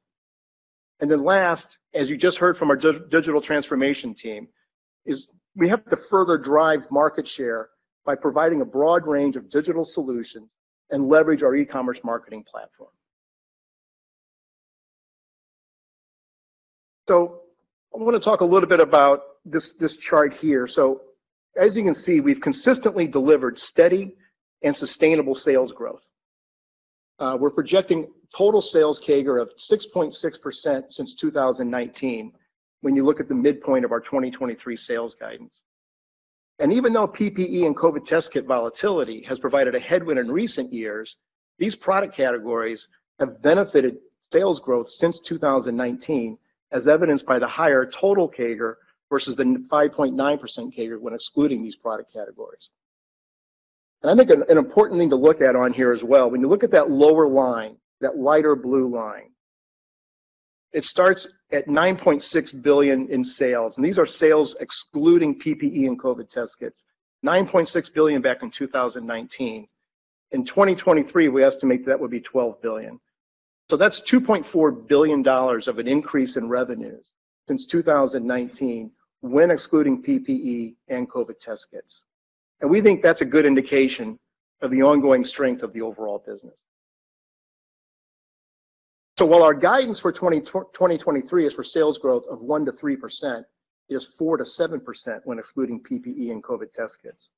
Last, as you just heard from our digital transformation team, is we have to further drive market share by providing a broad range of digital solutions and leverage our e-commerce marketing platform. I wanna talk a little bit about this chart here. As you can see, we've consistently delivered steady and sustainable sales growth. We're projecting total sales CAGR of 6.6% since 2019 when you look at the midpoint of our 2023 sales guidance. Even though PPE and COVID test kit volatility has provided a headwind in recent years, these product categories have benefited sales growth since 2019, as evidenced by the higher total CAGR versus the 5.9% CAGR when excluding these product categories. I think an important thing to look at on here as well, when you look at that lower line, that lighter blue line, it starts at $9.6 billion in sales, and these are sales excluding PPE and COVID test kits. $9.6 billion back in 2019. In 2023, we estimate that would be $12 billion. That's $2.4 billion of an increase in revenues since 2019 when excluding PPE and COVID test kits. We think that's a good indication of the ongoing strength of the overall business. While our guidance for 2023 is for sales growth of 1%-3%, it is 4%-7% when excluding PPE and COVID test kits.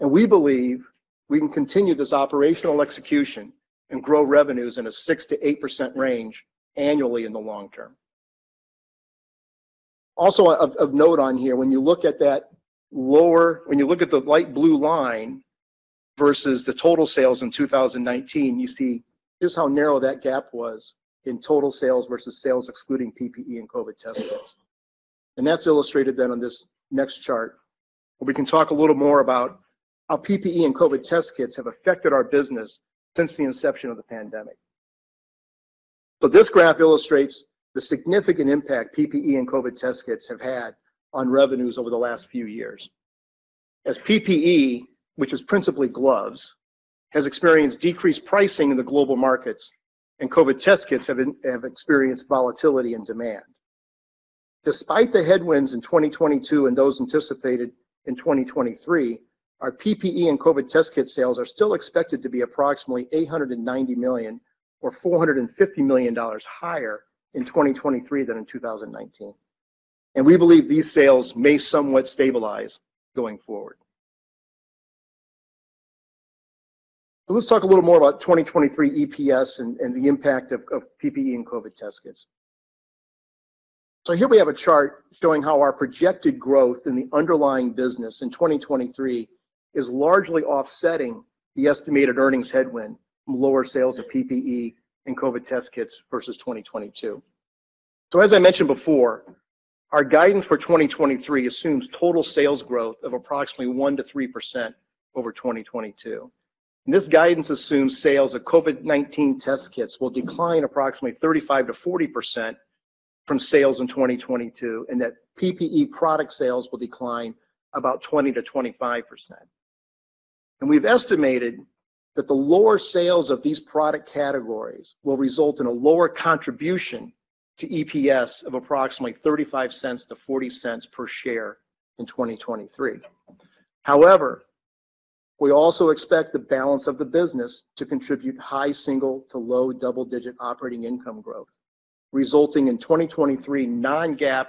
We believe we can continue this operational execution and grow revenues in a 6%-8% range annually in the long term. Also of note on here, when you look at the light blue line versus the total sales in 2019, you see just how narrow that gap was in total sales versus sales excluding PPE and COVID test kits. That's illustrated on this next chart, where we can talk a little more about how PPE and COVID test kits have affected our business since the inception of the pandemic. This graph illustrates the significant impact PPE and COVID test kits have had on revenues over the last few years, as PPE, which is principally gloves, has experienced decreased pricing in the global markets, and COVID test kits have experienced volatility in demand. Despite the headwinds in 2022 and those anticipated in 2023, our PPE and COVID test kit sales are still expected to be approximately $890 million or $450 million higher in 2023 than in 2019. We believe these sales may somewhat stabilize going forward. Let's talk a little more about 2023 EPS and the impact of PPE and COVID test kits. Here we have a chart showing how our projected growth in the underlying business in 2023 is largely offsetting the estimated earnings headwind from lower sales of PPE and COVID test kits versus 2022. As I mentioned before, our guidance for 2023 assumes total sales growth of approximately 1%-3% over 2022. This guidance assumes sales of COVID-19 test kits will decline approximately 35%-40% from sales in 2022, and that PPE product sales will decline about 20%-25%. We've estimated that the lower sales of these product categories will result in a lower contribution to EPS of approximately $0.35-$0.40 per share in 2023. We also expect the balance of the business to contribute high single to low double-digit operating income growth, resulting in 2023 non-GAAP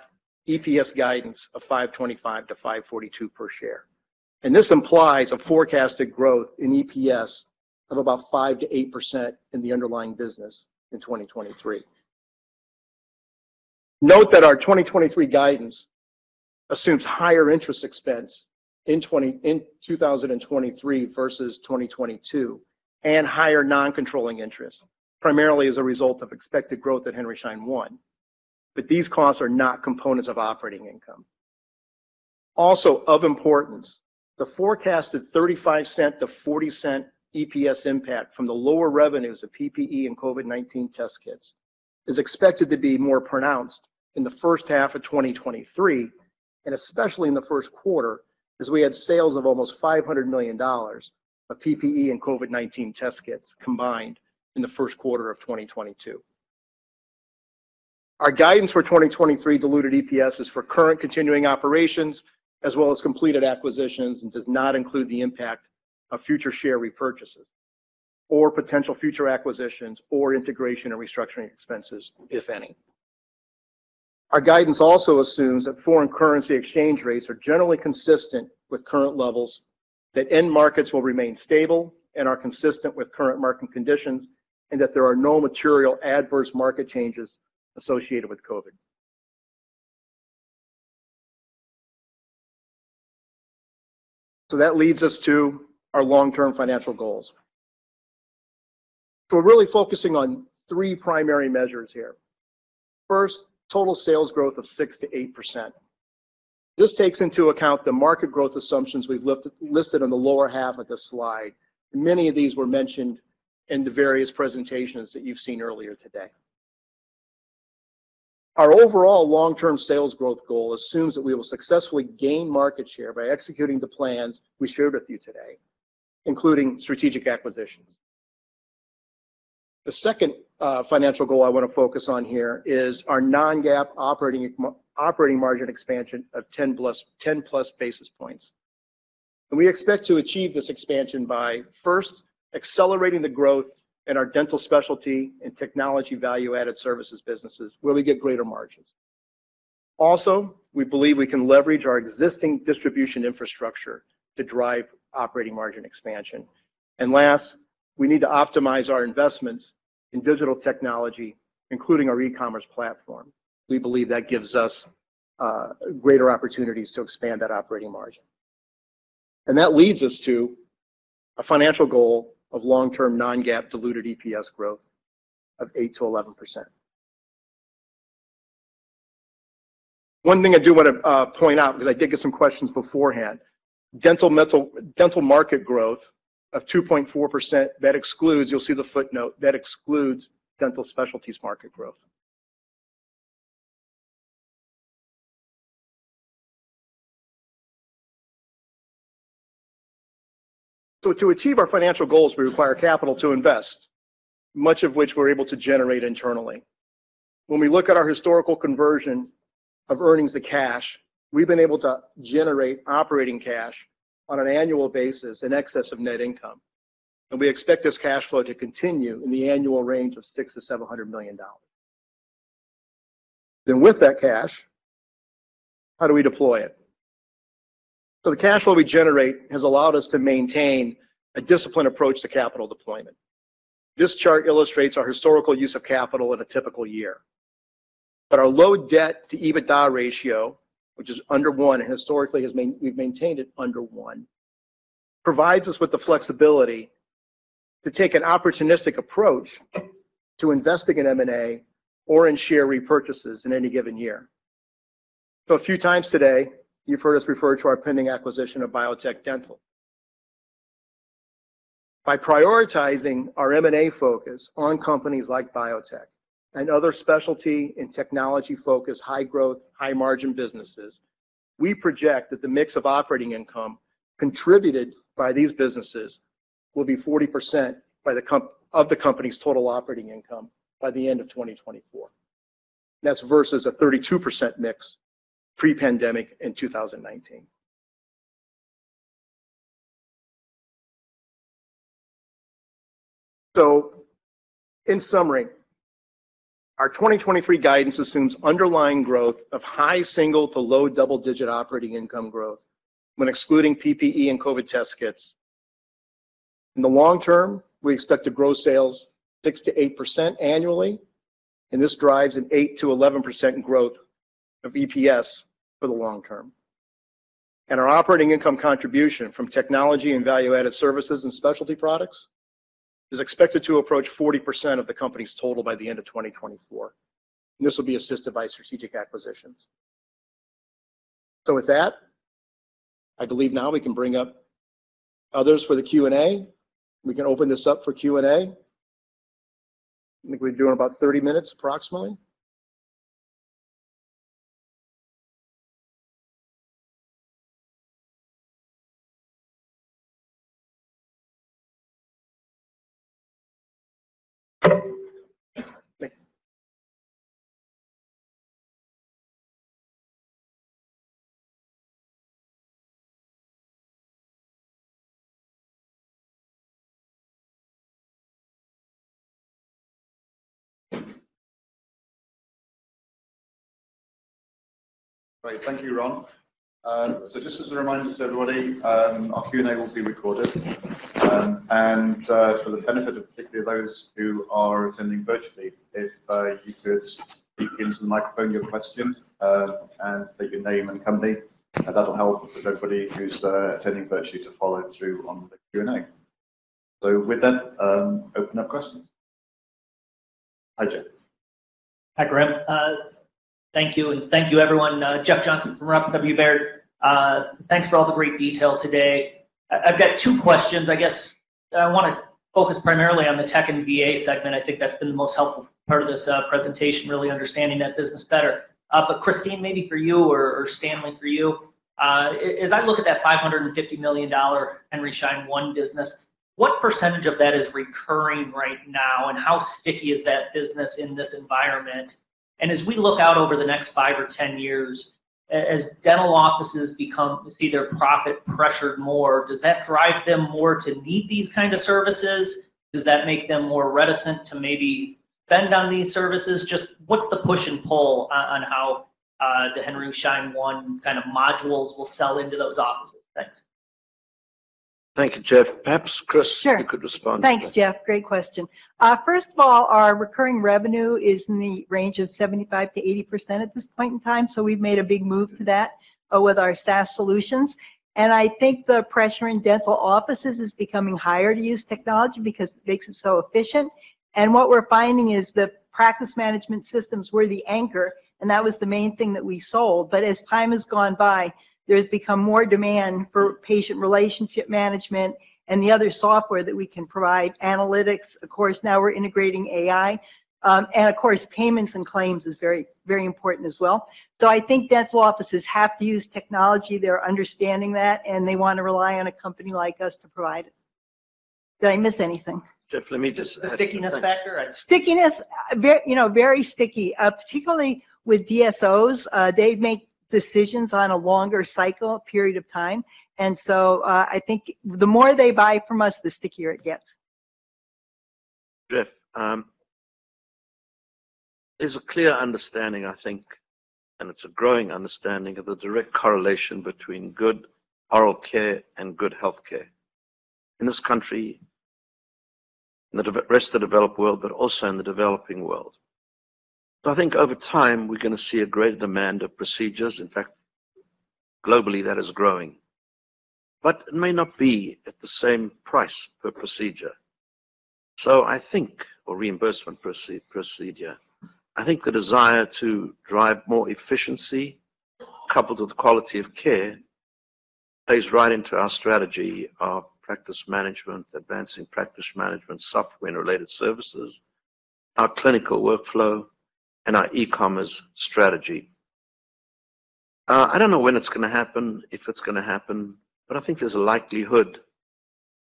EPS guidance of $5.25 to $5.42 per share. This implies a forecasted growth in EPS of about 5%-8% in the underlying business in 2023. Note that our 2023 guidance assumes higher interest expense in 2023 versus 2022 and higher non-controlling interest, primarily as a result of expected growth at Henry Schein One. These costs are not components of operating income. Also of importance, the forecasted $0.35-$0.40 EPS impact from the lower revenues of PPE and COVID-19 test kits is expected to be more pronounced in the first half of 2023, and especially in the first quarter, as we had sales of almost $500 million of PPE and COVID-19 test kits combined in the first quarter of 2022. Our guidance for 2023 diluted EPS is for current continuing operations as well as completed acquisitions and does not include the impact of future share repurchases or potential future acquisitions or integration and restructuring expenses, if any. Our guidance also assumes that foreign currency exchange rates are generally consistent with current levels, that end markets will remain stable and are consistent with current market conditions, and that there are no material adverse market changes associated with COVID. That leads us to our long-term financial goals. We're really focusing on 3 primary measures here. First, total sales growth of 6%-8%. This takes into account the market growth assumptions we've listed on the lower half of this slide. Many of these were mentioned in the various presentations that you've seen earlier today. Our overall long-term sales growth goal assumes that we will successfully gain market share by executing the plans we shared with you today, including strategic acquisitions. The second financial goal I wanna focus on here is our non-GAAP operating margin expansion of 10 plus basis points. We expect to achieve this expansion by first accelerating the growth in our dental specialty and technology value-added services businesses, where we get greater margins. Also, we believe we can leverage our existing distribution infrastructure to drive operating margin expansion. Last, we need to optimize our investments in digital technology, including our e-commerce platform. We believe that gives us greater opportunities to expand that operating margin. That leads us to a financial goal of long-term non-GAAP diluted EPS growth of 8%-11%. One thing I do wanna point out, because I did get some questions beforehand, dental market growth of 2.4%, that excludes, you'll see the footnote, that excludes dental specialties market growth. To achieve our financial goals, we require capital to invest, much of which we're able to generate internally. When we look at our historical conversion of earnings to cash, we've been able to generate operating cash on an annual basis in excess of net income, and we expect this cash flow to continue in the annual range of $600 million-$700 million. With that cash, how do we deploy it? The cash flow we generate has allowed us to maintain a disciplined approach to capital deployment. This chart illustrates our historical use of capital in a typical year. Our low debt to EBITDA ratio, which is under 1, historically we've maintained it under 1, provides us with the flexibility to take an opportunistic approach to investing in M&A or in share repurchases in any given year. A few times today, you've heard us refer to our pending acquisition of Biotech Dental. By prioritizing our M&A focus on companies like Biotech and other specialty and technology-focused, high-growth, high-margin businesses, we project that the mix of operating income contributed by these businesses will be 40% of the company's total operating income by the end of 2024. That's versus a 32% mix pre-pandemic in 2019. In summary, our 2023 guidance assumes underlying growth of high single to low double-digit operating income growth when excluding PPE and COVID test kits. In the long term, we expect to grow sales 6%-8% annually, and this drives an 8%-11% growth of EPS for the long term. Our operating income contribution from technology and value-added services and specialty products is expected to approach 40% of the company's total by the end of 2024. This will be assisted by strategic acquisitions. With that, I believe now we can bring up others for the Q&A. We can open this up for Q&A. I think we're doing about 30 minutes approximately. Great. Thank you, Ron. Just as a reminder to everybody, our Q&A will be recorded. For the benefit of particularly those who are attending virtually, if, you could speak into the microphone your questions, and state your name and company, that'll help with everybody who's, attending virtually to follow through on the Q&A. With that, open up questions. Hi, Jeff. Hi, Graham. Thank you, and thank you, everyone. Jeff Johnson from Robert W. Baird. Thanks for all the great detail today. I've got two questions. I guess I wanna focus primarily on the tech and VA segment. I think that's been the most helpful part of this presentation, really understanding that business better. Christine, maybe for you or Stanley for you, as I look at that $550 million Henry Schein One business, what % of that is recurring right now, and how sticky is that business in this environment? As I look out over the next five or 10 years, as dental offices see their profit pressured more, does that drive them more to need these kind of services? Does that make them more reticent to maybe spend on these services? Just what's the push and pull on how the Henry Schein One kind of modules will sell into those offices? Thanks. Thank you, Jeff. Perhaps, Chris, you could respond to that. Sure. Thanks, Jeff. Great question. First of all, our recurring revenue is in the range of 75%-80% at this point in time, so we've made a big move to that with our SaaS solutions. I think the pressure in dental offices is becoming higher to use technology because it makes it so efficient. What we're finding is the practice management systems were the anchor, and that was the main thing that we sold. As time has gone by, there's become more demand for patient relationship management and the other software that we can provide. Analytics, of course, now we're integrating AI. And of course, payments and claims is very, very important as well. I think dental offices have to use technology. They're understanding that, and they wanna rely on a company like us to provide it. Did I miss anything? Jeff, let me just- The stickiness factor. Stickiness, very, you know, very sticky. Particularly with DSOs, they make decisions on a longer cycle period of time, and so, I think the more they buy from us, the stickier it gets. Jeff, there's a clear understanding, I think, and it's a growing understanding of the direct correlation between good oral care and good healthcare in this country, in the rest of the developed world, but also in the developing world. I think over time we're gonna see a greater demand of procedures. In fact, globally that is growing. It may not be at the same price per procedure or reimbursement procedure. I think the desire to drive more efficiency coupled with the quality of care plays right into our strategy of practice management, advancing practice management software and related services, our clinical workflow and our e-commerce strategy. I don't know when it's gonna happen, if it's gonna happen, but I think there's a likelihood,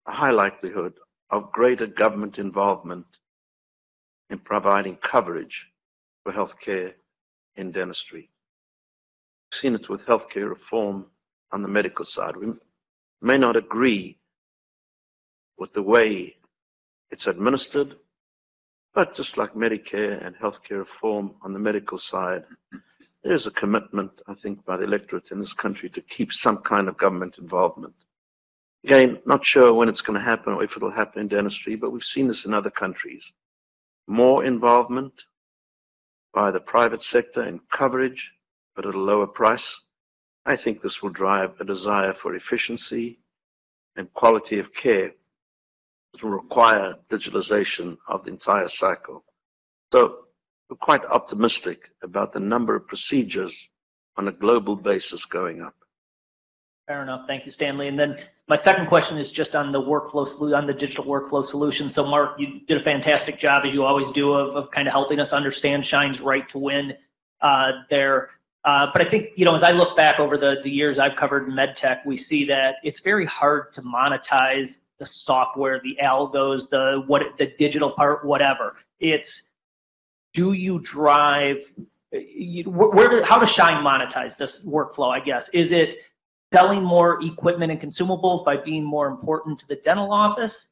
a high likelihood of greater government involvement in providing coverage for healthcare in dentistry. We've seen it with healthcare reform on the medical side. We may not agree with the way it's administered, but just like Medicare and healthcare reform on the medical side, there is a commitment, I think, by the electorate in this country to keep some kind of government involvement. Again, not sure when it's gonna happen or if it'll happen in dentistry, but we've seen this in other countries. More involvement by the private sector in coverage, but at a lower price. I think this will drive a desire for efficiency, and quality of care will require digitalization of the entire cycle. We're quite optimistic about the number of procedures on a global basis going up. Fair enough. Thank you, Stanley. My second question is just on the workflow on the digital workflow solution. Mark Hillebrandt, you did a fantastic job, as you always do, of kinda helping us understand Henry Schein's right to win there. I think, you know, as I look back over the years I've covered med tech, we see that it's very hard to monetize the software, the algos, the digital part, whatever. How does Henry Schein monetize this workflow, I guess? Is it selling more equipment and consumables by being more important to the dental office,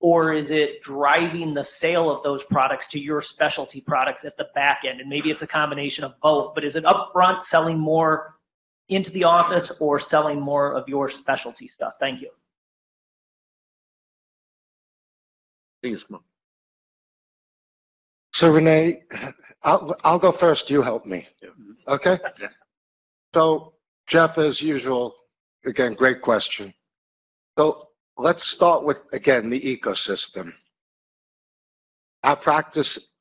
or is it driving the sale of those products to your specialty products at the back end? Maybe it's a combination of both, but is it upfront selling more into the office or selling more of your specialty stuff? Thank you. Please, Mark. René, I'll go first. You help me. Yeah. Mm-hmm. Okay? Yeah. Jeff, as usual, again, great question. Let's start with, again, the ecosystem.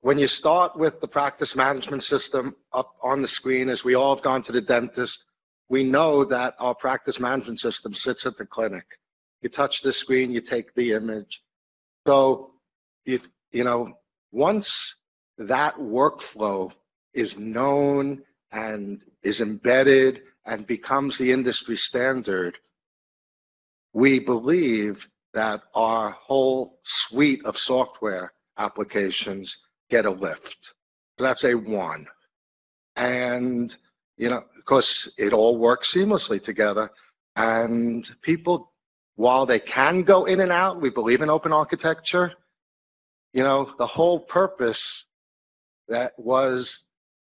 When you start with the practice management system up on the screen, as we all have gone to the dentist, we know that our practice management system sits at the clinic. You touch the screen, you take the image. You know, once that workflow is known and is embedded and becomes the industry standard, we believe that our whole suite of software applications get a lift. That's A one. You know, of course it all works seamlessly together. People, while they can go in and out, we believe in open architecture. You know, the whole purpose that was,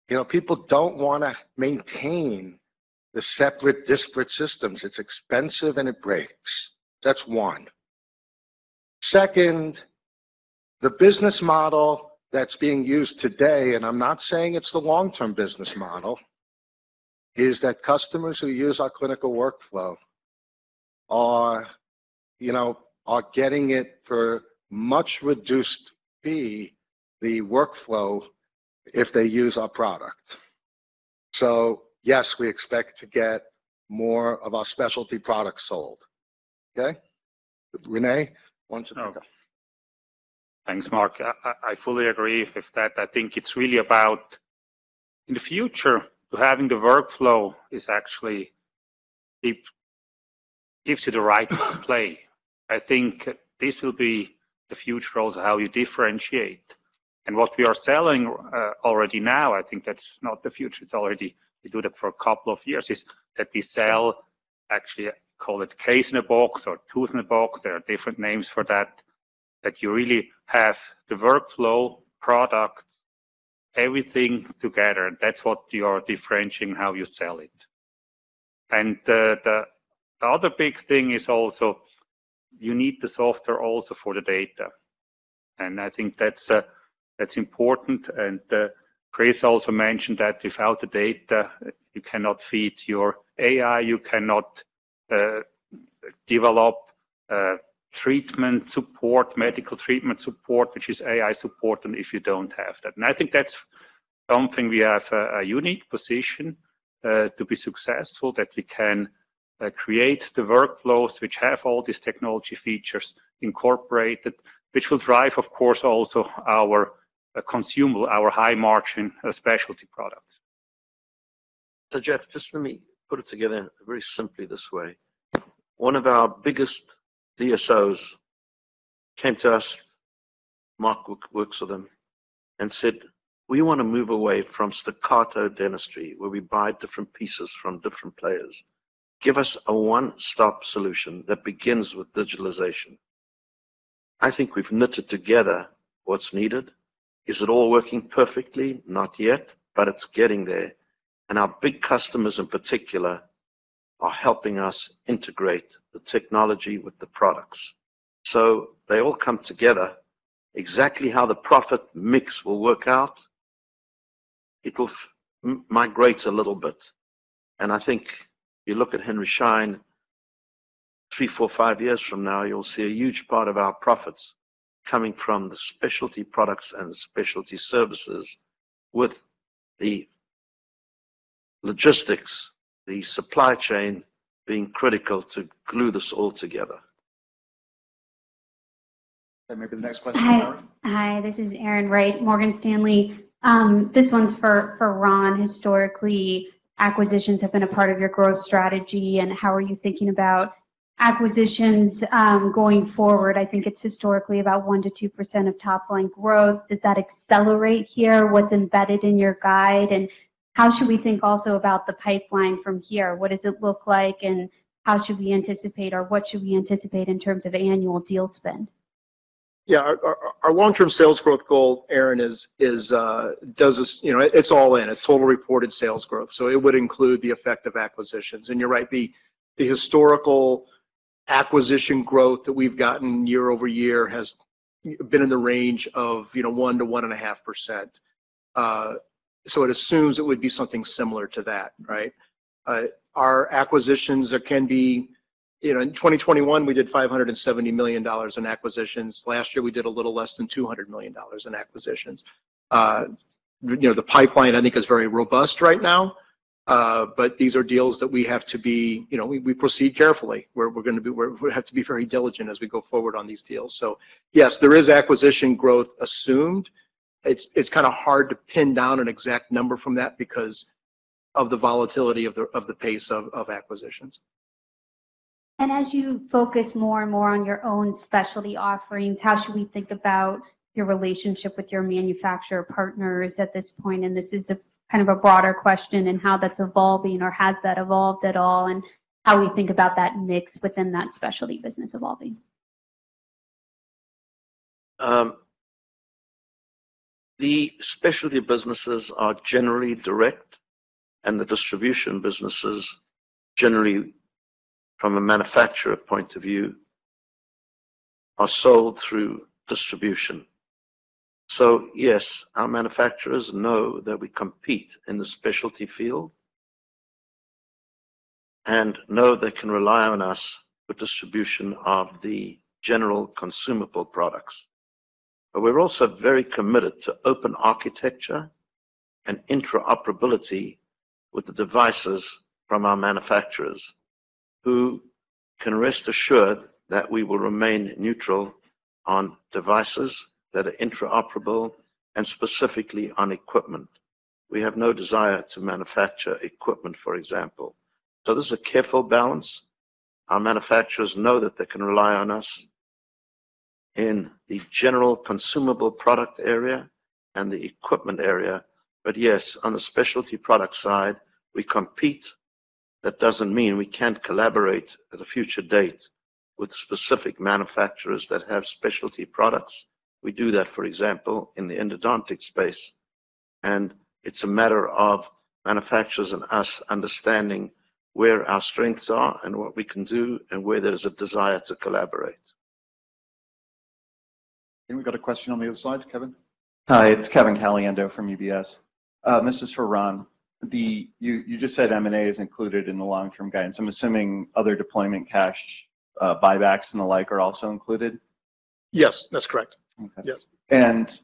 you know, people don't wanna maintain the separate disparate systems. It's expensive and it breaks. That's one. The business model that's being used today, and I'm not saying it's the long-term business model, is that customers who use our clinical workflow are, you know, are getting it for much reduced fee, the workflow, if they use our product. Yes, we expect to get more of our specialty products sold. Okay? René, why don't you. Thanks, Mark. I fully agree with that. I think it's really about in the future, having the workflow. It gives you the right play. I think this will be the future also how you differentiate. What we are selling already now, I think that's not the future, it's already, we do that for a couple of years, is that we sell actually, call it case in a box or tooth in a box. There are different names for that. That you really have the workflow, product, everything together. That's what you are differentiating how you sell it. The other big thing is also you need the software also for the data. I think that's important. Chris also mentioned that without the data, you cannot feed your AI, you cannot develop treatment support, medical treatment support, which is AI support, and if you don't have that. I think that's something we have a unique position to be successful, that we can create the workflows which have all these technology features incorporated, which will drive, of course, also our consumable, our high margin, specialty products. Jeff, just let me put it together very simply this way. One of our biggest DSOs came to us, Mark works with them, and said, "We wanna move away from staccato dentistry where we buy different pieces from different players. Give us a one-stop solution that begins with digitalization." I think we've knitted together what's needed. Is it all working perfectly? Not yet, but it's getting there, and our big customers in particular are helping us integrate the technology with the products. They all come together. Exactly how the profit mix will work out, it will migrate a little bit. I think you look at Henry Schein three, four, five years from now, you'll see a huge part of our profits coming from the specialty products and the specialty services with the logistics, the supply chain being critical to glue this all together. Maybe the next question, Erin. Hi. Hi, this is Erin Wright, Morgan Stanley. This one's for Ron. Historically, acquisitions have been a part of your growth strategy. How are you thinking about acquisitions going forward? I think it's historically about 1%-2% of top line growth. Does that accelerate here? What's embedded in your guide? How should we think also about the pipeline from here? What does it look like, and what should we anticipate in terms of annual deal spend? Yeah. Our long-term sales growth goal, Erin, is, you know, it's all in. It's total reported sales growth, so it would include the effect of acquisitions. You're right, the historical acquisition growth that we've gotten year-over-year has been in the range of, you know, 1%-1.5%. It assumes it would be something similar to that, right? Our acquisitions can be, you know, in 2021 we did $570 million in acquisitions. Last year we did a little less than $200 million in acquisitions. You know, the pipeline I think is very robust right now, these are deals that we have to be, you know, we proceed carefully. We're gonna be, we have to be very diligent as we go forward on these deals. Yes, there is acquisition growth assumed. It's kinda hard to pin down an exact number from that because of the volatility of the pace of acquisitions. As you focus more and more on your own specialty offerings, how should we think about your relationship with your manufacturer partners at this point? This is a, kind of a broader question in how that's evolving, or has that evolved at all, and how we think about that mix within that specialty business evolving. The specialty businesses are generally direct, the distribution businesses generally, from a manufacturer point of view, are sold through distribution. Yes, our manufacturers know that we compete in the specialty field and know they can rely on us for distribution of the general consumable products. We're also very committed to open architecture and interoperability with the devices from our manufacturers, who can rest assured that we will remain neutral on devices that are interoperable and specifically on equipment. We have no desire to manufacture equipment, for example. This is a careful balance. Our manufacturers know that they can rely on us in the general consumable product area and the equipment area. Yes, on the specialty product side, we compete. Doesn't mean we can't collaborate at a future date with specific manufacturers that have specialty products. We do that, for example, in the endodontic space, and it's a matter of manufacturers and us understanding where our strengths are and what we can do and where there is a desire to collaborate. Okay, we've got a question on the other side. Kevin? Hi, it's Kevin Caliendo from UBS. This is for Ron. You just said M&A is included in the long-term guidance. I'm assuming other deployment cash, buybacks and the like are also included? Yes, that's correct. Okay. Yes.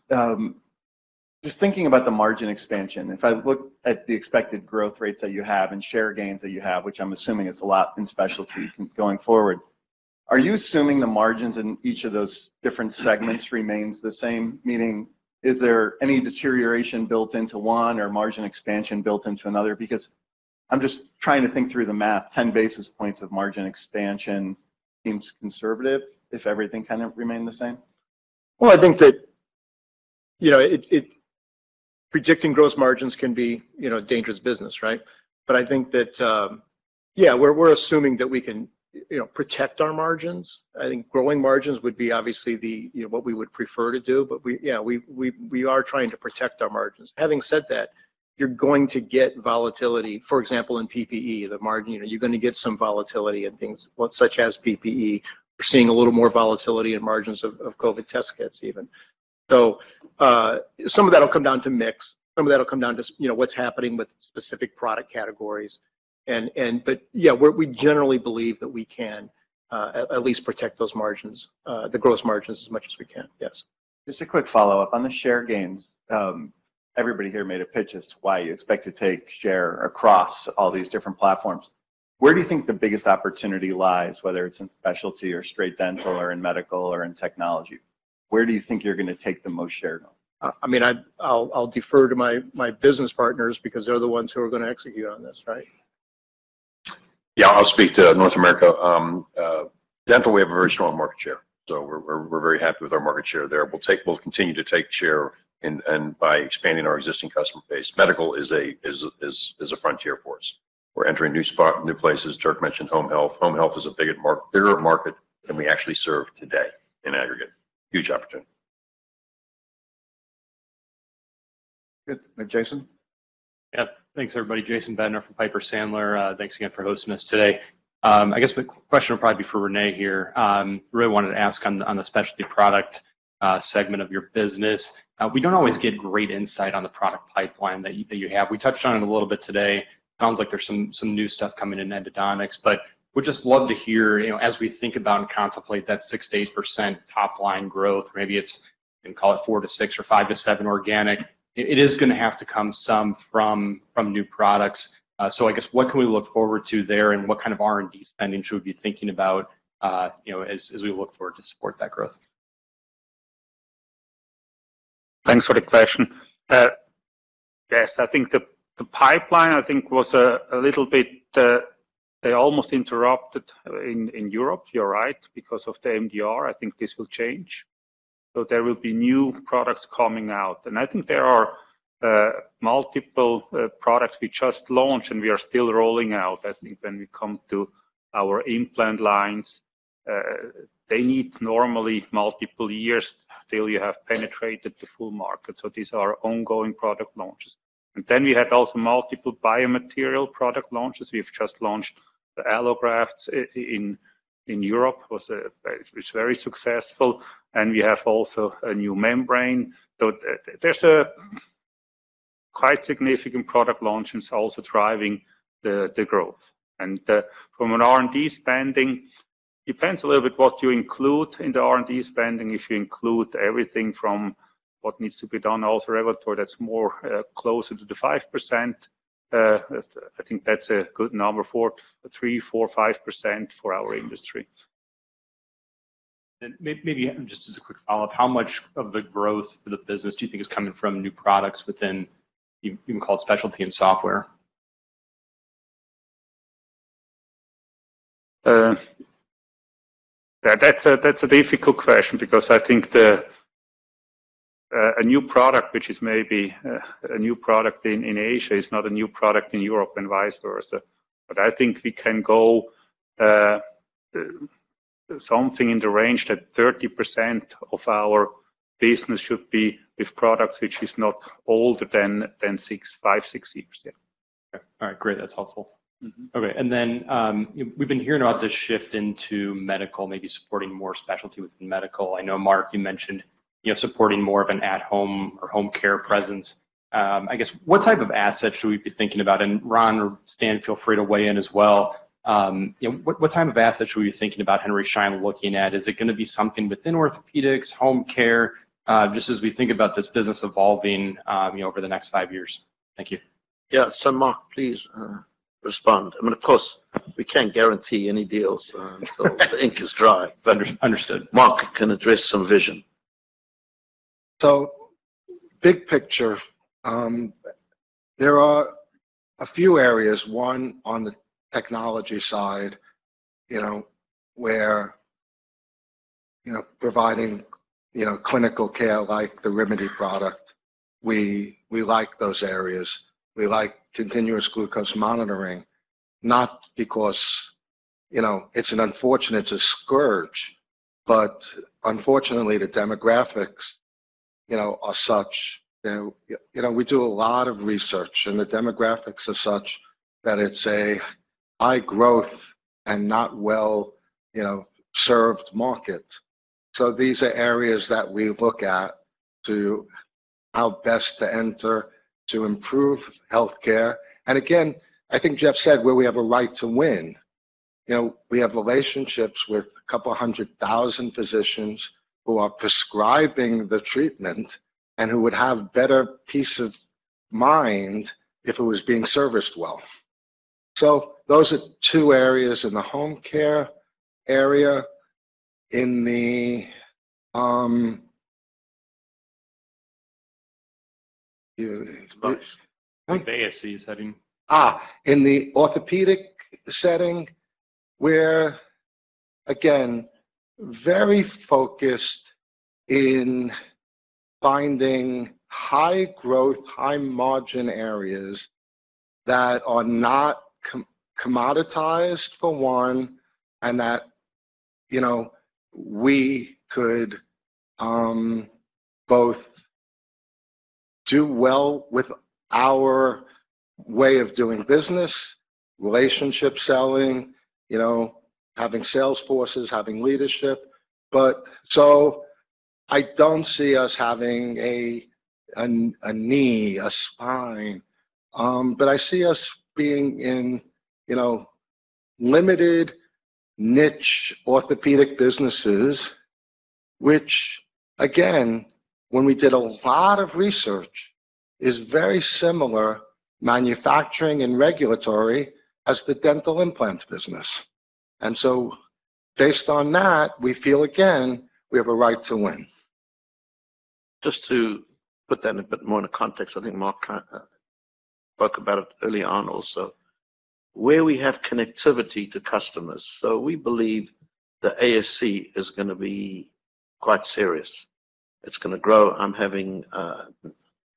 Just thinking about the margin expansion, if I look at the expected growth rates that you have and share gains that you have, which I'm assuming is a lot in specialty going forward, are you assuming the margins in each of those different segments remains the same? Meaning is there any deterioration built into one or margin expansion built into another? I'm just trying to think through the math. 10 basis points of margin expansion seems conservative if everything kind of remained the same. Well, I think that, you know, predicting gross margins can be, you know, dangerous business, right? I think that, yeah, we're assuming that we can, you know, protect our margins. I think growing margins would be obviously the, you know, what we would prefer to do, but we, yeah, we are trying to protect our margins. Having said that, you're going to get volatility. For example, in PPE, the margin, you know, you're going to get some volatility in things such as PPE. We're seeing a little more volatility in margins of COVID test kits even. Some of that'll come down to mix, some of that'll come down to, you know, what's happening with specific product categories. Yeah, we generally believe that we can, at least protect those margins, the gross margins as much as we can, yes. Just a quick follow-up. On the share gains, everybody here made a pitch as to why you expect to take share across all these different platforms. Where do you think the biggest opportunity lies, whether it's in specialty or straight dental or in medical or in technology? Where do you think you're gonna take the most share, though? I mean, I'll defer to my business partners because they're the ones who are gonna execute on this, right? Yeah, I'll speak to North America. Dental, we have a very strong market share, so we're very happy with our market share there. We'll continue to take share and by expanding our existing customer base. Medical is a frontier for us. We're entering new spot, new places. Dirk mentioned home health. Home health is a bigger market than we actually serve today in aggregate. Huge opportunity. Good. Jason? Yeah. Thanks, everybody. Jason Bednar from Piper Sandler. Thanks again for hosting us today. I guess my question would probably be for René here. Really wanted to ask on the specialty product segment of your business. We don't always get great insight on the product pipeline that you have. We touched on it a little bit today. Sounds like there's some new stuff coming in endodontics, but would just love to hear, you know, as we think about and contemplate that 6%-8% top line growth, maybe you can call it 4%-6% or 5%-7% organic. It is gonna have to come some from new products. I guess what can we look forward to there, and what kind of R&D spending should we be thinking about, you know, as we look forward to support that growth? Thanks for the question. Yes, I think the pipeline was a little bit, they almost interrupted in Europe, you're right, because of the MDR. I think this will change. There will be new products coming out. I think there are multiple products we just launched, and we are still rolling out. I think when we come to our implant lines, they need normally multiple years till you have penetrated the full market. These are ongoing product launches. Then we had also multiple biomaterial product launches. We've just launched the allografts in Europe. It was very successful, and we have also a new membrane. There's a quite significant product launches also driving the growth. From an R&D spending, depends a little bit what you include in the R&D spending. If you include everything from what needs to be done also regulatory, that's more, closer to the 5%. I think that's a good number for 3%, 4%, 5% for our industry. Maybe just as a quick follow-up, how much of the growth for the business do you think is coming from new products within you can call it specialty and software? That's a difficult question because I think a new product which is maybe a new product in Asia is not a new product in Europe and vice versa. I think we can go something in the range that 30% of our business should be with products which is not older than 6, 5, 6 years, yeah. Okay. All right. Great. That's helpful. Okay. We've been hearing about this shift into medical, maybe supporting more specialty within medical. I know, Mark, you mentioned, supporting more of an at home or home care presence. I guess what type of assets should we be thinking about? Ron or Stan, feel free to weigh in as well. What type of assets should we be thinking about Henry Schein looking at? Is it gonna be something within orthopedics, home care, just as we think about this business evolving, over the next five years? Thank you. Yeah. Mark, please respond. I mean, of course, we can't guarantee any deals until the ink is dry. Understood. Mark can address some vision. Big picture, there are a few areas. One, on the technology side, you know, where, you know, providing, you know, clinical care like the Rimidi product, we like those areas. We like continuous glucose monitoring, not because, you know, it's an unfortunate to scourge, but unfortunately the demographics, you know, are such, you know, we do a lot of research, and the demographics are such that it's a high growth and not well, you know, served market. These are areas that we look at to how best to enter to improve healthcare. Again, I think Jeff said, where we have a right to win. You know, we have relationships with a couple hundred thousand physicians who are prescribing the treatment and who would have better peace of mind if it was being serviced well. Those are two areas in the home care area. In the. In the orthopedic setting. In the orthopedic setting, we're again very focused in finding high growth, high margin areas that are not commoditized for one, and that, you know, we could both do well with our way of doing business, relationship selling, you know, having sales forces, having leadership. I don't see us having a, an, a knee, a spine, but I see us being in, you know, limited niche orthopedic businesses, which again, when we did a lot of research, is very similar manufacturing and regulatory as the dental implants business. Based on that, we feel again, we have a right to win. Just to put that in a bit more in a context, I think Mark spoke about it early on also. Where we have connectivity to customers, we believe the ASC is gonna be quite serious. It's gonna grow. I'm having a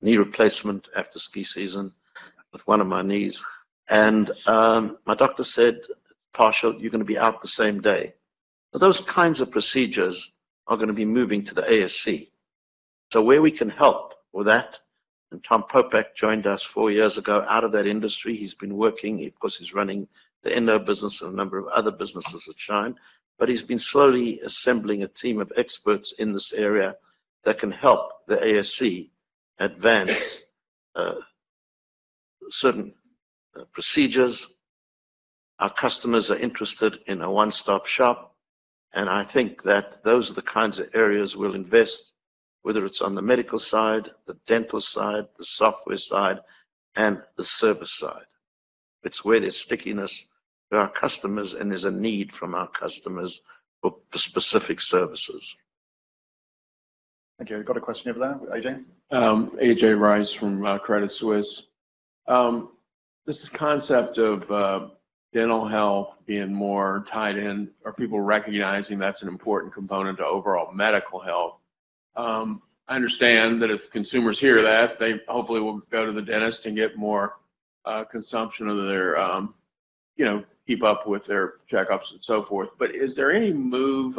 knee replacement after ski season with one of my knees, and my doctor said, "Partial, you're gonna be out the same day." Those kinds of procedures are gonna be moving to the ASC. Where we can help with that, and Tom Popeck joined us four years ago out of that industry. He's been working, of course, he's running the Endo business and a number of other businesses at Schein. He's been slowly assembling a team of experts in this area that can help the ASC advance certain procedures. Our customers are interested in a one-stop shop, and I think that those are the kinds of areas we'll invest, whether it's on the medical side, the dental side, the software side, and the service side. It's where there's stickiness with our customers, and there's a need from our customers for specific services. Okay. Got a question over there. A.J.? A.J. Rice from Credit Suisse. This concept of dental health being more tied in, are people recognizing that's an important component to overall medical health? I understand that if consumers hear that, they hopefully will go to the dentist and get more consumption of their, you know, keep up with their checkups and so forth. Is there any move,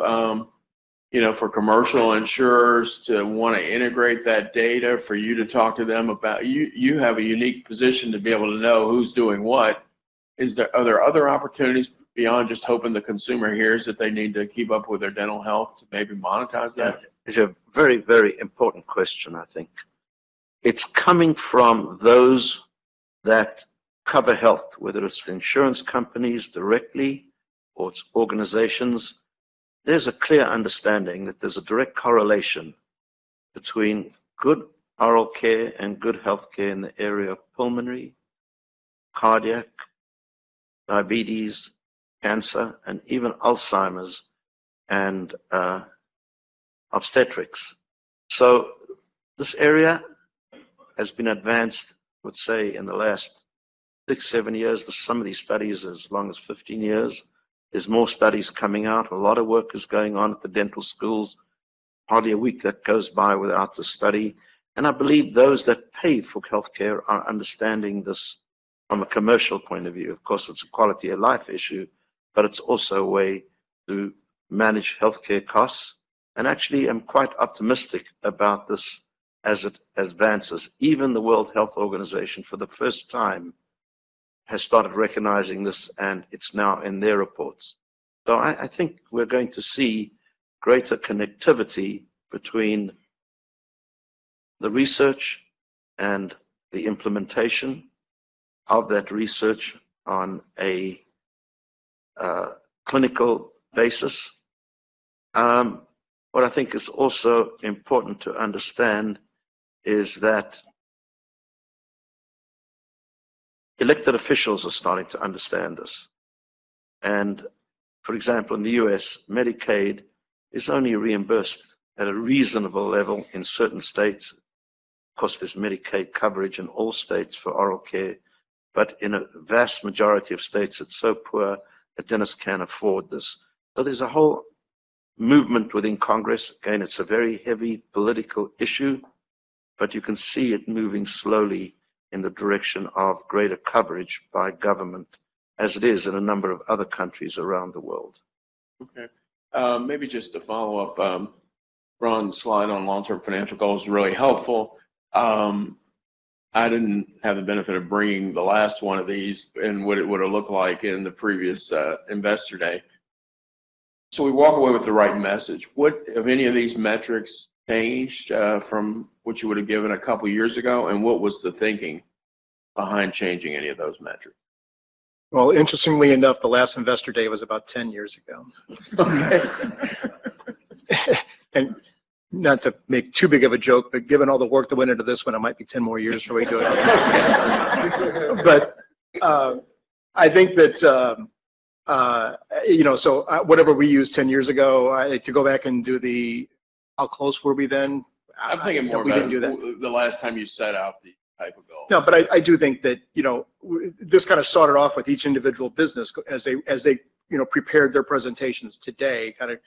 you know, for commercial insurers to wanna integrate that data for you to talk to them about? You, you have a unique position to be able to know who's doing what. Are there other opportunities beyond just hoping the consumer hears that they need to keep up with their dental health to maybe monetize that? That is a very, very important question, I think. It's coming from those that cover health, whether it's insurance companies directly or it's organizations. There's a clear understanding that there's a direct correlation between good oral care and good healthcare in the area of pulmonary, cardiac, diabetes, cancer, and even Alzheimer's and obstetrics. This area has been advanced, I would say, in the last 6, 7 years. Some of these studies as long as 15 years. There's more studies coming out. A lot of work is going on at the dental schools. Hardly a week that goes by without a study. I believe those that pay for healthcare are understanding this from a commercial point of view. Of course, it's a quality of life issue, but it's also a way to manage healthcare costs. Actually, I'm quite optimistic about this as it advances. Even the World Health Organization, for the first time, has started recognizing this, and it's now in their reports. I think we're going to see greater connectivity between the research and the implementation of that research on a clinical basis. What I think is also important to understand is that elected officials are starting to understand this. For example, in the U.S., Medicaid is only reimbursed at a reasonable level in certain states. Of course, there's Medicaid coverage in all states for oral care, but in a vast majority of states, it's so poor that dentists can't afford this. There's a whole movement within Congress. Again, it's a very heavy political issue, but you can see it moving slowly in the direction of greater coverage by government as it is in a number of other countries around the world. Okay. Maybe just to follow up, Ron's slide on long-term financial goals was really helpful. I didn't have the benefit of bringing the last one of these and what it would've looked like in the previous Investor Day. We walk away with the right message. What have any of these metrics changed from what you would have given a couple of years ago? What was the thinking behind changing any of those metrics? Well, interestingly enough, the last Investor Day was about 10 years ago. Not to make too big of a joke, but given all the work that went into this one, it might be 10 more years before we do it again. I think that, you know, whatever we used 10 years ago, to go back and do the how close were we then, we didn't do that. I'm thinking more about the last time you set out the type of goals. I do think that, you know, this kind of started off with each individual business as they, you know, prepared their presentations today, kinda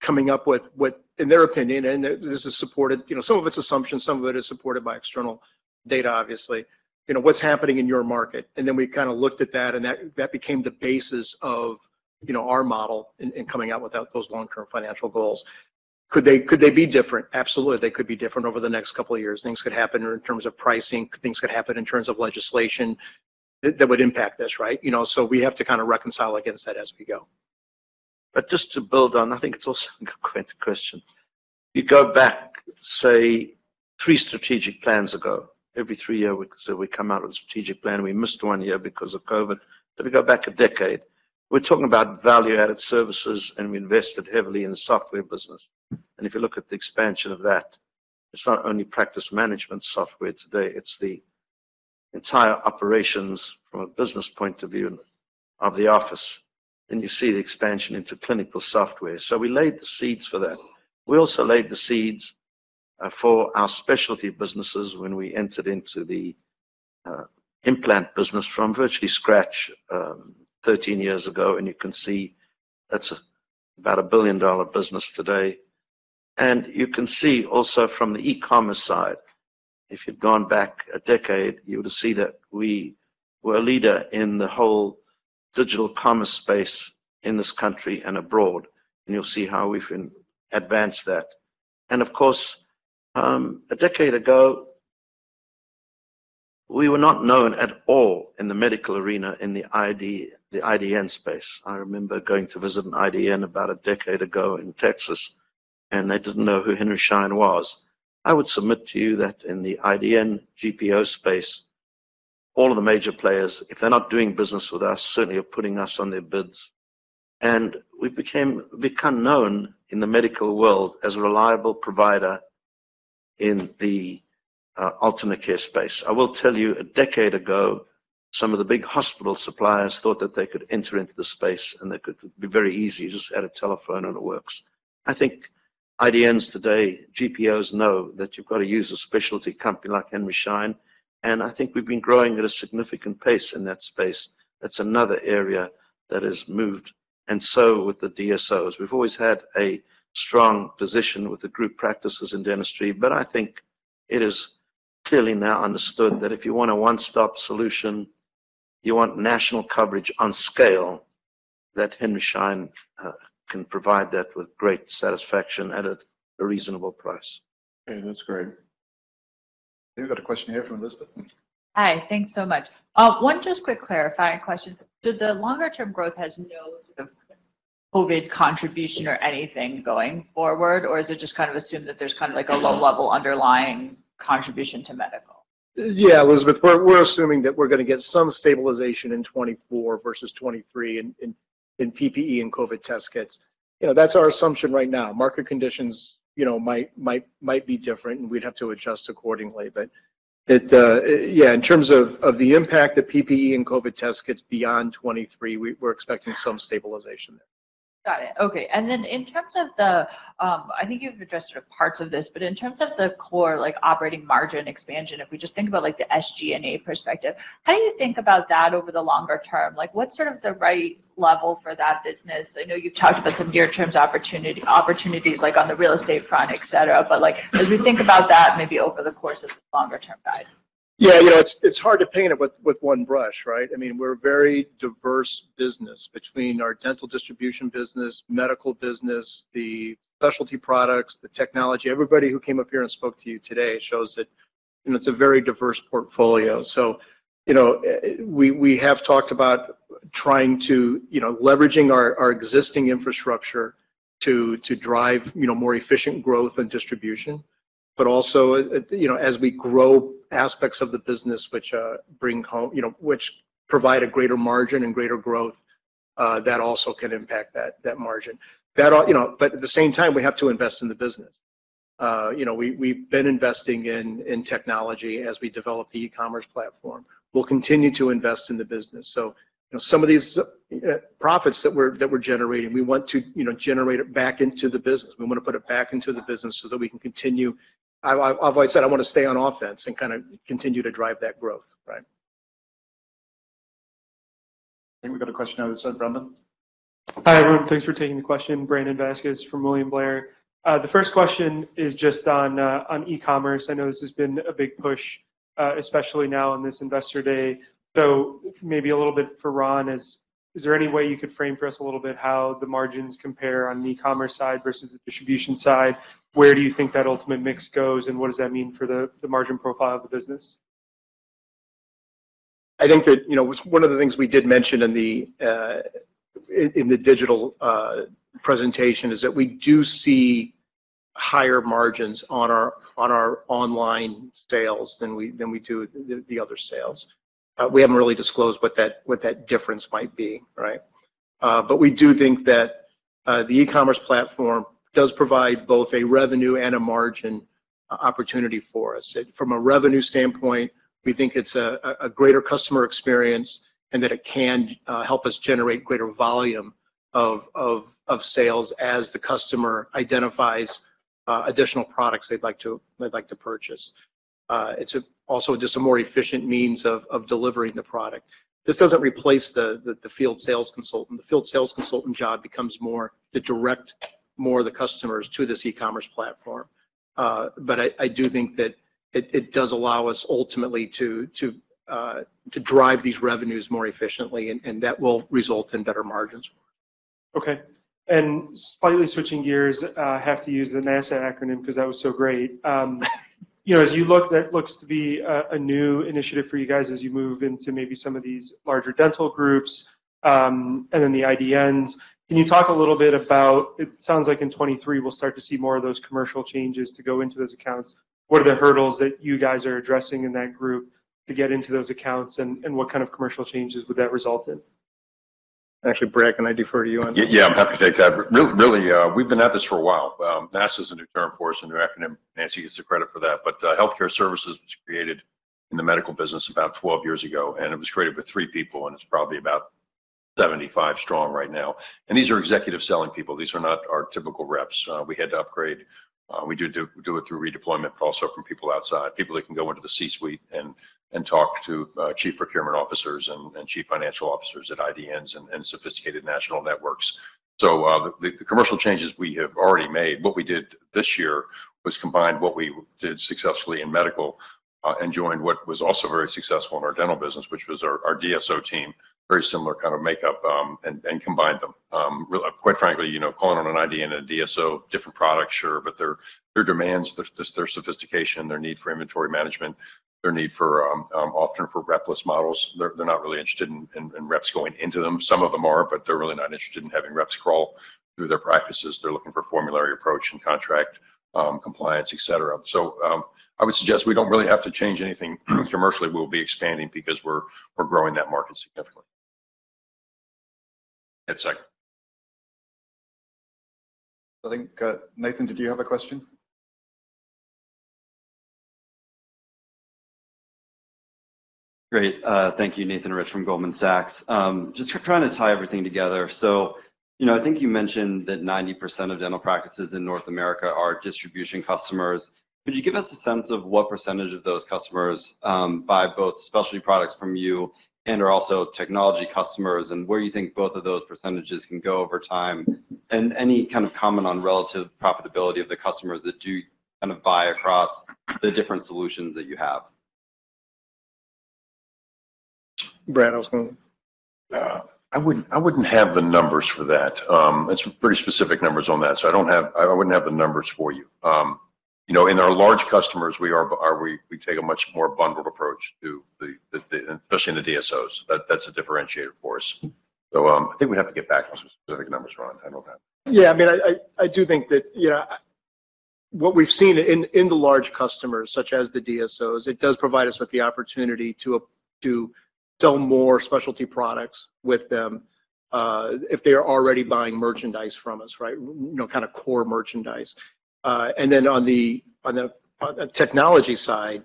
coming up with what, in their opinion, and this is supported. Some of it's assumption, some of it is supported by external data, obviously. What's happening in your market. We kinda looked at that, and that became the basis of, you know, our model in coming out with those long-term financial goals. Could they be different? Absolutely. They could be different over the next couple of years. Things could happen in terms of pricing. Things could happen in terms of legislation that would impact this, right? We have to kinda reconcile against that as we go. Just to build on, I think it's also a great question. You go back, say, 3 strategic plans ago. Every 3 year we come out with a strategic plan. We missed 1 year because of COVID. We go back a decade. We're talking about value-added services, and we invested heavily in the software business. If you look at the expansion of that, it's not only practice management software today, it's the entire operations from a business point of view of the office, then you see the expansion into clinical software. We laid the seeds for that. We also laid the seeds for our specialty businesses when we entered into the implant business from virtually scratch, 13 years ago, and you can see that's about a billion-dollar business today. You can see also from the e-commerce side, if you'd gone back a decade, you would have seen that we were a leader in the whole digital commerce space in this country and abroad, and you'll see how we've advanced that. Of course, a decade ago, we were not known at all in the medical arena in the IDN space. I remember going to visit an IDN about a decade ago in Texas, and they didn't know who Henry Schein was. I would submit to you that in the IDN GPO space, all of the major players, if they're not doing business with us, certainly are putting us on their bids. We become known in the medical world as a reliable provider in the alternate care space. I will tell you, a decade ago, some of the big hospital suppliers thought that they could enter into the space, and they could be very easy, just add a telephone and it works. I think IDNs today, GPOs know that you've got to use a specialty company like Henry Schein, and I think we've been growing at a significant pace in that space. That's another area that has moved. With the DSOs, we've always had a strong position with the group practices in dentistry, but I think it is clearly now understood that if you want a one-stop solution, you want national coverage on scale, that Henry Schein can provide that with great satisfaction at a reasonable price. Okay, that's great. We've got a question here from Elizabeth. Hi. Thanks so much. One just quick clarifying question. Do the longer term growth has no sort of COVID contribution or anything going forward, or is it just kind of assumed that there's kind of like a low-level underlying contribution to medical? Yeah, Elizabeth, we're assuming that we're going to get some stabilization in 2024 versus 2023 in PPE and COVID test kits. You know, that's our assumption right now. Market conditions, you know, might be different, we'd have to adjust accordingly. Yeah, in terms of the impact of PPE and COVID test kits beyond 2023, we're expecting some stabilization there. Got it. Okay. In terms of the, I think you've addressed sort of parts of this, but in terms of the core, like operating margin expansion, if we just think about like the SG&A perspective, how do you think about that over the longer term? Like, what's sort of the right level for that business? I know you've talked about some near-term opportunities like on the real estate front, et cetera. As we think about that, maybe over the course of the longer-term guide. Yeah. You know, it's hard to paint it with one brush, right? I mean, we're a very diverse business between our dental distribution business, medical business, the specialty products, the technology. Everybody who came up here and spoke to you today shows that, you know, it's a very diverse portfolio. You know, we have talked about trying to, you know, leveraging our existing infrastructure to drive, you know, more efficient growth and distribution. Also, you know, as we grow aspects of the business which bring home, you know, which provide a greater margin and greater growth, that also can impact that margin. That all, you know, at the same time, we have to invest in the business. You know, we've been investing in technology as we develop the e-commerce platform. We'll continue to invest in the business. You know, some of these profits that we're generating, we want to, you know, generate it back into the business. We want to put it back into the business so that we can continue. I've always said, I want to stay on offense and kind of continue to drive that growth, right? I think we've got a question now from Brendan. Hi, everyone. Thanks for taking the question. Brandon Vazquez from William Blair. The first question is just on e-commerce. I know this has been a big push, especially now in this investor day. Maybe a little bit for Ron, is there any way you could frame for us a little bit how the margins compare on the e-commerce side versus the distribution side? Where do you think that ultimate mix goes, what does that mean for the margin profile of the business? I think that, you know, one of the things we did mention in the digital presentation is that we do see higher margins on our online sales than we do the other sales. We haven't really disclosed what that difference might be, right? We do think that the e-commerce platform does provide both a revenue and a margin opportunity for us. From a revenue standpoint, we think it's a greater customer experience and that it can help us generate greater volume of sales as the customer identifies additional products they'd like to purchase. It's also just a more efficient means of delivering the product. This doesn't replace the field sales consultant. The field sales consultant job becomes more to direct more of the customers to this e-commerce platform. I do think that it does allow us ultimately to drive these revenues more efficiently, and that will result in better margins. Okay. Slightly switching gears, I have to use the NASA acronym 'cause that was so great. You know, as you look, that looks to be a new initiative for you guys as you move into maybe some of these larger dental groups, and then the IDNs. Can you talk a little bit about, it sounds like in 2023 we'll start to see more of those commercial changes to go into those accounts. What are the hurdles that you guys are addressing in that group to get into those accounts, and what kind of commercial changes would that result in? Actually, Brad, can I defer to you on that? Yeah, yeah, I'm happy to take that. Really, we've been at this for a while. NASA's a new term for us, a new acronym. Nancy gets the credit for that. Healthcare services was created in the medical business about 12 years ago, and it was created with 3 people, and it's probably about 75 strong right now. These are executive selling people. These are not our typical reps. We had to upgrade. We do it through redeployment, but also from people outside, people that can go into the C-suite and talk to chief procurement officers and chief financial officers at IDNs and sophisticated national networks. The commercial changes we have already made. What we did this year was combined what we did successfully in medical, and joined what was also very successful in our dental business, which was our DSO team, very similar kind of makeup, and combined them. Quite frankly, you know, calling on an IDN and a DSO, different products, sure, but their demands, their sophistication, their need for inventory management, their need for, often for repless models. They're not really interested in reps going into them. Some of them are, but they're really not interested in having reps crawl through their practices. They're looking for formulary approach and contract, compliance, et cetera. I would suggest we don't really have to change anything commercially. We'll be expanding because we're growing that market significantly. That's it. I think, Nathan, did you have a question? Great. Thank you. Nathan Rich from Goldman Sachs. Just trying to tie everything together. You know, I think you mentioned that 90% of dental practices in North America are distribution customers. Could you give us a sense of what percentage of those customers buy both specialty products from you and are also technology customers, and where you think both of those percentages can go over time? Any kind of comment on relative profitability of the customers that do kind of buy across the different solutions that you have? Brad, I was gonna... I wouldn't, I wouldn't have the numbers for that. It's pretty specific numbers on that, so I wouldn't have the numbers for you. You know, in our large customers, we take a much more bundled approach to the especially in the DSOs. That's a differentiator for us. I think we'd have to get back on some specific numbers, Ron. I don't have them. I mean, I do think that, you know, what we've seen in the large customers, such as the DSOs, it does provide us with the opportunity to sell more specialty products with them, if they are already buying merchandise from us, right? You know, kind of core merchandise. Then on the technology side,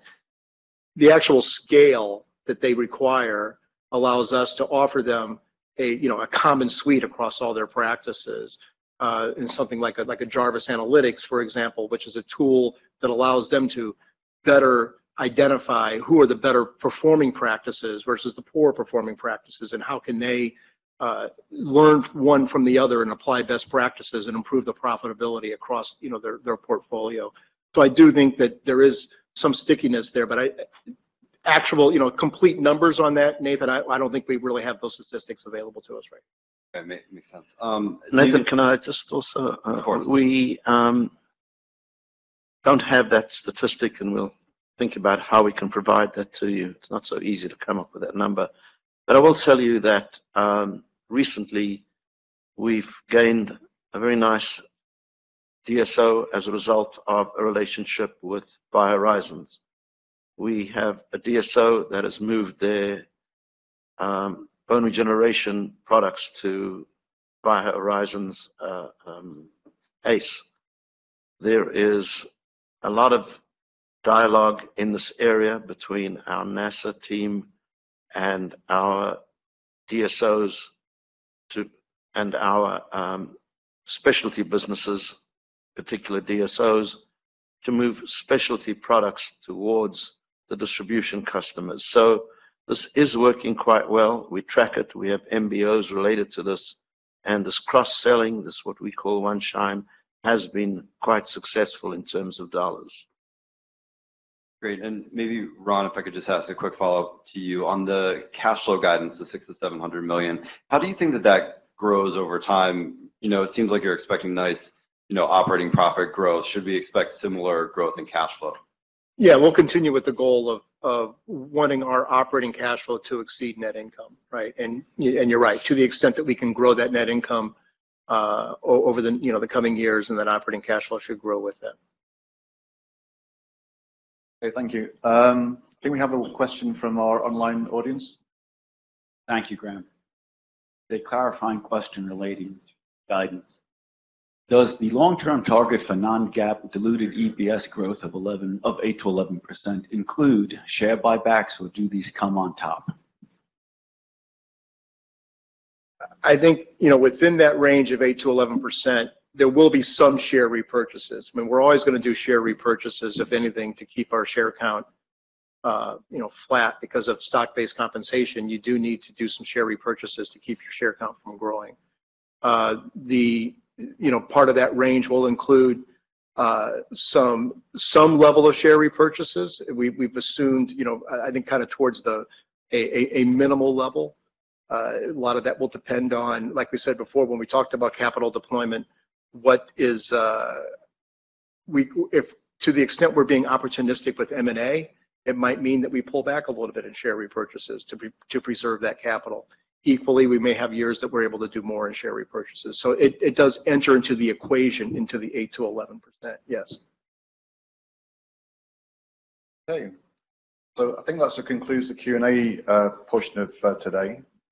the actual scale that they require allows us to offer them a, you know, a common suite across all their practices, in something like Jarvis Analytics, for example, which is a tool that allows them to better identify who are the better performing practices versus the poor performing practices, and how can they learn one from the other and apply best practices and improve the profitability across, you know, their portfolio. I do think that there is some stickiness there, but Actual, you know, complete numbers on that, Nathan, I don't think we really have those statistics available to us right now. Yeah. makes sense. Nathan, can I just also- Of course. We don't have that statistic, and we'll think about how we can provide that to you. It's not so easy to come up with that number. I will tell you that recently we've gained a very nice DSO as a result of a relationship with BioHorizons. We have a DSO that has moved their bone regeneration products to BioHorizons' ACE. There is a lot of dialogue in this area between our NASA team and our DSOs and our specialty businesses, particularly DSOs, to move specialty products towards the distribution customers. This is working quite well. We track it. We have MBOs related to this. This cross-selling, this what we call One Schein, has been quite successful in terms of dollars. Great. Maybe, Ron, if I could just ask a quick follow-up to you. On the cash flow guidance, the $600 million-$700 million, how do you think that that grows over time? You know, it seems like you're expecting nice, you know, operating profit growth. Should we expect similar growth in cash flow? Yeah. We'll continue with the goal of wanting our operating cash flow to exceed net income, right? You're right. To the extent that we can grow that net income, over the, you know, the coming years. That operating cash flow should grow with it. Okay. Thank you. I think we have a question from our online audience. Thank you, Graham. A clarifying question relating to guidance. Does the long-term target for non-GAAP diluted EPS growth of 8%-11% include share buybacks, or do these come on top? I think, you know, within that range of 8%-11%, there will be some share repurchases. I mean, we're always gonna do share repurchases, if anything, to keep our share count, you know, flat. Because of stock-based compensation, you do need to do some share repurchases to keep your share count from growing. The, you know, part of that range will include some level of share repurchases. We've assumed, you know, I think kinda towards a minimal level. A lot of that will depend on, like we said before, when we talked about capital deployment, what is. If to the extent we're being opportunistic with M&A, it might mean that we pull back a little bit in share repurchases to preserve that capital. Equally, we may have years that we're able to do more in share repurchases. It does enter into the equation, into the 8%-11%, yes. Okay. I think that concludes the Q&A portion of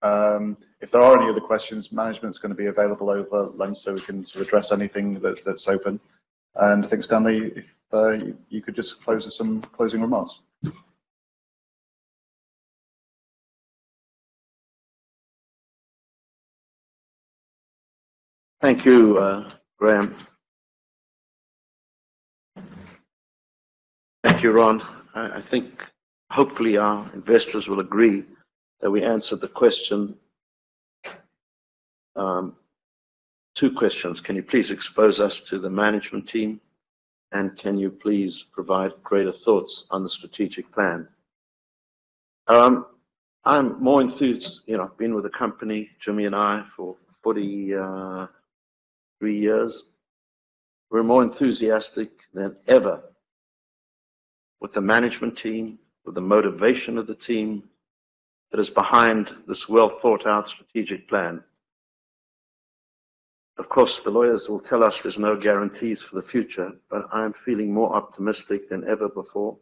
today. If there are any other questions, management's gonna be available over lunch, we can sort of address anything that's open. I think, Stanley, if you could just close with some closing remarks. Thank you, Graham. Thank you, Ron. I think hopefully our investors will agree that we answered the question. 2 questions. Can you please expose us to the management team? Can you please provide greater thoughts on the Strategic Plan? I'm more enthus-- you know, I've been with the company, Jimmy and I, for 43 years. We're more enthusiastic than ever with the management team, with the motivation of the team that is behind this well-thought-out Strategic Plan. Of course, the lawyers will tell us there's no guarantees for the future, I'm feeling more optimistic than ever before.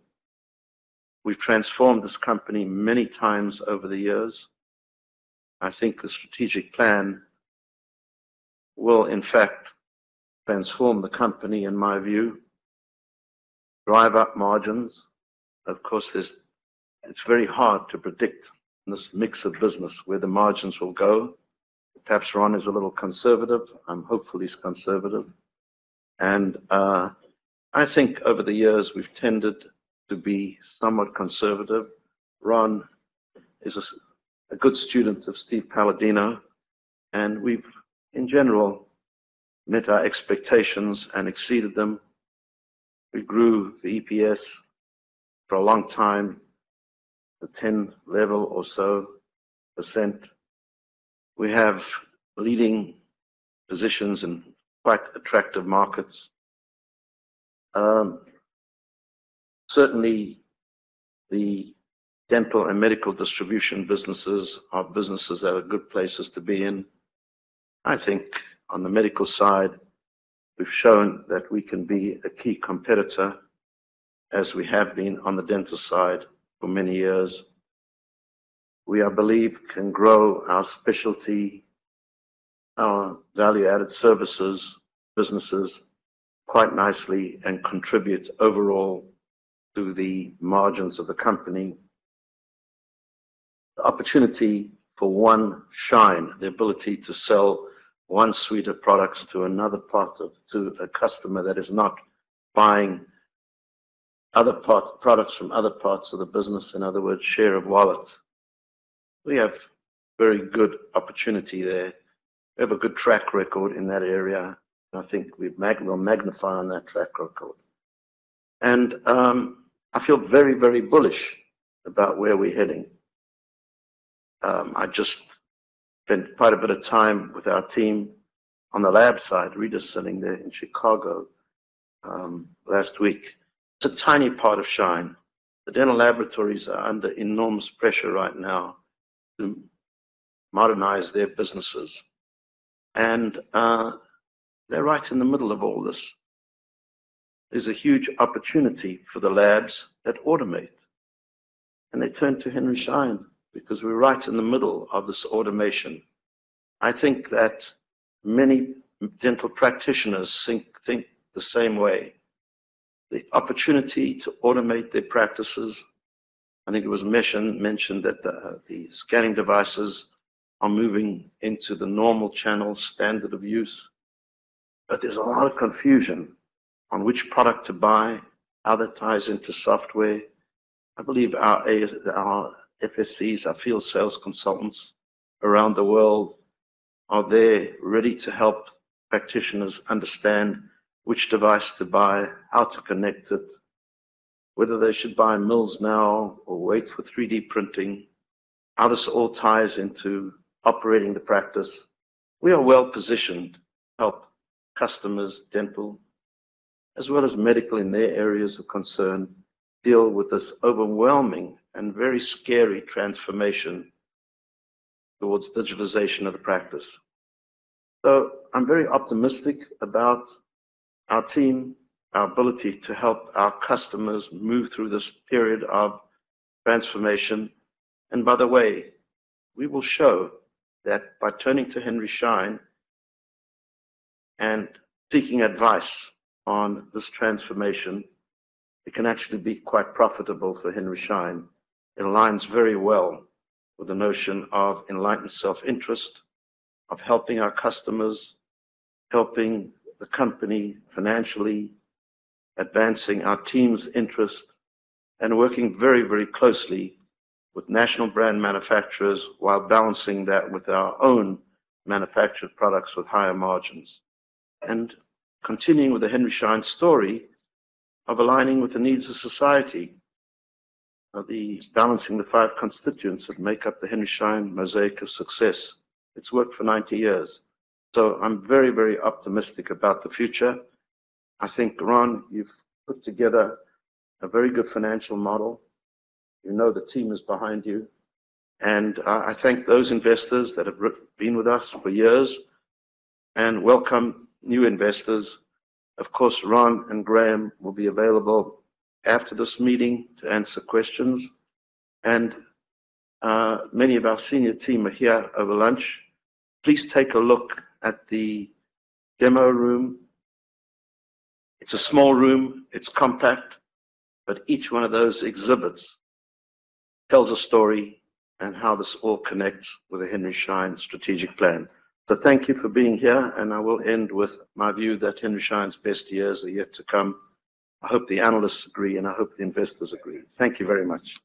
We've transformed this company many times over the years. I think the Strategic Plan will in fact transform the company, in my view, drive up margins. Of course, it's very hard to predict this mix of business, where the margins will go. Perhaps Ron is a little conservative. I'm hopeful he's conservative. I think over the years we've tended to be somewhat conservative. Ron is a good student of Steven Paladino, we've in general met our expectations and exceeded them. We grew the EPS for a long time, the 10 level or so %. We have leading positions in quite attractive markets. Certainly the dental and medical distribution businesses are businesses that are good places to be in. I think on the medical side, we've shown that we can be a key competitor, as we have been on the dental side for many years. We, I believe, can grow our specialty, our value-added services, businesses quite nicely and contribute overall to the margins of the company. The opportunity for One Schein, the ability to sell one suite of products to a customer that is not buying products from other parts of the business, in other words, share of wallet. We have very good opportunity there. We have a good track record in that area, I think we'll magnify on that track record. I feel very, very bullish about where we're heading. I just spent quite a bit of time with our team on the lab side, rediscovering there in Chicago last week. It's a tiny part of Schein. The dental laboratories are under enormous pressure right now to modernize their businesses. They're right in the middle of all this. There's a huge opportunity for the labs that automate, and they turn to Henry Schein because we're right in the middle of this automation. I think that many dental practitioners think the same way. The opportunity to automate their practices, I think it was mentioned that the scanning devices are moving into the normal channel standard of use. There's a lot of confusion on which product to buy, how that ties into software. I believe our FSCs, our field sales consultants around the world are there ready to help practitioners understand which device to buy, how to connect it, whether they should buy mills now or wait for 3D printing, how this all ties into operating the practice. We are well-positioned to help customers, dental as well as medical, in their areas of concern, deal with this overwhelming and very scary transformation towards digitalization of the practice. I'm very optimistic about our team, our ability to help our customers move through this period of transformation. By the way, we will show that by turning to Henry Schein and seeking advice on this transformation, it can actually be quite profitable for Henry Schein. It aligns very well with the notion of enlightened self-interest, of helping our customers, helping the company financially, advancing our team's interest, and working very, very closely with national brand manufacturers while balancing that with our own manufactured products with higher margins. Continuing with the Henry Schein story of aligning with the needs of society, of the balancing the five constituents that make up the Henry Schein Mosaic of Success. It's worked for 90 years. I'm very, very optimistic about the future. I think, Ron, you've put together a very good financial model. You know the team is behind you. I thank those investors that have been with us for years and welcome new investors. Of course, Ron and Graham will be available after this meeting to answer questions. Many of our senior team are here over lunch. Please take a look at the demo room. It's a small room, it's compact, but each one of those exhibits tells a story on how this all connects with the Henry Schein strategic plan. Thank you for being here, and I will end with my view that Henry Schein's best years are yet to come. I hope the analysts agree, and I hope the investors agree. Thank you very much.